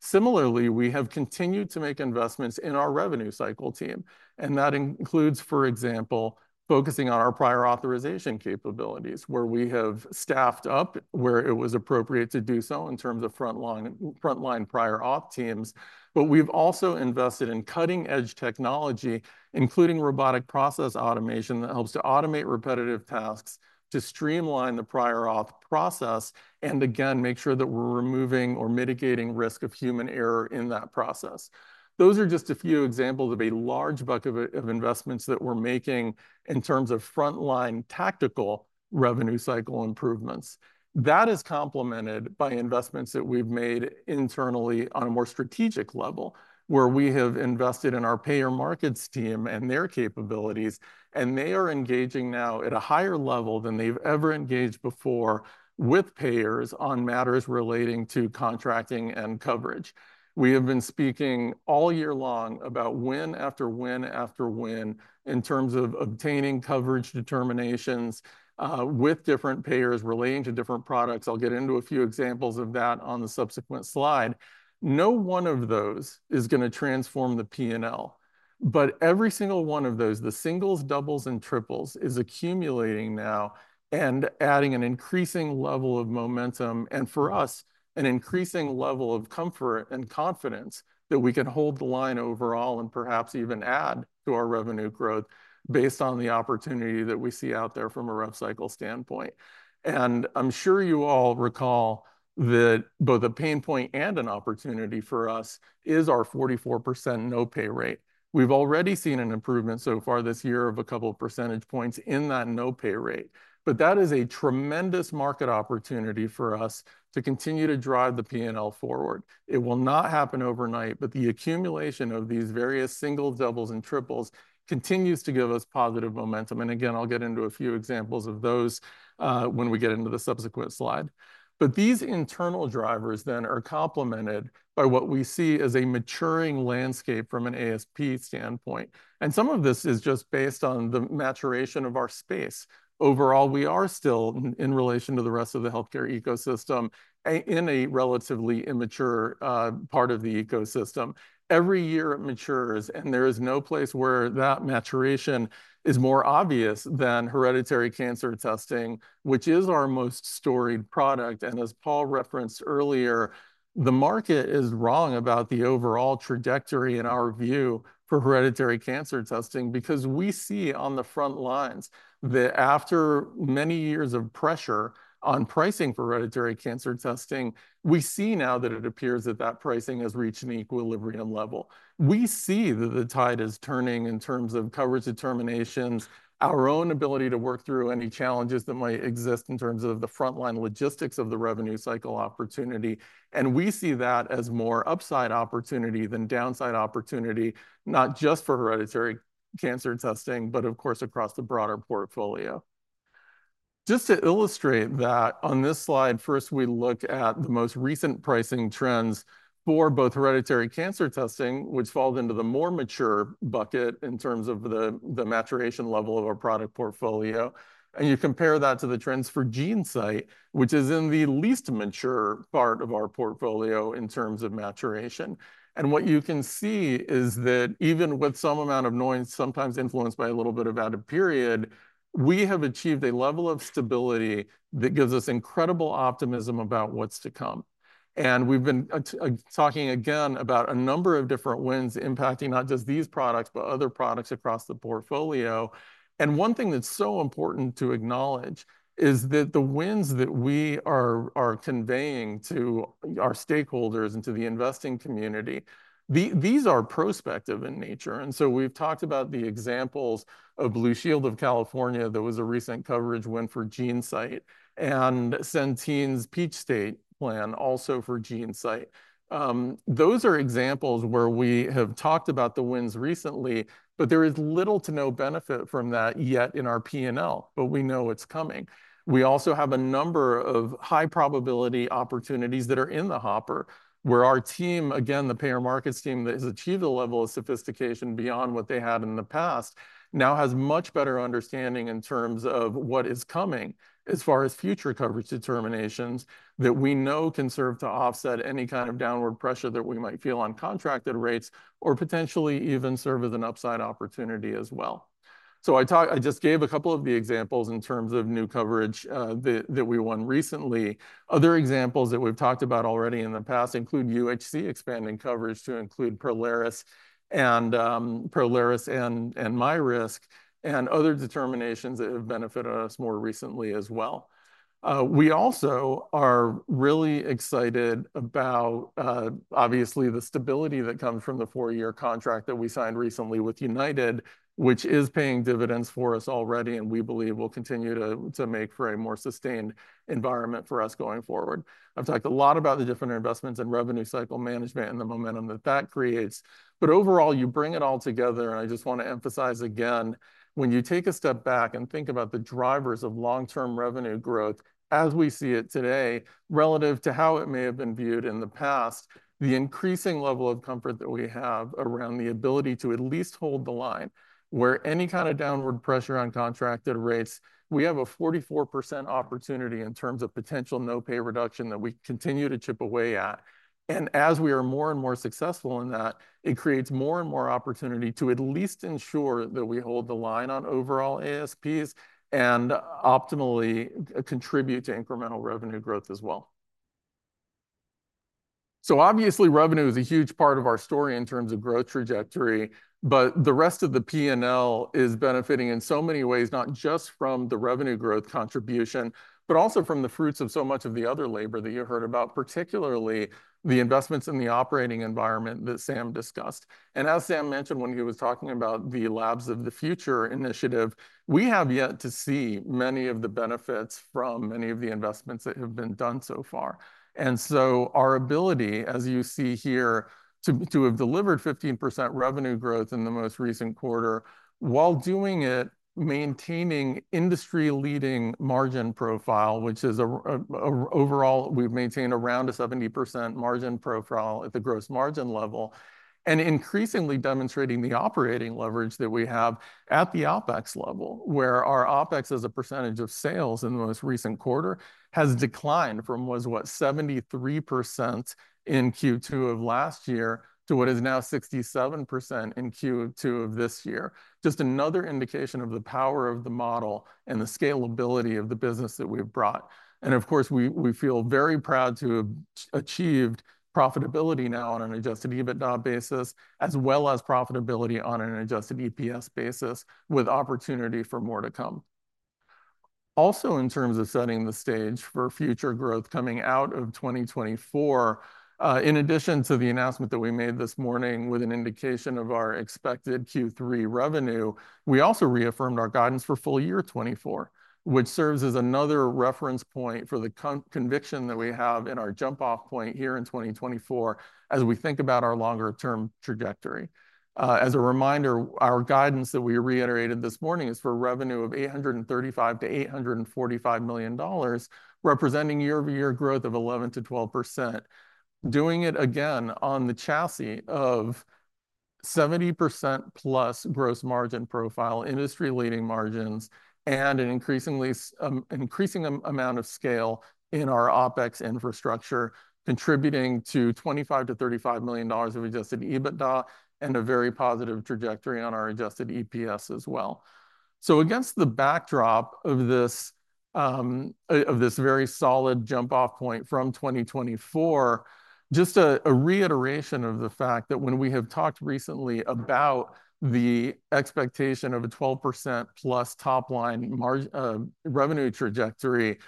Similarly, we have continued to make investments in our revenue cycle team, and that includes, for example, focusing on our prior authorization capabilities where we have staffed up where it was appropriate to do so in terms of frontline prior auth teams. But we've also invested in cutting-edge technology, including robotic process automation that helps to automate repetitive tasks to streamline the prior auth process and, again, make sure that we're removing or mitigating risk of human error in that process. Those are just a few examples of a large bucket of investments that we're making in terms of frontline tactical revenue cycle improvements. That is complemented by investments that we've made internally on a more strategic level where we have invested in our payer markets team and their capabilities, and they are engaging now at a higher level than they've ever engaged before with payers on matters relating to contracting and coverage. We have been speaking all year long about win after win after win in terms of obtaining coverage determinations with different payers relating to different products. I'll get into a few examples of that on the subsequent slide. No one of those is going to transform the P&L, but every single one of those, the singles, doubles, and triples is accumulating now and adding an increasing level of momentum and, for us, an increasing level of comfort and confidence that we can hold the line overall and perhaps even add to our revenue growth based on the opportunity that we see out there from a rough cycle standpoint, and I'm sure you all recall that both a pain point and an opportunity for us is our 44% no-pay rate. We've already seen an improvement so far this year of a couple of percentage points in that no-pay rate, but that is a tremendous market opportunity for us to continue to drive the P&L forward. It will not happen overnight, but the accumulation of these various singles, doubles, and triples continues to give us positive momentum. And again, I'll get into a few examples of those when we get into the subsequent slide. But these internal drivers then are complemented by what we see as a maturing landscape from an ASP standpoint. And some of this is just based on the maturation of our space. Overall, we are still in relation to the rest of the healthcare ecosystem in a relatively immature part of the ecosystem. Every year it matures, and there is no place where that maturation is more obvious than hereditary cancer testing, which is our most storied product. And as Paul referenced earlier, the market is wrong about the overall trajectory in our view for hereditary cancer testing because we see on the front lines that after many years of pressure on pricing for hereditary cancer testing, we see now that it appears that that pricing has reached an equilibrium level. We see that the tide is turning in terms of coverage determinations, our own ability to work through any challenges that might exist in terms of the frontline logistics of the revenue cycle opportunity. And we see that as more upside opportunity than downside opportunity, not just for hereditary cancer testing, but of course, across the broader portfolio. Just to illustrate that on this slide, first, we look at the most recent pricing trends for both hereditary cancer testing, which falls into the more mature bucket in terms of the maturation level of our product portfolio. And you compare that to the trends for GeneSight, which is in the least mature part of our portfolio in terms of maturation. What you can see is that even with some amount of noise, sometimes influenced by a little bit of out of period, we have achieved a level of stability that gives us incredible optimism about what's to come. We've been talking again about a number of different wins impacting not just these products, but other products across the portfolio. One thing that's so important to acknowledge is that the wins that we are conveying to our stakeholders and to the investing community, these are prospective in nature. We've talked about the examples of Blue Shield of California that was a recent coverage win for GeneSight and Centene's Peach State plan also for GeneSight. Those are examples where we have talked about the wins recently, but there is little to no benefit from that yet in our P&L, but we know it's coming. We also have a number of high-probability opportunities that are in the hopper where our team, again, the payer markets team that has achieved a level of sophistication beyond what they had in the past, now has much better understanding in terms of what is coming as far as future coverage determinations that we know can serve to offset any kind of downward pressure that we might feel on contracted rates or potentially even serve as an upside opportunity as well. So I just gave a couple of the examples in terms of new coverage that we won recently. Other examples that we've talked about already in the past include UHC expanding coverage to include Prolaris and MyRisk and other determinations that have benefited us more recently as well. We also are really excited about, obviously, the stability that comes from the four-year contract that we signed recently with United, which is paying dividends for us already and we believe will continue to make for a more sustained environment for us going forward. I've talked a lot about the different investments in revenue cycle management and the momentum that that creates. But overall, you bring it all together, and I just want to emphasize again when you take a step back and think about the drivers of long-term revenue growth as we see it today relative to how it may have been viewed in the past, the increasing level of comfort that we have around the ability to at least hold the line where any kind of downward pressure on contracted rates. We have a 44% opportunity in terms of potential no-pay reduction that we continue to chip away at. And as we are more and more successful in that, it creates more and more opportunity to at least ensure that we hold the line on overall ASPs and optimally contribute to incremental revenue growth as well. So obviously, revenue is a huge part of our story in terms of growth trajectory, but the rest of the P&L is benefiting in so many ways, not just from the revenue growth contribution, but also from the fruits of so much of the other labor that you heard about, particularly the investments in the operating environment that Sam discussed. And as Sam mentioned when he was talking about the Labs of the Future initiative, we have yet to see many of the benefits from many of the investments that have been done so far. And so our ability, as you see here, to have delivered 15% revenue growth in the most recent quarter while doing it, maintaining industry-leading margin profile, which is overall we've maintained around a 70% margin profile at the gross margin level and increasingly demonstrating the operating leverage that we have at the OpEx level where our OpEx as a percentage of sales in the most recent quarter has declined from what was 73% in Q2 of last year to what is now 67% in Q2 of this year. Just another indication of the power of the model and the scalability of the business that we've brought. And of course, we feel very proud to have achieved profitability now on an adjusted EBITDA basis, as well as profitability on an adjusted EPS basis with opportunity for more to come. Also, in terms of setting the stage for future growth coming out of 2024, in addition to the announcement that we made this morning with an indication of our expected Q3 revenue, we also reaffirmed our guidance for full year 2024, which serves as another reference point for the conviction that we have in our jump-off point here in 2024 as we think about our longer-term trajectory. As a reminder, our guidance that we reiterated this morning is for revenue of $835 million-$845 million, representing year-over-year growth of 11%-12%. Doing it again on the chassis of 70%+ gross margin profile, industry-leading margins, and an increasing amount of scale in our OpEx infrastructure, contributing to $25million-$35 million of adjusted EBITDA and a very positive trajectory on our adjusted EPS as well. So against the backdrop of this very solid jump-off point from 2024, just a reiteration of the fact that when we have talked recently about the expectation of a 12%+ top-line revenue trajectory,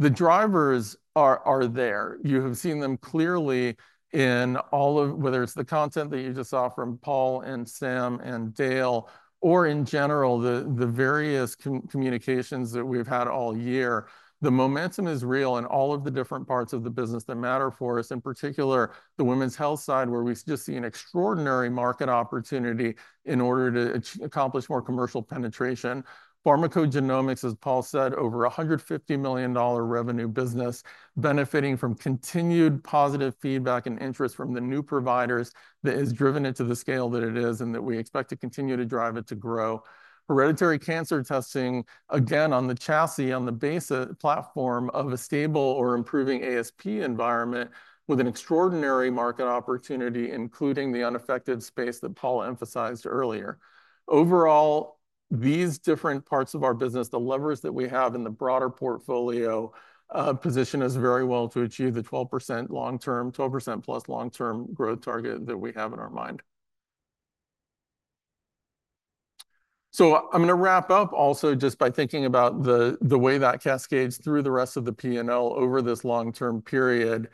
the drivers are there. You have seen them clearly in all of whether it's the content that you just saw from Paul and Sam and Dale, or in general, the various communications that we've had all year. The momentum is real in all of the different parts of the business that matter for us, in particular the women's health side where we just see an extraordinary market opportunity in order to accomplish more commercial penetration. Pharmacogenomics, as Paul said, over $150 million revenue business benefiting from continued positive feedback and interest from the new providers that has driven it to the scale that it is and that we expect to continue to drive it to grow. Hereditary cancer testing, again, on the chassis, on the basic platform of a stable or improving ASP environment with an extraordinary market opportunity, including the unaffected space that Paul emphasized earlier. Overall, these different parts of our business, the levers that we have in the broader portfolio position us very well to achieve the 12% long-term, 12%+ long-term growth target that we have in our mind. So I'm going to wrap up also just by thinking about the way that cascades through the rest of the P&L over this long-term period.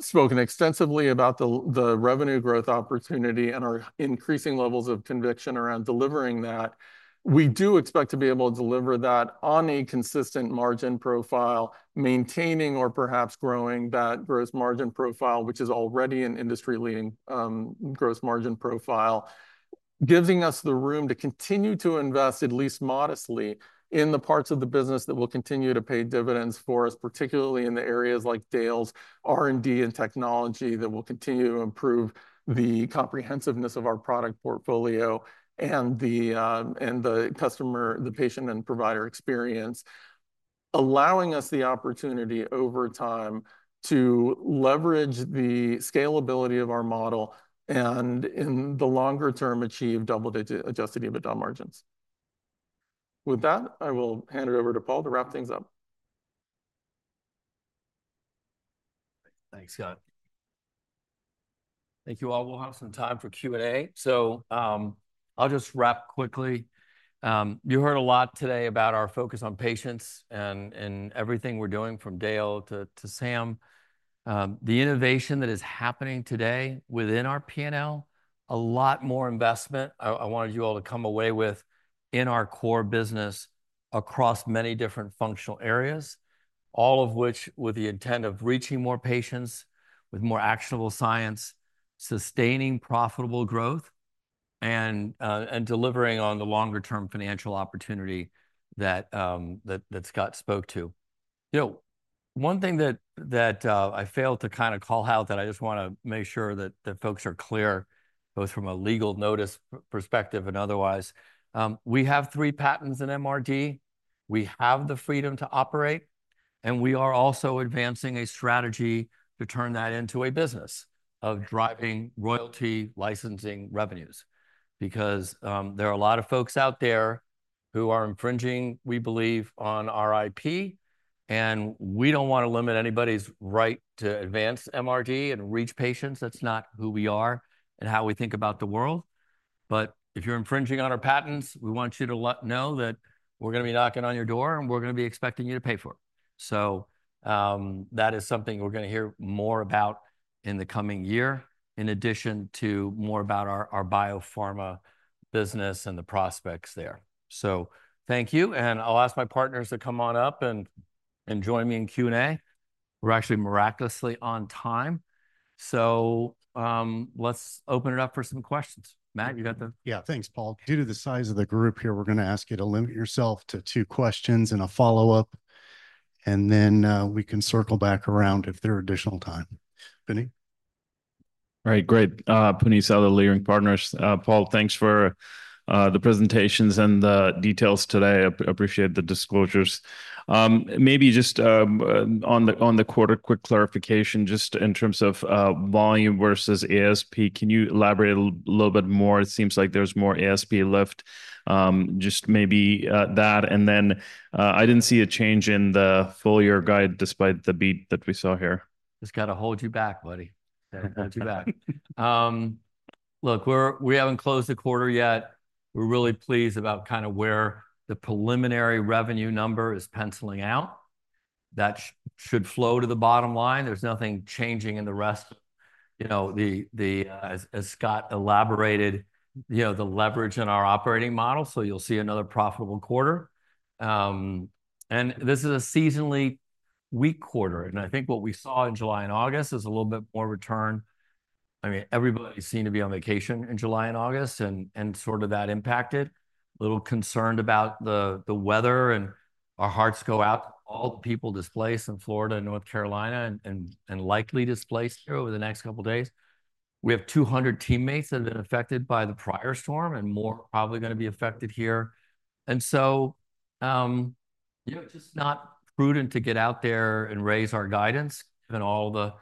Spoken extensively about the revenue growth opportunity and our increasing levels of conviction around delivering that. We do expect to be able to deliver that on a consistent margin profile, maintaining or perhaps growing that gross margin profile, which is already an industry-leading gross margin profile, giving us the room to continue to invest at least modestly in the parts of the business that will continue to pay dividends for us, particularly in the areas like Dale's R&D and technology that will continue to improve the comprehensiveness of our product portfolio and the customer, the patient, and provider experience, allowing us the opportunity over time to leverage the scalability of our model and in the longer term achieve double-digit adjusted EBITDA margins. With that, I will hand it over to Paul to wrap things up. Thanks, Scott. Thank you all. We'll have some time for Q&A. So I'll just wrap quickly. You heard a lot today about our focus on patients and everything we're doing from Dale to Sam. The innovation that is happening today within our P&L, a lot more investment I wanted you all to come away with in our core business across many different functional areas, all of which with the intent of reaching more patients with more actionable science, sustaining profitable growth, and delivering on the longer-term financial opportunity that Scott spoke to. You know, one thing that I failed to kind of call out that I just want to make sure that the folks are clear both from a legal notice perspective and otherwise, we have three patents in MRD. We have the freedom to operate, and we are also advancing a strategy to turn that into a business of driving royalty licensing revenues because there are a lot of folks out there who are infringing, we believe, on our IP, and we don't want to limit anybody's right to advance MRD and reach patients. That's not who we are and how we think about the world. But if you're infringing on our patents, we want you to know that we're going to be knocking on your door and we're going to be expecting you to pay for it. So that is something we're going to hear more about in the coming year, in addition to more about our biopharma business and the prospects there. So thank you, and I'll ask my partners to come on up and join me in Q&A. We're actually miraculously on time. Let's open it up for some questions. Matt, you got the. Yeah, thanks, Paul. Due to the size of the group here, we're going to ask you to limit yourself to two questions and a follow-up, and then we can circle back around if there's additional time. All right, great. Puneet Souda, Leerink Partners. Paul, thanks for the presentations and the details today. I appreciate the disclosures. Maybe just on the quarter, quick clarification, just in terms of volume versus ASP, can you elaborate a little bit more? It seems like there's more ASP left. Just maybe that. And then I didn't see a change in the full year guide despite the beat that we saw here. It's got to hold you back, buddy. It's got to hold you back. Look, we haven't closed the quarter yet. We're really pleased about kind of where the preliminary revenue number is penciling out. That should flow to the bottom line. There's nothing changing in the rest. You know, as Scott elaborated, you know, the leverage in our operating model, so you'll see another profitable quarter. And this is a seasonally weak quarter. And I think what we saw in July and August is a little bit more return. I mean, everybody seemed to be on vacation in July and August, and sort of that impacted. A little concerned about the weather, and our hearts go out to all the people displaced in Florida and North Carolina and likely displaced here over the next couple of days. We have 200 teammates that have been affected by the prior storm and more probably going to be affected here. And so, you know, just not prudent to get out there and raise our guidance given all the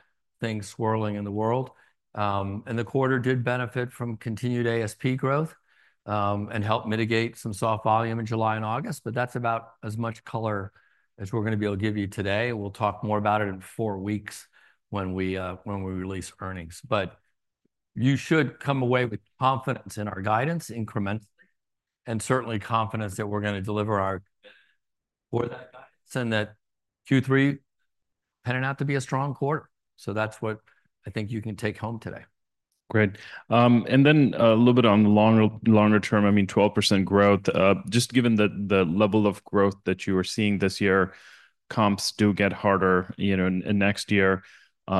things swirling in the world. And the quarter did benefit from continued ASP growth and helped mitigate some soft volume in July and August, but that's about as much color as we're going to be able to give you today. We'll talk more about it in four weeks when we release earnings. But you should come away with confidence in our guidance incrementally and certainly confidence that we're going to deliver our guidance for that guidance and that Q3 pan out to be a strong quarter. So that's what I think you can take home today. Great. And then a little bit on the longer term, I mean, 12% growth, just given the level of growth that you were seeing this year, comps do get harder, you know, in next year.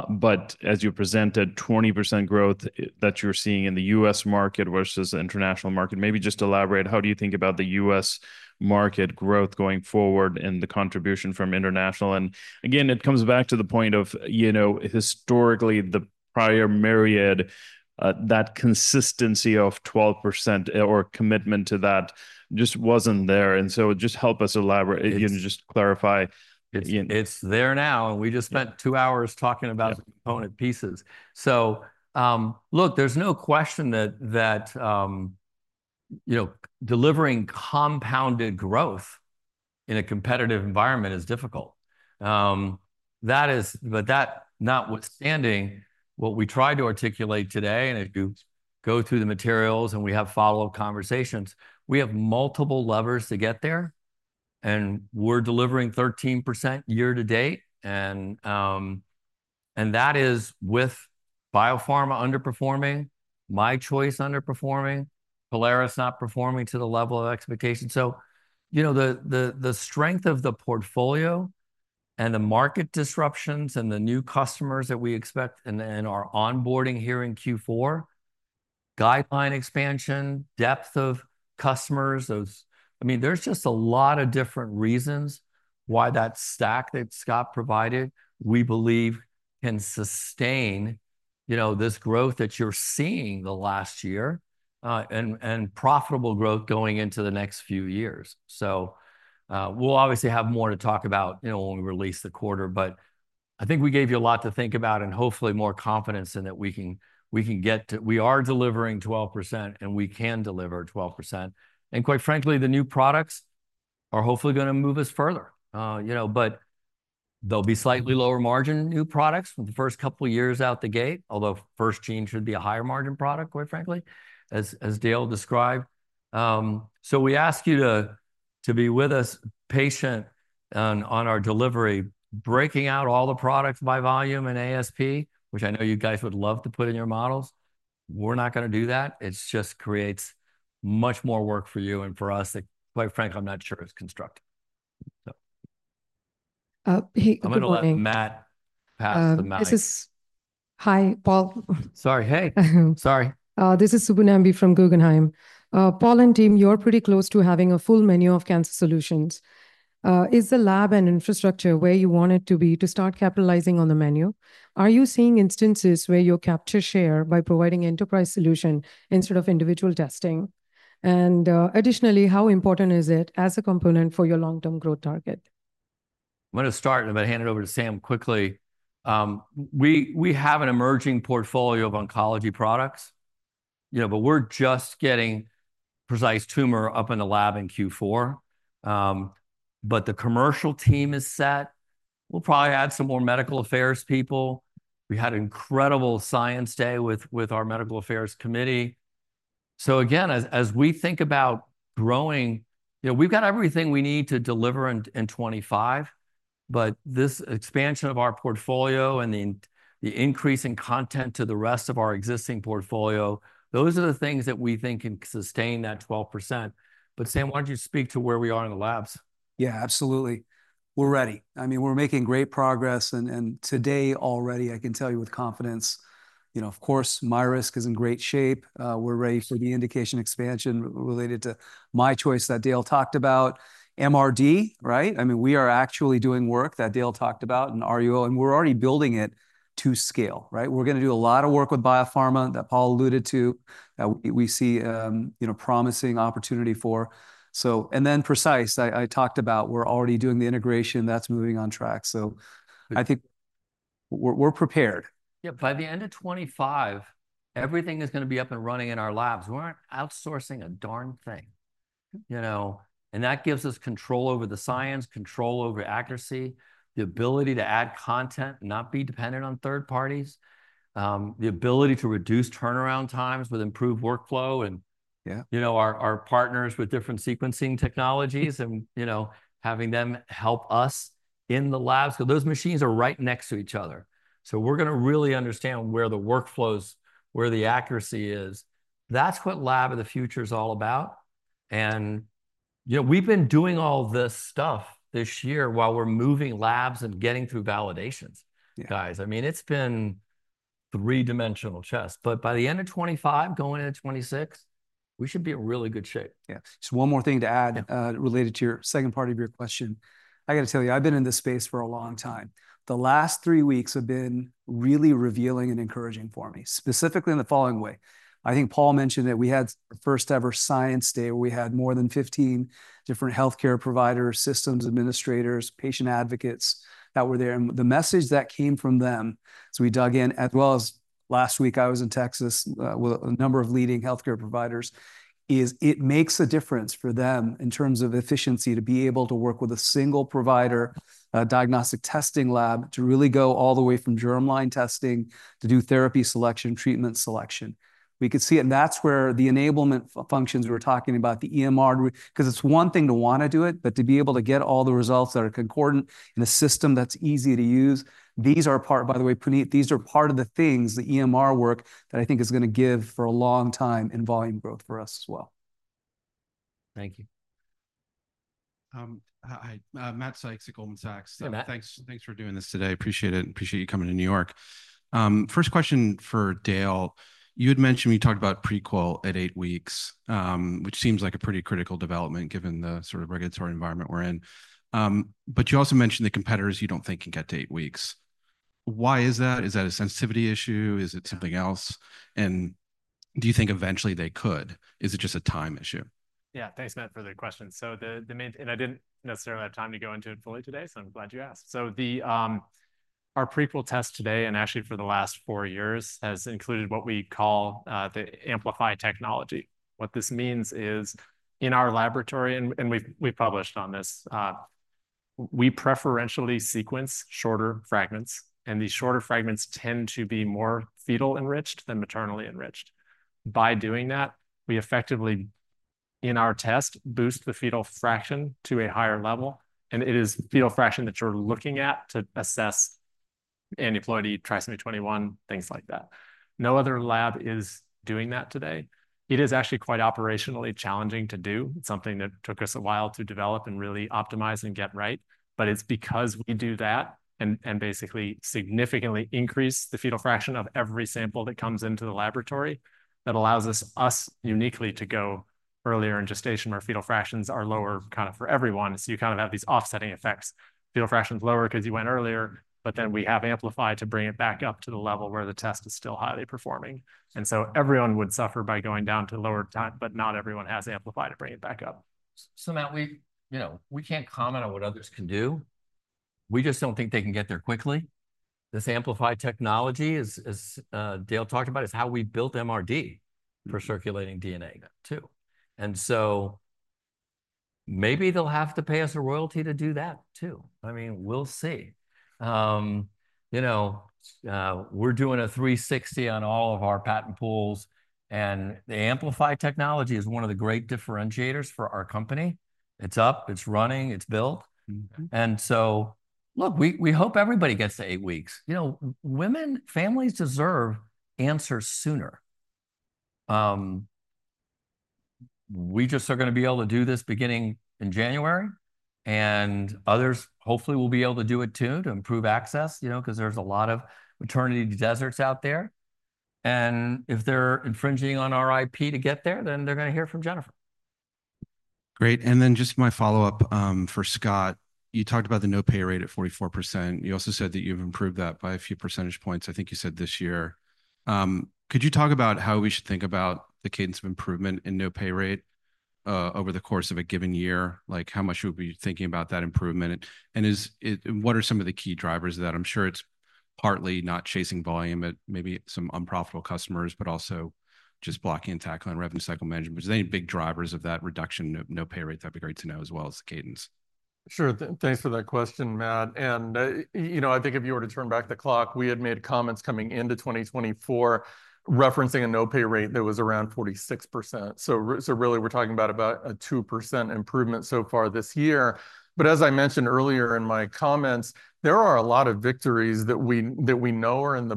But as you presented, 20% growth that you're seeing in the U.S. market versus the international market. Maybe just elaborate, how do you think about the U.S. market growth going forward and the contribution from international? And again, it comes back to the point of, you know, historically, the prior Myriad, that consistency of 12% or commitment to that just wasn't there. And so just help us elaborate, you know, just clarify. It's there now, and we just spent two hours talking about the component pieces. So look, there's no question that, you know, delivering compounded growth in a competitive environment is difficult. That is, but that notwithstanding, what we tried to articulate today, and if you go through the materials and we have follow-up conversations, we have multiple levers to get there, and we're delivering 13% year to date. That is with biopharma underperforming, MyChoice underperforming, Prolaris not performing to the level of expectation. So, you know, the strength of the portfolio and the market disruptions and the new customers that we expect and our onboarding here in Q4, guideline expansion, depth of customers. I mean, there's just a lot of different reasons why that stack that Scott provided, we believe, can sustain, you know, this growth that you're seeing the last year and profitable growth going into the next few years. So we'll obviously have more to talk about, you know, when we release the quarter, but I think we gave you a lot to think about and hopefully more confidence in that we can get to, we are delivering 12% and we can deliver 12%. And quite frankly, the new products are hopefully going to move us further, you know, but they'll be slightly lower margin new products for the first couple of years out the gate, although FirstGene should be a higher margin product, quite frankly, as Dale described. So we ask you to be with us, patient on our delivery, breaking out all the products by volume and ASP, which I know you guys would love to put in your models. We're not going to do that. It just creates much more work for you and for us that, quite frankly, I'm not sure is constructive. I'm going to let Matt pass the mic. Hi, Paul. Sorry, hey. Sorry. This is Subbu Nambi from Guggenheim. Paul and team, you're pretty close to having a full menu of cancer solutions. Is the lab and infrastructure where you want it to be to start capitalizing on the menu? Are you seeing instances where you'll capture share by providing enterprise solution instead of individual testing? And additionally, how important is it as a component for your long-term growth target? I'm going to start and then hand it over to Sam quickly. We have an emerging portfolio of oncology products, you know, but we're just getting Precise Tumor up in the lab in Q4. But the commercial team is set. We'll probably add some more medical affairs people. We had an incredible Science Day with our medical affairs committee. So again, as we think about growing, you know, we've got everything we need to deliver in 2025, but this expansion of our portfolio and the increase in content to the rest of our existing portfolio, those are the things that we think can sustain that 12%. But Sam, why don't you speak to where we are in the labs? Yeah, absolutely. We're ready. I mean, we're making great progress. And today already, I can tell you with confidence, you know, of course, MyRisk is in great shape. We're ready for the indication expansion related to MyChoice that Dale talked about, MRD, right? I mean, we are actually doing work that Dale talked about and RUO, and we're already building it to scale, right? We're going to do a lot of work with biopharma that Paul alluded to that we see, you know, promising opportunity for. So, and then Precise, I talked about, we're already doing the integration. That's moving on track. So I think we're prepared. Yeah, by the end of 2025, everything is going to be up and running in our labs. We're not outsourcing a darn thing, you know, and that gives us control over the science, control over accuracy, the ability to add content, not be dependent on third parties, the ability to reduce turnaround times with improved workflow and, you know, our partners with different sequencing technologies and, you know, having them help us in the labs. So those machines are right next to each other. So we're going to really understand where the workflows, where the accuracy is. That's what Lab of the Future is all about. And, you know, we've been doing all this stuff this year while we're moving labs and getting through validations, guys. I mean, it's been three-dimensional chess, but by the end of 2025, going into 2026, we should be in really good shape. Yeah, just one more thing to add related to your second part of your question. I got to tell you, I've been in this space for a long time. The last three weeks have been really revealing and encouraging for me, specifically in the following way. I think Paul mentioned that we had the first-ever Science Day where we had more than 15 different healthcare providers, systems administrators, patient advocates that were there. The message that came from them, as we dug in, as well as last week, I was in Texas with a number of leading healthcare providers, is it makes a difference for them in terms of efficiency to be able to work with a single provider diagnostic testing lab to really go all the way from germline testing to do therapy selection, treatment selection. We could see it, and that's where the enablement functions we were talking about, the EMR, because it's one thing to want to do it, but to be able to get all the results that are concordant in a system that's easy to use. These are part, by the way, Puneet, these are part of the things, the EMR work that I think is going to give for a long time in volume growth for us as well. Thank you. Matt Sykes at Goldman Sachs. Thanks for doing this today. Appreciate it. Appreciate you coming to New York. First question for Dale. You had mentioned you talked about Prequel at eight weeks, which seems like a pretty critical development given the sort of regulatory environment we're in. But you also mentioned the competitors you don't think can get to eight weeks. Why is that? Is that a sensitivity issue? Is it something else? And do you think eventually they could? Is it just a time issue? Yeah, thanks, Matt, for the question. So the main, and I didn't necessarily have time to go into it fully today, so I'm glad you asked. So our Prequel test today, and actually for the last four years, has included what we call the Amplify technology. What this means is in our laboratory, and we've published on this, we preferentially sequence shorter fragments, and these shorter fragments tend to be more fetal-enriched than maternally-enriched. By doing that, we effectively, in our test, boost the fetal fraction to a higher level, and it is fetal fraction that you're looking at to assess aneuploidy, trisomy 21, things like that. No other lab is doing that today. It is actually quite operationally challenging to do. It's something that took us a while to develop and really optimize and get right, but it's because we do that and basically significantly increase the fetal fraction of every sample that comes into the laboratory that allows us uniquely to go earlier in gestation where fetal fractions are lower kind of for everyone. So you kind of have these offsetting effects. Fetal fraction's lower because you went earlier, but then we have Amplify to bring it back up to the level where the test is still highly performing. Everyone would suffer by going down to lower time, but not everyone has Amplify to bring it back up. So Matt, we can't comment on what others can do. We just don't think they can get there quickly. This Amplify technology, as Dale talked about, is how we built MRD for circulating DNA too. Maybe they'll have to pay us a royalty to do that too. I mean, we'll see. You know, we're doing a 360 on all of our patent pools, and the Amplify technology is one of the great differentiators for our company. It's up, it's running, it's built. Look, we hope everybody gets to eight weeks. You know, women, families deserve answers sooner. We just are going to be able to do this beginning in January, and others hopefully will be able to do it too to improve access, you know, because there's a lot of maternity deserts out there. And if they're infringing on our IP to get there, then they're going to hear from Jennifer. Great. And then just my follow-up for Scott. You talked about the no pay rate at 44%. You also said that you've improved that by a few percentage points, I think you said this year. Could you talk about how we should think about the cadence of improvement in no pay rate over the course of a given year? Like how much should we be thinking about that improvement? And what are some of the key drivers of that? I'm sure it's partly not chasing volume at maybe some unprofitable customers, but also just blocking and tackling revenue cycle management. Is there any big drivers of that reduction of no pay rate? That'd be great to know as well as the cadence. Sure. Thanks for that question, Matt. And you know, I think if you were to turn back the clock, we had made comments coming into 2024 referencing a no pay rate that was around 46%. So really we're talking about a 2% improvement so far this year. But as I mentioned earlier in my comments, there are a lot of victories that we know are in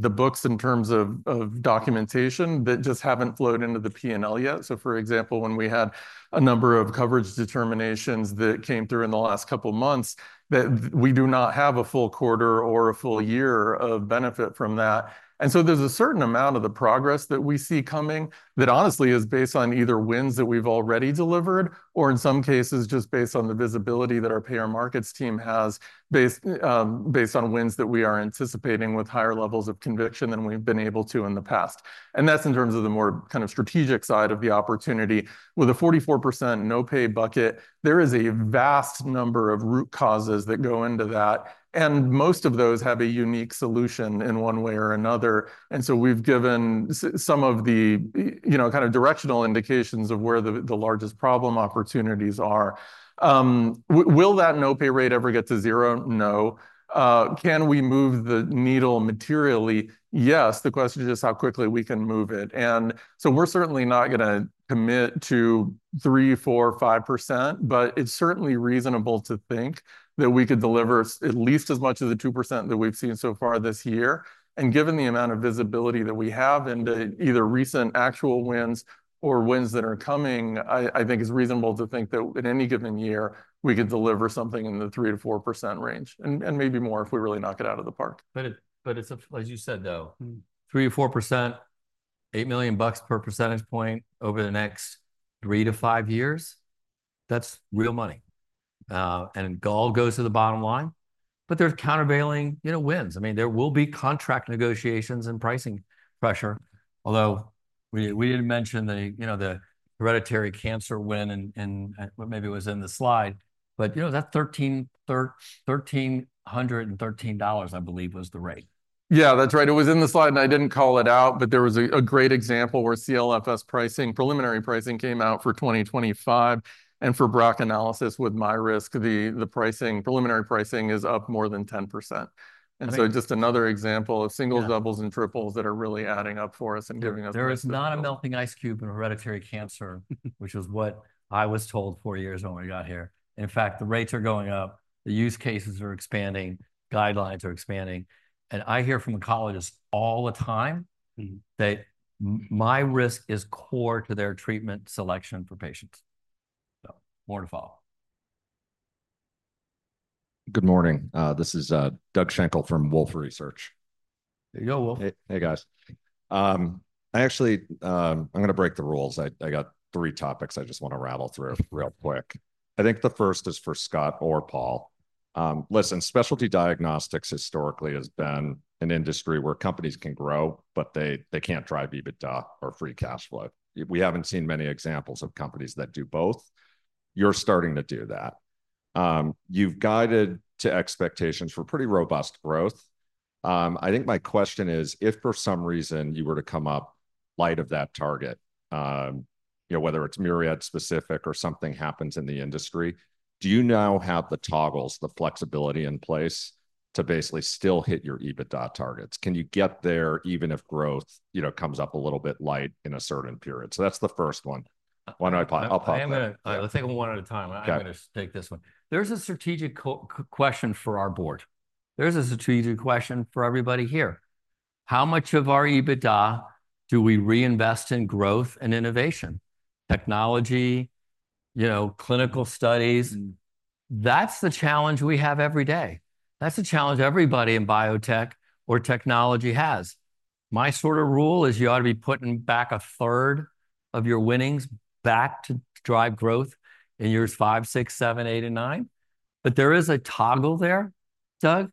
the books in terms of documentation that just haven't flowed into the P&L yet. So, for example, when we had a number of coverage determinations that came through in the last couple of months, that we do not have a full quarter or a full year of benefit from that. And so there's a certain amount of the progress that we see coming that honestly is based on either wins that we've already delivered or in some cases just based on the visibility that our payer markets team has based on wins that we are anticipating with higher levels of conviction than we've been able to in the past. And that's in terms of the more kind of strategic side of the opportunity. With a 44% no pay bucket, there is a vast number of root causes that go into that, and most of those have a unique solution in one way or another. And so we've given some of the, you know, kind of directional indications of where the largest problem opportunities are. Will that no pay rate ever get to zero? No. Can we move the needle materially? Yes. The question is just how quickly we can move it. And so we're certainly not going to commit to 3, 4, 5%, but it's certainly reasonable to think that we could deliver at least as much as the 2% that we've seen so far this year. And given the amount of visibility that we have into either recent actual wins or wins that are coming, I think it's reasonable to think that in any given year, we could deliver something in the 3%-4% range and maybe more if we really knock it out of the park. But it's, as you said, though, 3%-4%, $8 million per percentage point over the next three to five years, that's real money. And all goes to the bottom line, but there's countervailing, you know, winds. I mean, there will be contract negotiations and pricing pressure, although we didn't mention the, you know, the hereditary cancer win and what maybe was in the slide, but you know, that $1,313, I believe, was the rate. Yeah, that's right. It was in the slide and I didn't call it out, but there was a great example where CLFS pricing, preliminary pricing came out for 2025. And for BRCA analysis with MyRisk, the pricing, preliminary pricing is up more than 10%. And so just another example of singles, doubles, and triples that are really adding up for us and giving us. There is not a melting ice cube in hereditary cancer, which was what I was told four years ago when we got here. In fact, the rates are going up, the use cases are expanding, guidelines are expanding, and I hear from oncologists all the time that MyRisk is core to their treatment selection for patients. So more to follow. Good morning. This is Doug Schenkel from Wolfe Research. There you go, Wolfe. Hey, guys. I actually, I'm going to break the rules. I got three topics I just want to rattle through real quick. I think the first is for Scott or Paul. Listen, specialty diagnostics historically has been an industry where companies can grow, but they can't drive EBITDA or free cash flow. We haven't seen many examples of companies that do both. You're starting to do that. You've guided to expectations for pretty robust growth. I think my question is, if for some reason you were to come up light of that target, you know, whether it's Myriad specific or something happens in the industry, do you now have the toggles, the flexibility in place to basically still hit your EBITDA targets? Can you get there even if growth, you know, comes up a little bit light in a certain period? So that's the first one. Why don't I pop that? I'll pop that. I'm going to, let's take them one at a time. I'm going to take this one. There's a strategic question for our board. There's a strategic question for everybody here. How much of our EBITDA do we reinvest in growth and innovation? Technology, you know, clinical studies. That's the challenge we have every day. That's a challenge everybody in biotech or technology has. My sort of rule is you ought to be putting back a third of your winnings back to drive growth in years five, six, seven, eight, and nine. But there is a toggle there, Doug,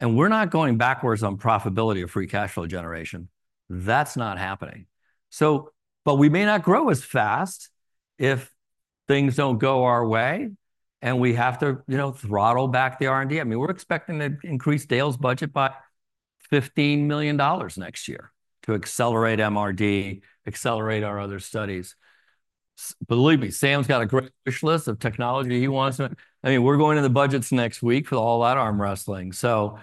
and we're not going backwards on profitability or free cash flow generation. That's not happening. So, but we may not grow as fast if things don't go our way and we have to, you know, throttle back the R&D. I mean, we're expecting to increase Dale's budget by $15 million next year to accelerate MRD, accelerate our other studies. Believe me, Sam's got a great wish list of technology he wants to. I mean, we're going to the budgets next week with all that arm wrestling. So,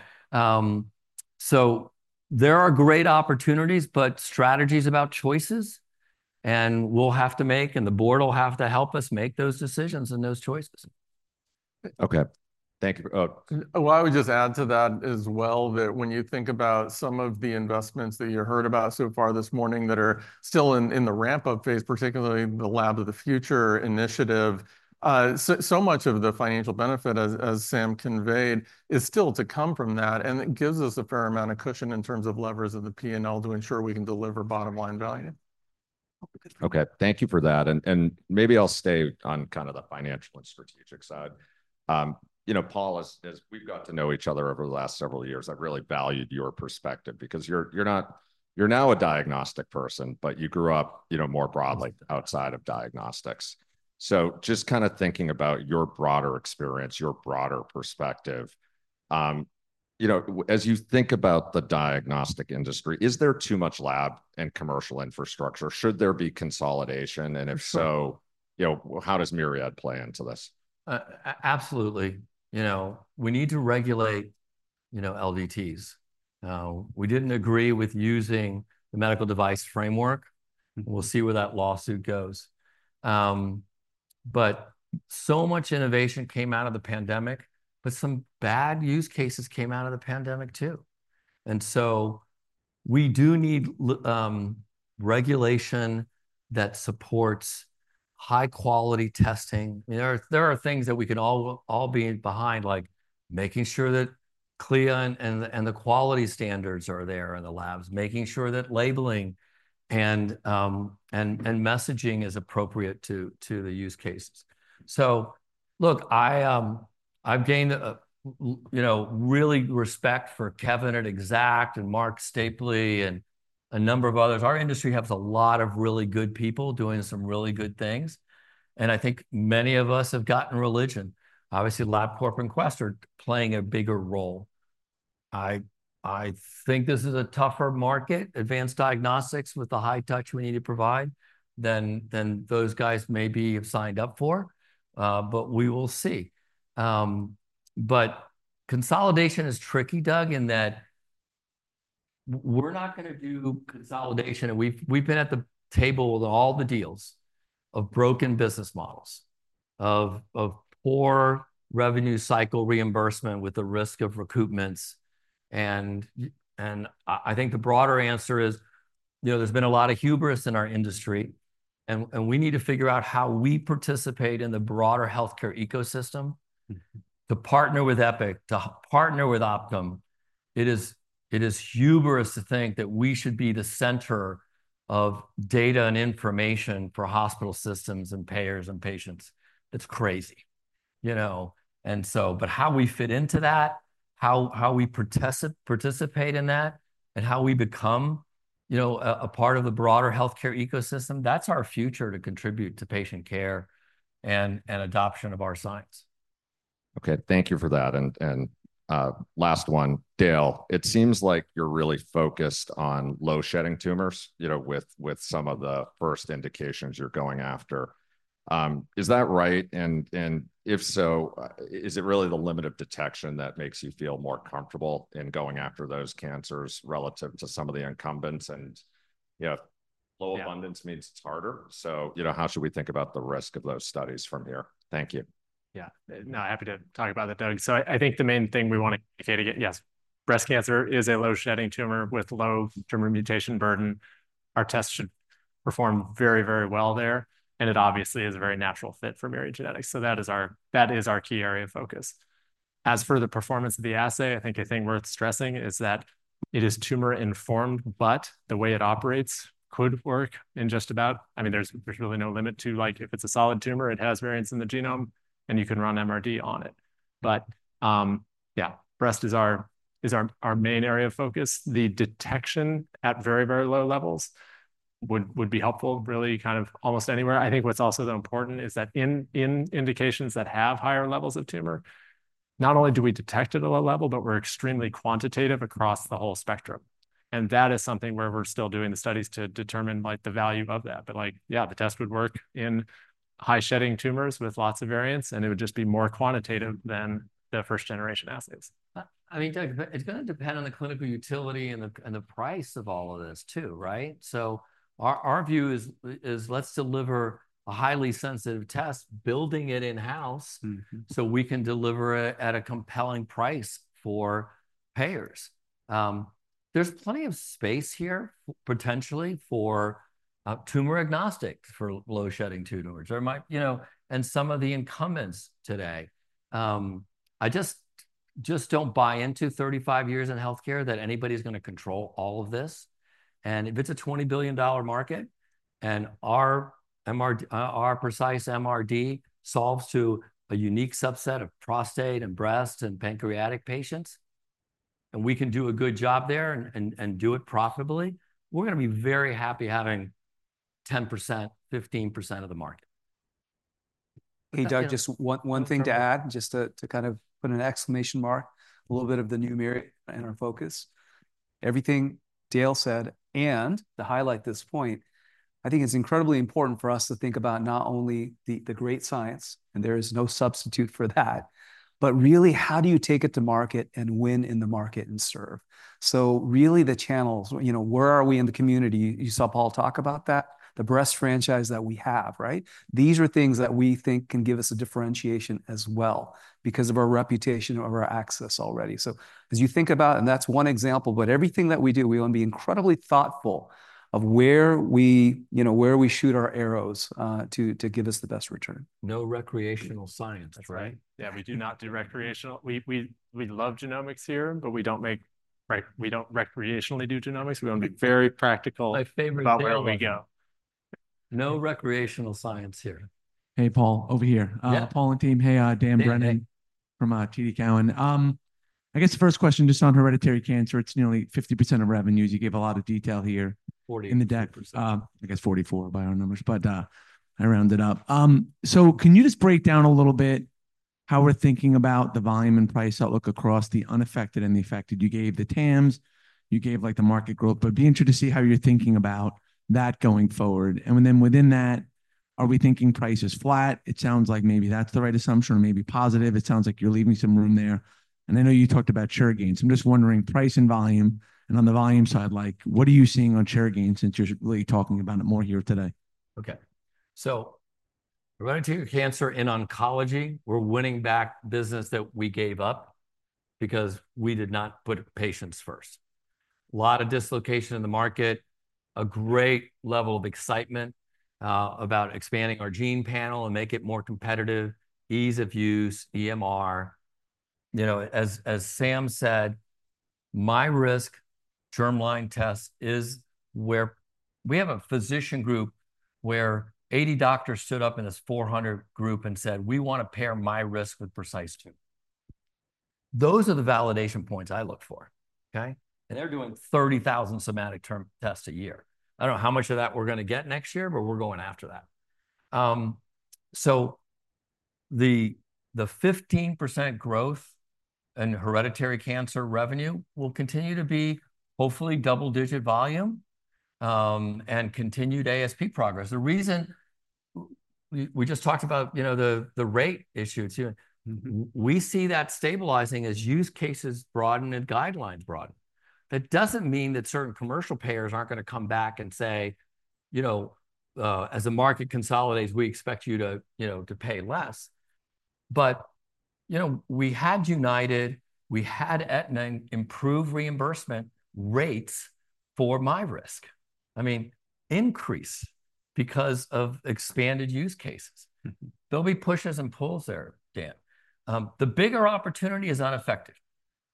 so there are great opportunities, but strategies about choices and we'll have to make, and the board will have to help us make those decisions and those choices. Okay. Thank you. Well, I would just add to that as well that when you think about some of the investments that you heard about so far this morning that are still in the ramp-up phase, particularly the Lab of the Future initiative, so much of the financial benefit, as Sam conveyed, is still to come from that, and it gives us a fair amount of cushion in terms of levers of the P&L to ensure we can deliver bottom line value. Okay, thank you for that. And maybe I'll stay on kind of the financial and strategic side. You know, Paul, as we've got to know each other over the last several years, I've really valued your perspective because you're not, you're now a diagnostic person, but you grew up, you know, more broadly outside of diagnostics. So just kind of thinking about your broader experience, your broader perspective, you know, as you think about the diagnostic industry, is there too much lab and commercial infrastructure? Should there be consolidation? And if so, you know, how does Myriad play into this? Absolutely. You know, we need to regulate, you know, LDTs. We didn't agree with using the medical device framework. We'll see where that lawsuit goes. But so much innovation came out of the pandemic, but some bad use cases came out of the pandemic too. And so we do need regulation that supports high-quality testing. I mean, there are things that we can all be behind, like making sure that CLIA and the quality standards are there in the labs, making sure that labeling and messaging is appropriate to the use cases. So look, I've gained, you know, really respect for Kevin at Exact and Marc Stapley and a number of others. Our industry has a lot of really good people doing some really good things. And I think many of us have gotten religion. Obviously, Labcorp and Quest are playing a bigger role. I think this is a tougher market, advanced diagnostics with the high touch we need to provide than those guys maybe have signed up for, but we will see. But consolidation is tricky, Doug, in that we're not going to do consolidation. And we've been at the table with all the deals of broken business models, of poor revenue cycle reimbursement with the risk of recoupments. I think the broader answer is, you know, there's been a lot of hubris in our industry, and we need to figure out how we participate in the broader healthcare ecosystem to partner with Epic, to partner with Optum. It is hubris to think that we should be the center of data and information for hospital systems and payers and patients. It's crazy, you know? And so, but how we fit into that, how we participate in that, and how we become, you know, a part of the broader healthcare ecosystem, that's our future to contribute to patient care and adoption of our science. Okay, thank you for that. And last one, Dale, it seems like you're really focused on low-shedding tumors, you know, with some of the first indications you're going after. Is that right? And if so, is it really the limit of detection that makes you feel more comfortable in going after those cancers relative to some of the incumbents? And, you know, low abundance means it's harder. So, you know, how should we think about the risk of those studies from here? Thank you. Yeah, no, happy to talk about that, Doug. So I think the main thing we want to communicate again, yes, breast cancer is a low-shedding tumor with low tumor mutation burden. Our tests should perform very, very well there. And it obviously is a very natural fit for Myriad Genetics. So that is our key area of focus. As for the performance of the assay, I think a thing worth stressing is that it is tumor-informed, but the way it operates could work in just about, I mean, there's really no limit to, like, if it's a solid tumor, it has variants in the genome and you can run MRD on it. But, yeah, breast is our main area of focus. The detection at very, very low levels would be helpful really kind of almost anywhere. I think what's also important is that in indications that have higher levels of tumor, not only do we detect it at a low level, but we're extremely quantitative across the whole spectrum. And that is something where we're still doing the studies to determine like the value of that. But like, yeah, the test would work in high-shedding tumors with lots of variants, and it would just be more quantitative than the first-generation assays. I mean, Doug, it's going to depend on the clinical utility and the price of all of this too, right? So our view is let's deliver a highly sensitive test, building it in-house so we can deliver it at a compelling price for payers. There's plenty of space here potentially for tumor-agnostic for low-shedding tumors. There might, you know, and some of the incumbents today, I just don't buy into 35 years in healthcare that anybody's going to control all of this. And if it's a $20 billion market and our Precise MRD solves to a unique subset of prostate and breast and pancreatic patients, and we can do a good job there and do it profitably, we're going to be very happy having 10%, 15% of the market. Hey, Doug, just one thing to add, just to kind of put an exclamation mark, a little bit of the new Myriad in our focus. Everything Dale said, and to highlight this point, I think it's incredibly important for us to think about not only the great science, and there is no substitute for that, but really how do you take it to market and win in the market and serve. So really the channels, you know, where are we in the community? You saw Paul talk about that, the breast franchise that we have, right? These are things that we think can give us a differentiation as well because of our reputation of our access already. So as you think about, and that's one example, but everything that we do, we want to be incredibly thoughtful of where we, you know, where we shoot our arrows to give us the best return. No recreational science, right? Yeah, we do not do recreational. We love genomics here, but we don't make, right? We don't recreationally do genomics. We want to be very practical. My favorite thing. There we go. No recreational science here. Hey, Paul, over here. Paul and team, hey, Dan Brennan from TD Cowen. I guess the first question just on hereditary cancer, it's nearly 50% of revenues. You gave a lot of detail here in the deck. I guess 44 by our numbers, but I rounded up. So can you just break down a little bit how we're thinking about the volume and price outlook across the unaffected and the affected? You gave the TAMs, you gave like the market growth, but be interested to see how you're thinking about that going forward. And then within that, are we thinking price is flat? It sounds like maybe that's the right assumption or maybe positive. It sounds like you're leaving some room there. And I know you talked about share gains. I'm just wondering price and volume. And on the volume side, like what are you seeing on share gains since you're really talking about it more here today? Okay. So we're going to take cancer in oncology. We're winning back business that we gave up because we did not put patients first. A lot of dislocation in the market, a great level of excitement about expanding our gene panel and make it more competitive, ease of use, EMR. You know, as Sam said, MyRisk germline test is where we have a physician group where 80 doctors stood up in this 400 group and said, we want to pair MyRisk with Precise Tumor. Those are the validation points I look for. Okay. And they're doing 30,000 somatic tumor tests a year. I don't know how much of that we're going to get next year, but we're going after that. So the 15% growth in hereditary cancer revenue will continue to be hopefully double-digit volume and continued ASP progress. The reason we just talked about, you know, the rate issue. We see that stabilizing as use cases broaden and guidelines broaden. That doesn't mean that certain commercial payers aren't going to come back and say, you know, as the market consolidates, we expect you to, you know, to pay less. But, you know, we had United, we had Aetna improve reimbursement rates for MyRisk. I mean, increase because of expanded use cases. There'll be pushes and pulls there, Dan. The bigger opportunity is unaffected.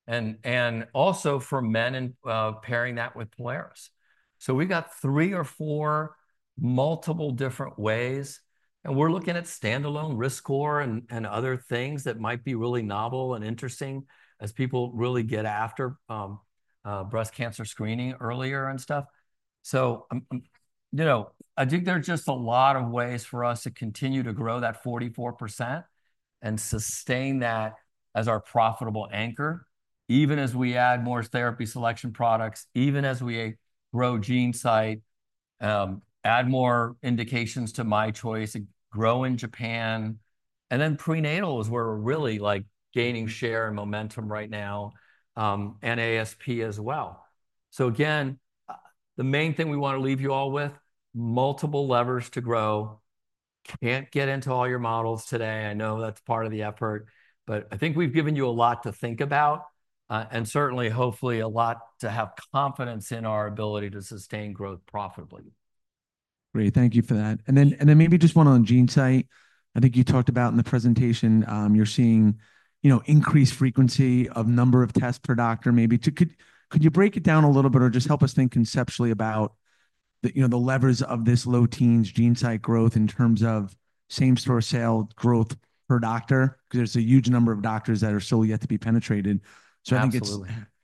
And also for men and pairing that with Prolaris. So we got three or four multiple different ways. And we're looking at standalone RiskScore and other things that might be really novel and interesting as people really get after breast cancer screening earlier and stuff. So, you know, I think there's just a lot of ways for us to continue to grow that 44% and sustain that as our profitable anchor, even as we add more therapy selection products, even as we grow GeneSight, add more indications to MyChoice, grow in Japan. And then prenatal is where we're really like gaining share and momentum right now, and ASP as well. So again, the main thing we want to leave you all with, multiple levers to grow. Can't get into all your models today. I know that's part of the effort, but I think we've given you a lot to think about and certainly hopefully a lot to have confidence in our ability to sustain growth profitably. Great. Thank you for that. And then maybe just one on GeneSight. I think you talked about in the presentation, you're seeing, you know, increased frequency of number of tests per doctor. Maybe could you break it down a little bit or just help us think conceptually about the, you know, the levers of this low teens GeneSight growth in terms of same-store sale growth per doctor? Because there's a huge number of doctors that are still yet to be penetrated. So I think it's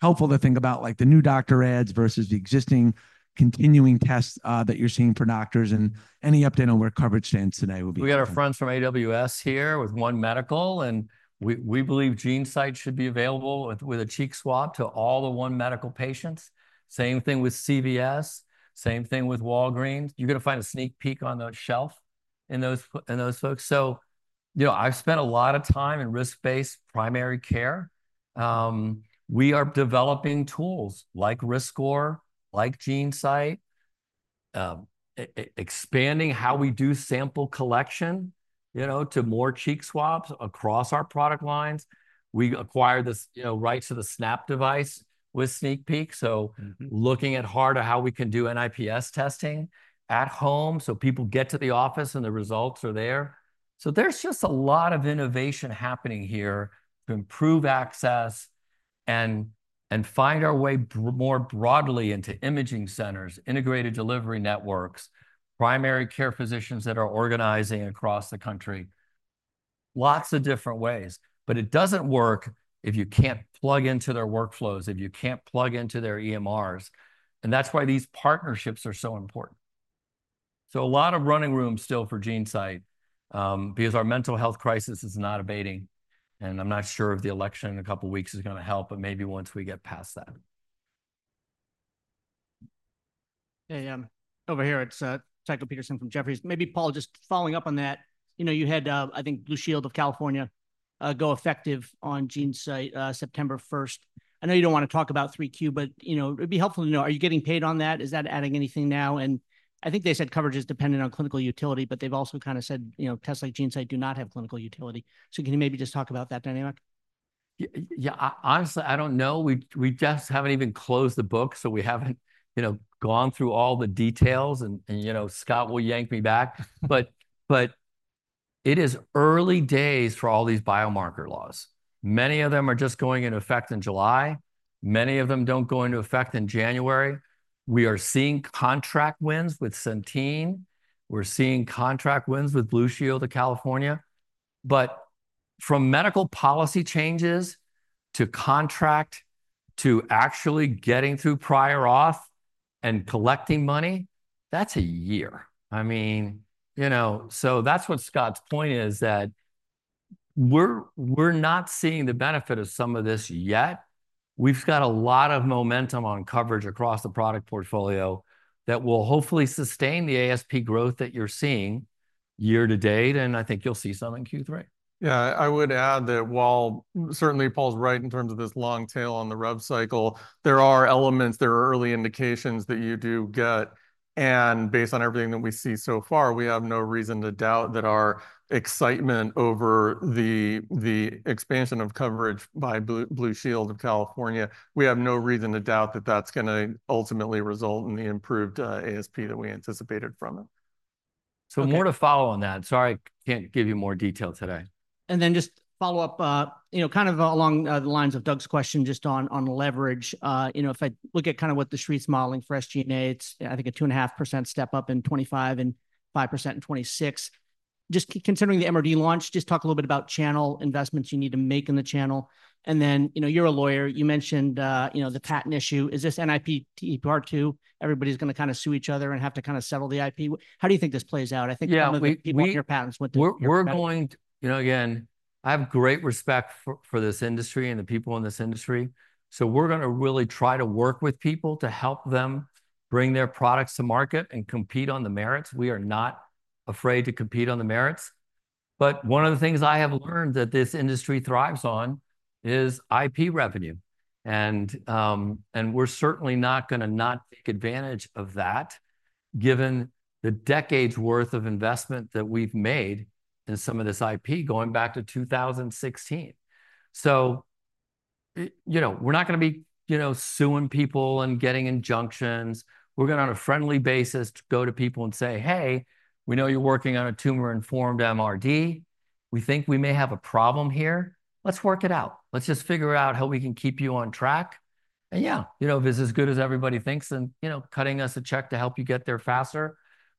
helpful to think about like the new doctor ads versus the existing continuing tests that you're seeing for doctors and any update on where coverage stands today will be. We got our friends from AWS here with One Medical, and we believe GeneSight should be available with a cheek swab to all the One Medical patients. Same thing with CVS, same thing with Walgreens. You're going to find a SneakPeek on the shelf in those folks. So, you know, I've spent a lot of time in risk-based primary care. We are developing tools like RiskScore, like GeneSight, expanding how we do sample collection, you know, to more cheek swabs across our product lines. We acquired this, you know, right to the SneakPeek Snap device with SneakPeek. So looking at harder how we can do NIPS testing at home so people get to the office and the results are there. So there's just a lot of innovation happening here to improve access and find our way more broadly into imaging centers, integrated delivery networks, primary care physicians that are organizing across the country. Lots of different ways, but it doesn't work if you can't plug into their workflows, if you can't plug into their EMRs. And that's why these partnerships are so important. So a lot of running room still for GeneSight because our mental health crisis is not abating. And I'm not sure if the election in a couple of weeks is going to help, but maybe once we get past that. Hey, I'm over here. It's Tycho Peterson from Jefferies. Maybe Paul just following up on that. You know, you had, I think, Blue Shield of California go effective on GeneSight September 1st. I know you don't want to talk about 3Q, but, you know, it'd be helpful to know, are you getting paid on that? Is that adding anything now? And I think they said coverage is dependent on clinical utility, but they've also kind of said, you know, tests like GeneSight do not have clinical utility. So can you maybe just talk about that dynamic? Yeah, honestly, I don't know. We just haven't even closed the book, so we haven't, you know, gone through all the details and, you know, Scott will yank me back. But it is early days for all these biomarker laws. Many of them are just going into effect in July. Many of them don't go into effect in January. We are seeing contract wins with Centene. We're seeing contract wins with Blue Shield of California. But from medical policy changes to contract to actually getting through prior auth and collecting money, that's a year. I mean, you know, so that's what Scott's point is that we're not seeing the benefit of some of this yet. We've got a lot of momentum on coverage across the product portfolio that will hopefully sustain the ASP growth that you're seeing year to date. And I think you'll see some in Q3. Yeah, I would add that while certainly Paul's right in terms of this long tail on the rev cycle, there are elements. There are early indications that you do get. Based on everything that we see so far, we have no reason to doubt that our excitement over the expansion of coverage by Blue Shield of California. We have no reason to doubt that that's going to ultimately result in the improved ASP that we anticipated from it. So more to follow on that. Sorry, I can't give you more detail today. Then just follow up, you know, kind of along the lines of Doug's question just on leverage. You know, if I look at kind of what the SHRE's modeling for SG&A, it's I think a 2.5% step up in 2025 and 5% in 2026. Just considering the MRD launch, just talk a little bit about channel investments you need to make in the channel. And then, you know, you're a lawyer. You mentioned, you know, the patent issue. Is this NIPT part two? Everybody's going to kind of sue each other and have to kind of settle the IP. How do you think this plays out? I think some of the people in your patents went to. We're going, you know, again, I have great respect for this industry and the people in this industry. So we're going to really try to work with people to help them bring their products to market and compete on the merits. We are not afraid to compete on the merits. But one of the things I have learned that this industry thrives on is IP revenue. And we're certainly not going to not take advantage of that given the decades' worth of investment that we've made in some of this IP going back to 2016. So, you know, we're not going to be, you know, suing people and getting injunctions. We're going on a friendly basis to go to people and say, hey, we know you're working on a tumor-informed MRD. We think we may have a problem here. Let's work it out. Let's just figure out how we can keep you on track. And yeah, you know, if it's as good as everybody thinks and, you know, cutting us a check to help you get there faster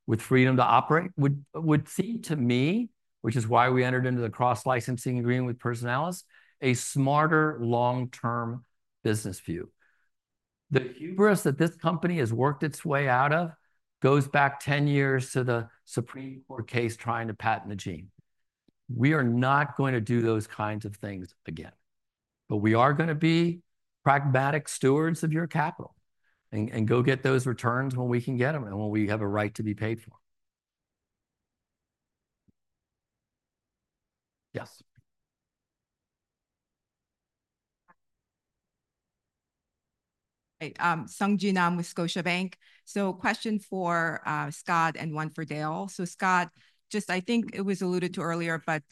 with freedom to operate would seem to me, which is why we entered into the cross-licensing agreement with Personalis, a smarter long-term business view. The hubris that this company has worked its way out of goes back 10 years to the Supreme Court case trying to patent the gene. We are not going to do those kinds of things again. But we are going to be pragmatic stewards of your capital and go get those returns when we can get them and when we have a right to be paid for. Yes. Sung Ji Nam with Scotiabank. So question for Scott and one for Dale. So Scott, just I think it was alluded to earlier, but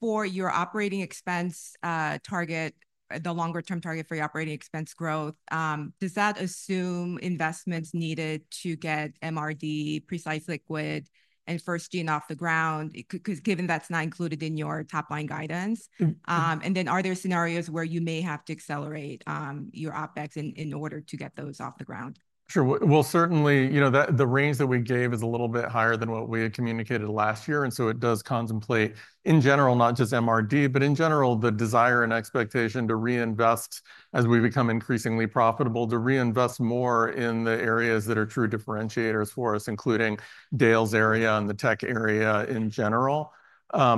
for your operating expense target, the longer-term target for your operating expense growth, does that assume investments needed to get MRD, Precise Liquid, and FirstGene off the ground? Because given that's not included in your top-line guidance. And then are there scenarios where you may have to accelerate your OpEx in order to get those off the ground? Sure. Well, certainly, you know, the range that we gave is a little bit higher than what we had communicated last year. And so it does contemplate in general, not just MRD, but in general, the desire and expectation to reinvest as we become increasingly profitable, to reinvest more in the areas that are true differentiators for us, including Dale's area and the tech area in general. You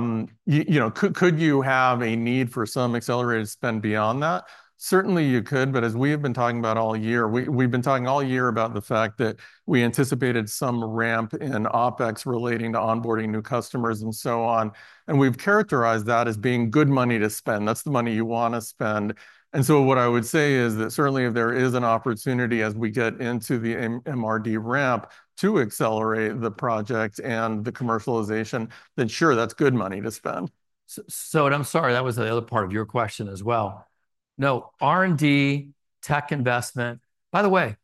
know, could you have a need for some accelerated spend beyond that? Certainly you could, but as we have been talking about all year, we've been talking all year about the fact that we anticipated some ramp in OpEx relating to onboarding new customers and so on. And we've characterized that as being good money to spend. That's the money you want to spend. And so what I would say is that certainly if there is an opportunity as we get into the MRD ramp to accelerate the project and the commercialization, then sure, that's good money to spend. So I'm sorry, that was the other part of your question as well. No, R&D, tech investment. By the way,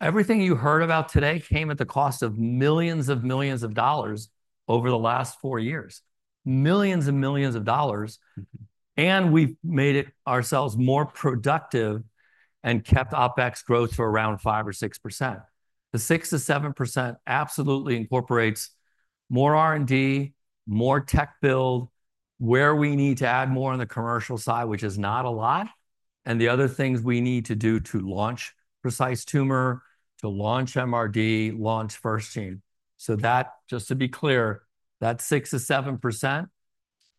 everything you heard about today came at the cost of millions of millions of dollars over the last four years. Millions and millions of dollars. And we've made it ourselves more productive and kept OpEx growth to around 5% or 6%. The 6%-7% absolutely incorporates more R&D, more tech build, where we need to add more on the commercial side, which is not a lot. And the other things we need to do to launch Precise Tumor, to launch MRD, launch FirstGene. So that, just to be clear, that 6%-7%,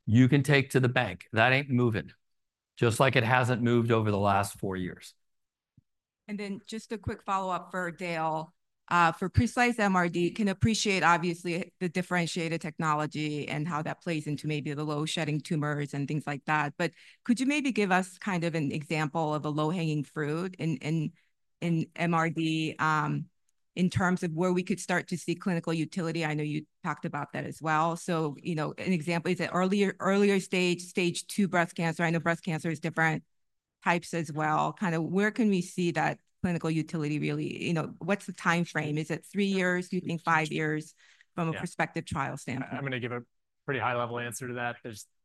you can take to the bank. That ain't moving. Just like it hasn't moved over the last four years. And then just a quick follow-up for Dale. For Precise MRD, can appreciate obviously the differentiated technology and how that plays into maybe the low-shedding tumors and things like that. But could you maybe give us kind of an example of a low-hanging fruit in MRD in terms of where we could start to see clinical utility? I know you talked about that as well. So, you know, an example is that earlier stage, stage two breast cancer. I know breast cancer is different types as well. Kind of where can we see that clinical utility really, you know, what's the time frame? Is it three years? Do you think five years from a prospective trial standpoint? I'm going to give a pretty high-level answer to that.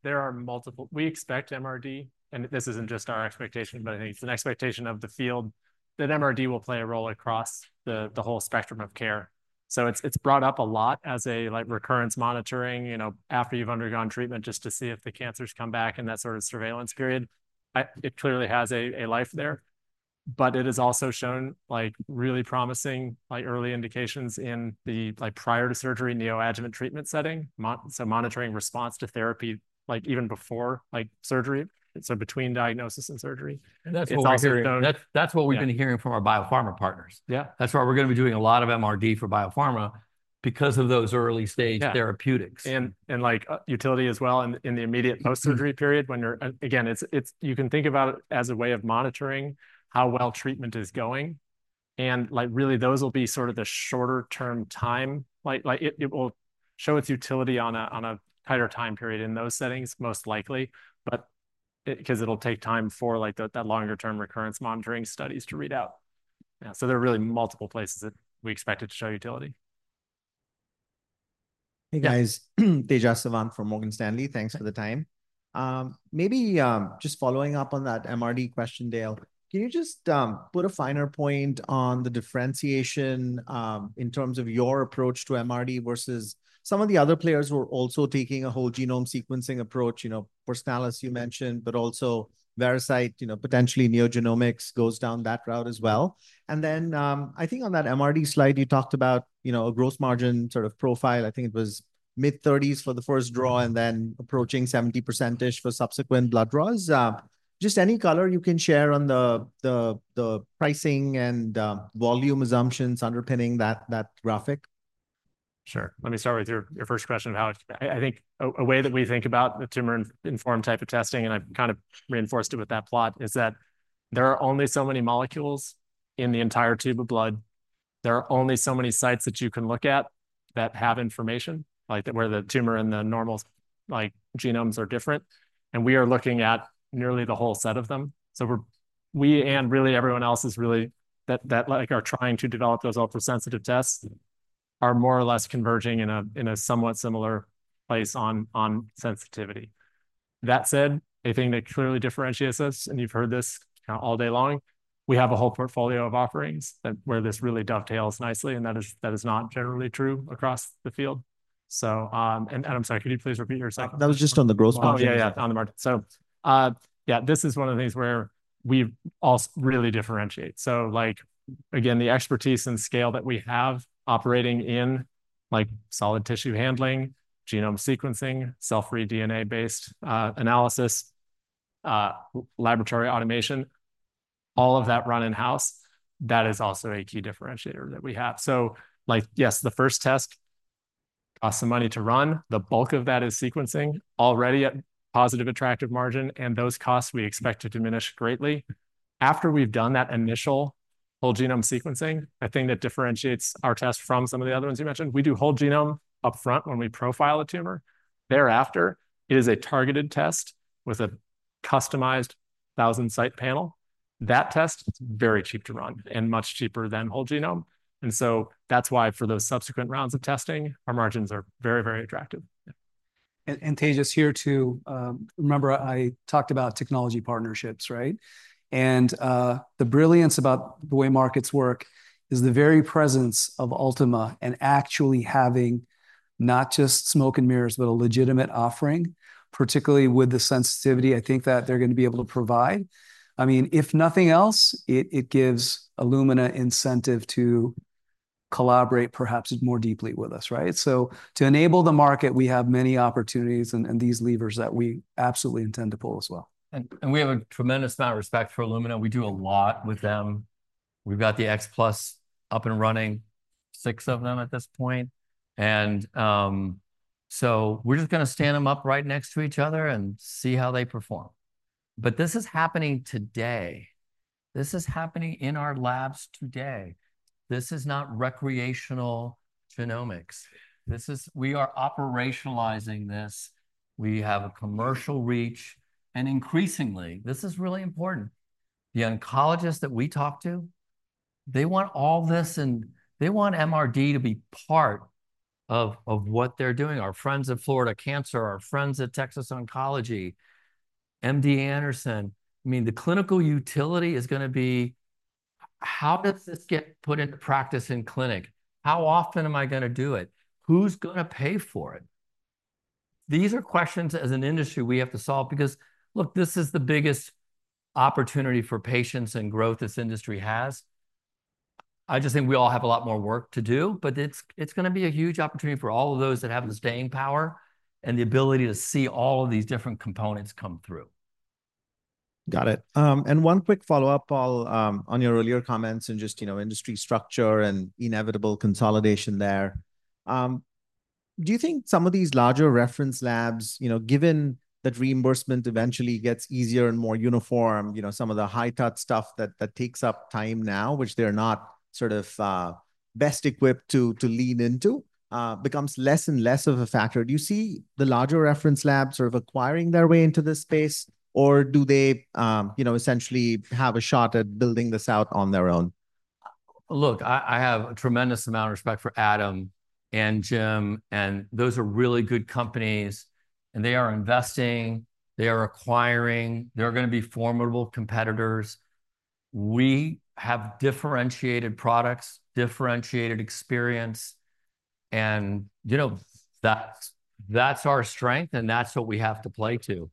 There are multiple, we expect MRD, and this isn't just our expectation, but I think it's an expectation of the field that MRD will play a role across the whole spectrum of care. So it's brought up a lot as a recurrence monitoring, you know, after you've undergone treatment just to see if the cancers come back and that sort of surveillance period. It clearly has a life there. But it has also shown like really promising early indications in the prior to surgery neoadjuvant treatment setting. So monitoring response to therapy like even before surgery. So between diagnosis and surgery. That's what we've been hearing from our biopharma partners. Yeah, that's why we're going to be doing a lot of MRD for biopharma because of those early-stage therapeutics. And like utility as well in the immediate post-surgery period when you're, again, you can think about it as a way of monitoring how well treatment is going. And like really those will be sort of the shorter-term time. Like it will show its utility on a tighter time period in those settings most likely. But because it'll take time for like that longer-term recurrence monitoring studies to read out. Yeah, so there are really multiple places that we expect it to show utility. Hey guys, Tejas Savant from Morgan Stanley. Thanks for the time. Maybe just following up on that MRD question, Dale, can you just put a finer point on the differentiation in terms of your approach to MRD versus some of the other players who are also taking a whole genome sequencing approach, you know, Personalis you mentioned, but also Veracyte, you know, potentially NeoGenomics goes down that route as well. And then I think on that MRD slide you talked about, you know, a gross margin sort of profile. I think it was mid-30s for the first draw and then approaching 70%-ish for subsequent blood draws. Just any color you can share on the pricing and volume assumptions underpinning that graphic? Sure. Let me start with your first question about, I think, a way that we think about the tumor-informed type of testing, and I've kind of reinforced it with that plot, is that there are only so many molecules in the entire tube of blood. There are only so many sites that you can look at that have information like where the tumor and the normal genome are different. And we are looking at nearly the whole set of them. So we're, we and really everyone else is really that like are trying to develop those ultra-sensitive tests are more or less converging in a somewhat similar place on sensitivity. That said, I think that clearly differentiates us, and you've heard this all day long. We have a whole portfolio of offerings where this really dovetails nicely, and that is not generally true across the field. And I'm sorry, could you please r repeat yourself? That was just on the gross margin. Oh, yeah, yeah, on the margin. So yeah, this is one of the things where we all really differentiate. So like again, the expertise and scale that we have operating in like solid tissue handling, genome sequencing, short-read DNA-based analysis, laboratory automation, all of that run in-house, that is also a key differentiator that we have. So like, yes, the first test costs some money to run. The bulk of that is sequencing already at positive attractive margin, and those costs we expect to diminish greatly. After we've done that initial whole genome sequencing, the thing that differentiates our test from some of the other ones you mentioned, we do whole genome upfront when we profile a tumor. Thereafter, it is a targeted test with a customized 1,000-site panel. That test is very cheap to run and much cheaper than whole genome, and so that's why for those subsequent rounds of testing, our margins are very, very attractive, And Tej, just to remind, I talked about technology partnerships, right, and the brilliance about the way markets work is the very presence of Ultima and actually having not just smoke and mirrors, but a legitimate offering, particularly with the sensitivity I think that they're going to be able to provide. I mean, if nothing else, it gives Illumina incentive to collaborate perhaps more deeply with us, right, so to enable the market, we have many opportunities and these levers that we absolutely intend to pull as well. And we have a tremendous amount of respect for Illumina. We do a lot with them. We've got the X Plus up and running, six of them at this point. And so we're just going to stand them up right next to each other and see how they perform. But this is happening today. This is happening in our labs today. This is not recreational genomics. This is, we are operationalizing this. We have a commercial reach. And increasingly, this is really important. The oncologists that we talk to, they want all this and they want MRD to be part of what they're doing. Our friends at Florida Cancer, our friends at Texas Oncology, MD Anderson, I mean, the clinical utility is going to be, how does this get put into practice in clinic? How often am I going to do it? Who's going to pay for it? These are questions as an industry we have to solve because look, this is the biggest opportunity for patients and growth this industry has. I just think we all have a lot more work to do, but it's going to be a huge opportunity for all of those that have the staying power and the ability to see all of these different components come through. Got it. And one quick follow-up on your earlier comments and just, you know, industry structure and inevitable consolidation there. Do you think some of these larger reference labs, you know, given that reimbursement eventually gets easier and more uniform, you know, some of the high-touch stuff that takes up time now, which they're not sort of best equipped to lean into, becomes less and less of a factor? Do you see the larger reference labs sort of acquiring their way into this space? Or do they, you know, essentially have a shot at building this out on their own? Look, I have a tremendous amount of respect for Adam and Jim, and those are really good companies, and they are investing. They are acquiring. They're going to be formidable competitors. We have differentiated products, differentiated experience, and you know, that's our strength and that's what we have to play to.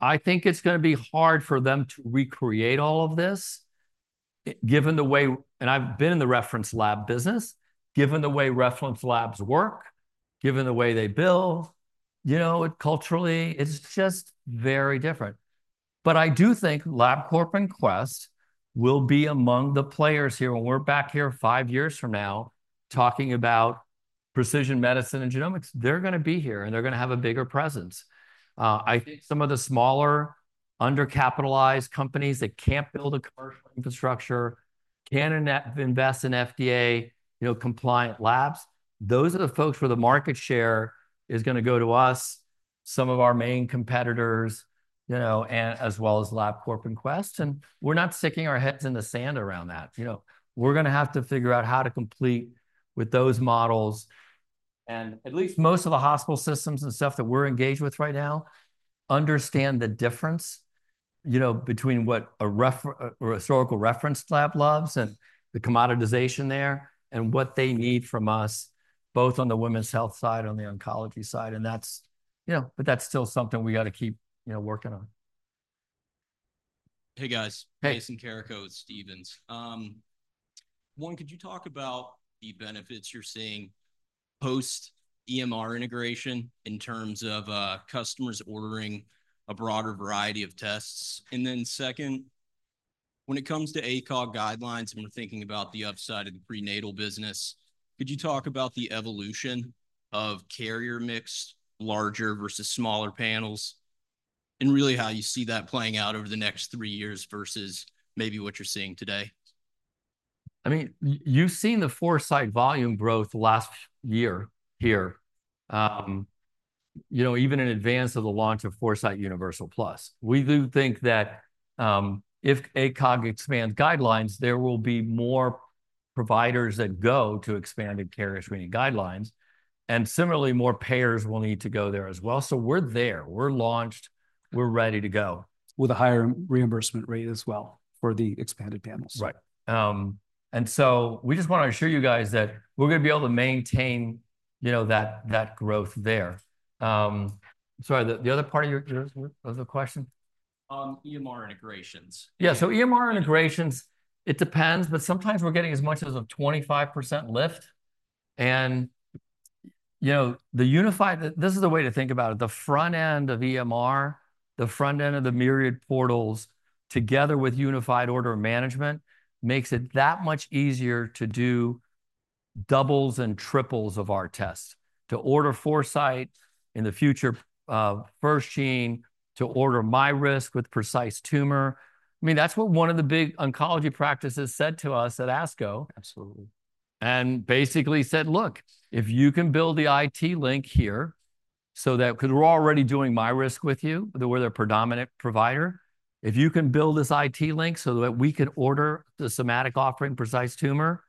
I think it's going to be hard for them to recreate all of this given the way, and I've been in the reference lab business, given the way reference labs work, given the way they build, you know, culturally, it's just very different, but I do think Labcorp and Quest will be among the players here when we're back here five years from now talking about precision medicine and genomics. They're going to be here and they're going to have a bigger presence. I think some of the smaller undercapitalized companies that can't build a commercial infrastructure can invest in FDA, you know, compliant labs. Those are the folks where the market share is going to go to us, some of our main competitors, you know, and as well as Labcorp and Quest. And we're not sticking our heads in the sand around that. You know, we're going to have to figure out how to compete with those models. And at least most of the hospital systems and stuff that we're engaged with right now understand the difference, you know, between what a historical reference lab loves and the commoditization there and what they need from us, both on the women's health side and on the oncology side. And that's, you know, but that's still something we got to keep, you know, work ing on. Hey guys, Mason Carrico at Stephens. One, could you talk about the benefits you're seeing post-EMR integration in terms of customers ordering a broader variety of tests? And then second, when it comes to ACOG guidelines and we're thinking about the upside of the prenatal business, could you talk about the evolution of carrier mix, larger versus smaller panels? And really how you see that playing out over the next three years versus maybe what you're seeing today? I mean, you've seen the Foresight volume growth last year here. You know, even in advance of the launch of Foresight Universal Plus. We do think that if ACOG expands guidelines, there will be more providers that go to expanded carrier screening guidelines. And similarly, more payers will need to go there as well. So we're there. We're launched. We're ready to go. With a higher reimbursement rate as well for the expanded panels. Right. And so we just want to assure you guys that we're going to be able to maintain, you know, that growth there. Sorry, the other part of your question? EMR integrations. Yeah, so EMR integrations, it depends, but sometimes we're getting as much as a 25% lift. And you know, the unified, this is the way to think about it. The front end of EMR, the front end of the Myriad portals together with unified order management makes it that much easier to do doubles and triples of our tests. To order Foresight in the future, FirstGene, to order MyRisk with Precise Tumor. I mean, that's what one of the big oncology practices said to us at ASCO. Absolutely. And basically said, look, if you can build the IT link here so that because we're already doing MyRisk with you, where they're a predominant provider, if you can build this IT link so that we can order the somatic offering Precise Tumor,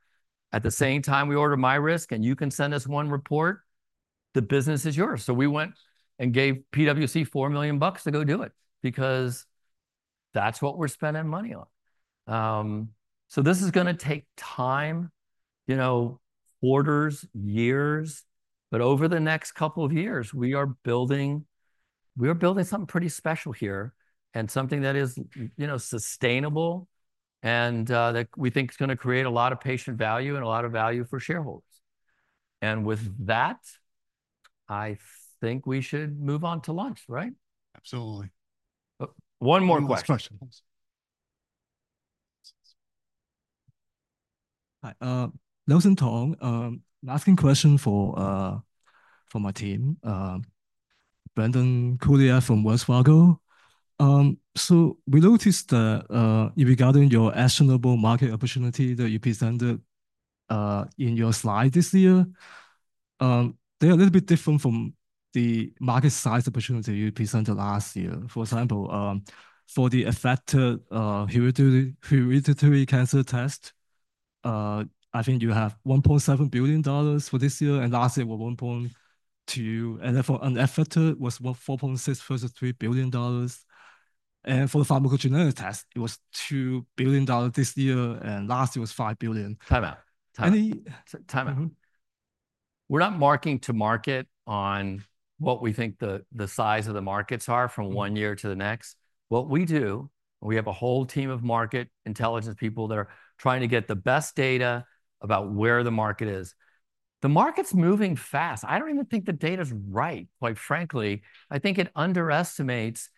at the same time we order MyRisk and you can send us one report, the business is yours. So we went and gave PwC $4 million to go do it because that's what we're spending money on. So this is going to take time, you know, orders, years, but over the next couple of years, we are building, we are building something pretty special here and something that is, you know, sustainable and that we think is going to create a lot of patient value and a lot of value for shareholders. And with that, I think we should move on to lunch, right? Absolutely. One more question. Hi, Nelson Tong, I'm asking a question for my team, Brandon Couillard from Wells Fargo. So we noticed that regarding your actionable market opportunity that you presented in your slide this year, they are a little bit different from the market size opportunity you presented last year. For example, for the affected hereditary cancer test, I think you have $1.7 billion for this year and last year were $1.2 billion. And then for unaffected was $4.63 billion. And for the pharmacogenomic test, it was $2 billion this year and last year was $5 billion. Time out. Time out. We're not marking to market on what we think the size of the markets are from one year to the next. What we do, we have a whole team of market intelligence people that are trying to get the best data about where the market is. The market's moving fast. I don't even think the data's right, quite frankly. I think it underestimates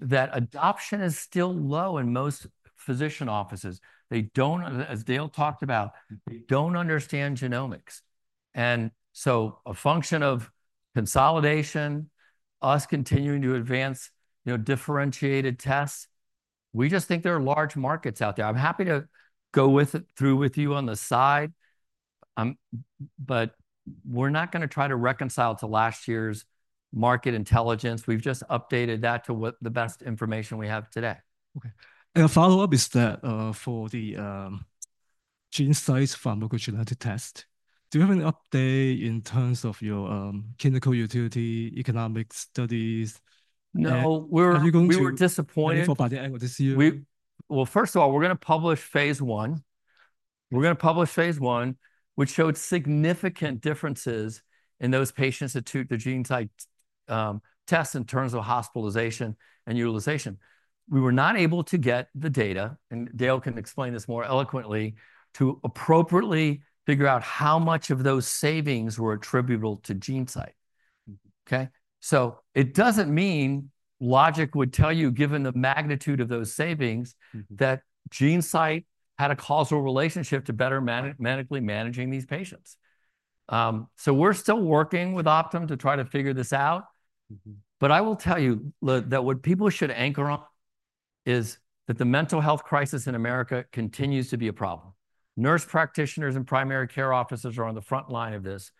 that adoption is still low in most physician offices. They don't, as Dale talked about, they don't understand genomics. And so a function of consolidation, us continuing to advance, you know, differentiated tests, we just think there are large markets out there. I'm happy to go through with you on the side, but we're not going to try to reconcile to last year's market intelligence. We've just updated that to what the best information we have today. Okay. And a follow-up is that for the GeneSight pharmacogenetic test, do you have an update in terms of your clinical utility, economic studies? No, we're disappointed. We were disappointed by the end of this year. Well, first of all, we're going to publish phase I. We're going to publish phase one, which showed significant differences in those patients that took the GeneSight test in terms of hospitalization and utilization. We were not able to get the data, and Dale can explain this more eloquently, to appropriately figure out how much of those savings were attributable to GeneSight. Okay? So it doesn't mean logic would tell you, given the magnitude of those savings, that GeneSight had a causal relationship to better medically managing these patients. So we're still working with Optum to try to figure this out. But I will tell you that what people should anchor on is that the mental health crisis in America continues to be a problem. Nurse practitioners and primary care officers are on the front line of this.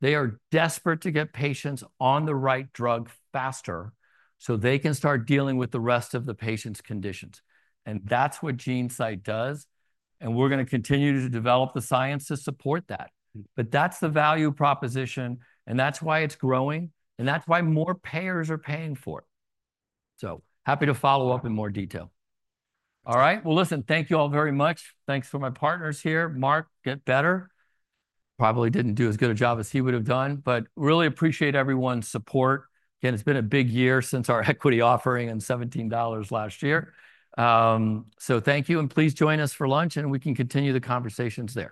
They are desperate to get patients on the right drug faster so they can start dealing with the rest of the patient's conditions. And that's what GeneSight does. And we're going to continue to develop the science to support that. But that's the value proposition, and that's why it's growing, and that's why more payers are paying for it. So happy to follow up in more detail. All right. Well, listen, thank you all very much. Thanks for my partners here. Mark, get better. Probably didn't do as good a job as he would have done, but really appreciate everyone's support. Again, it's been a big year since our equity offering on $17 last year. So thank you, and please join us for lunch, and we can continue the conversations there.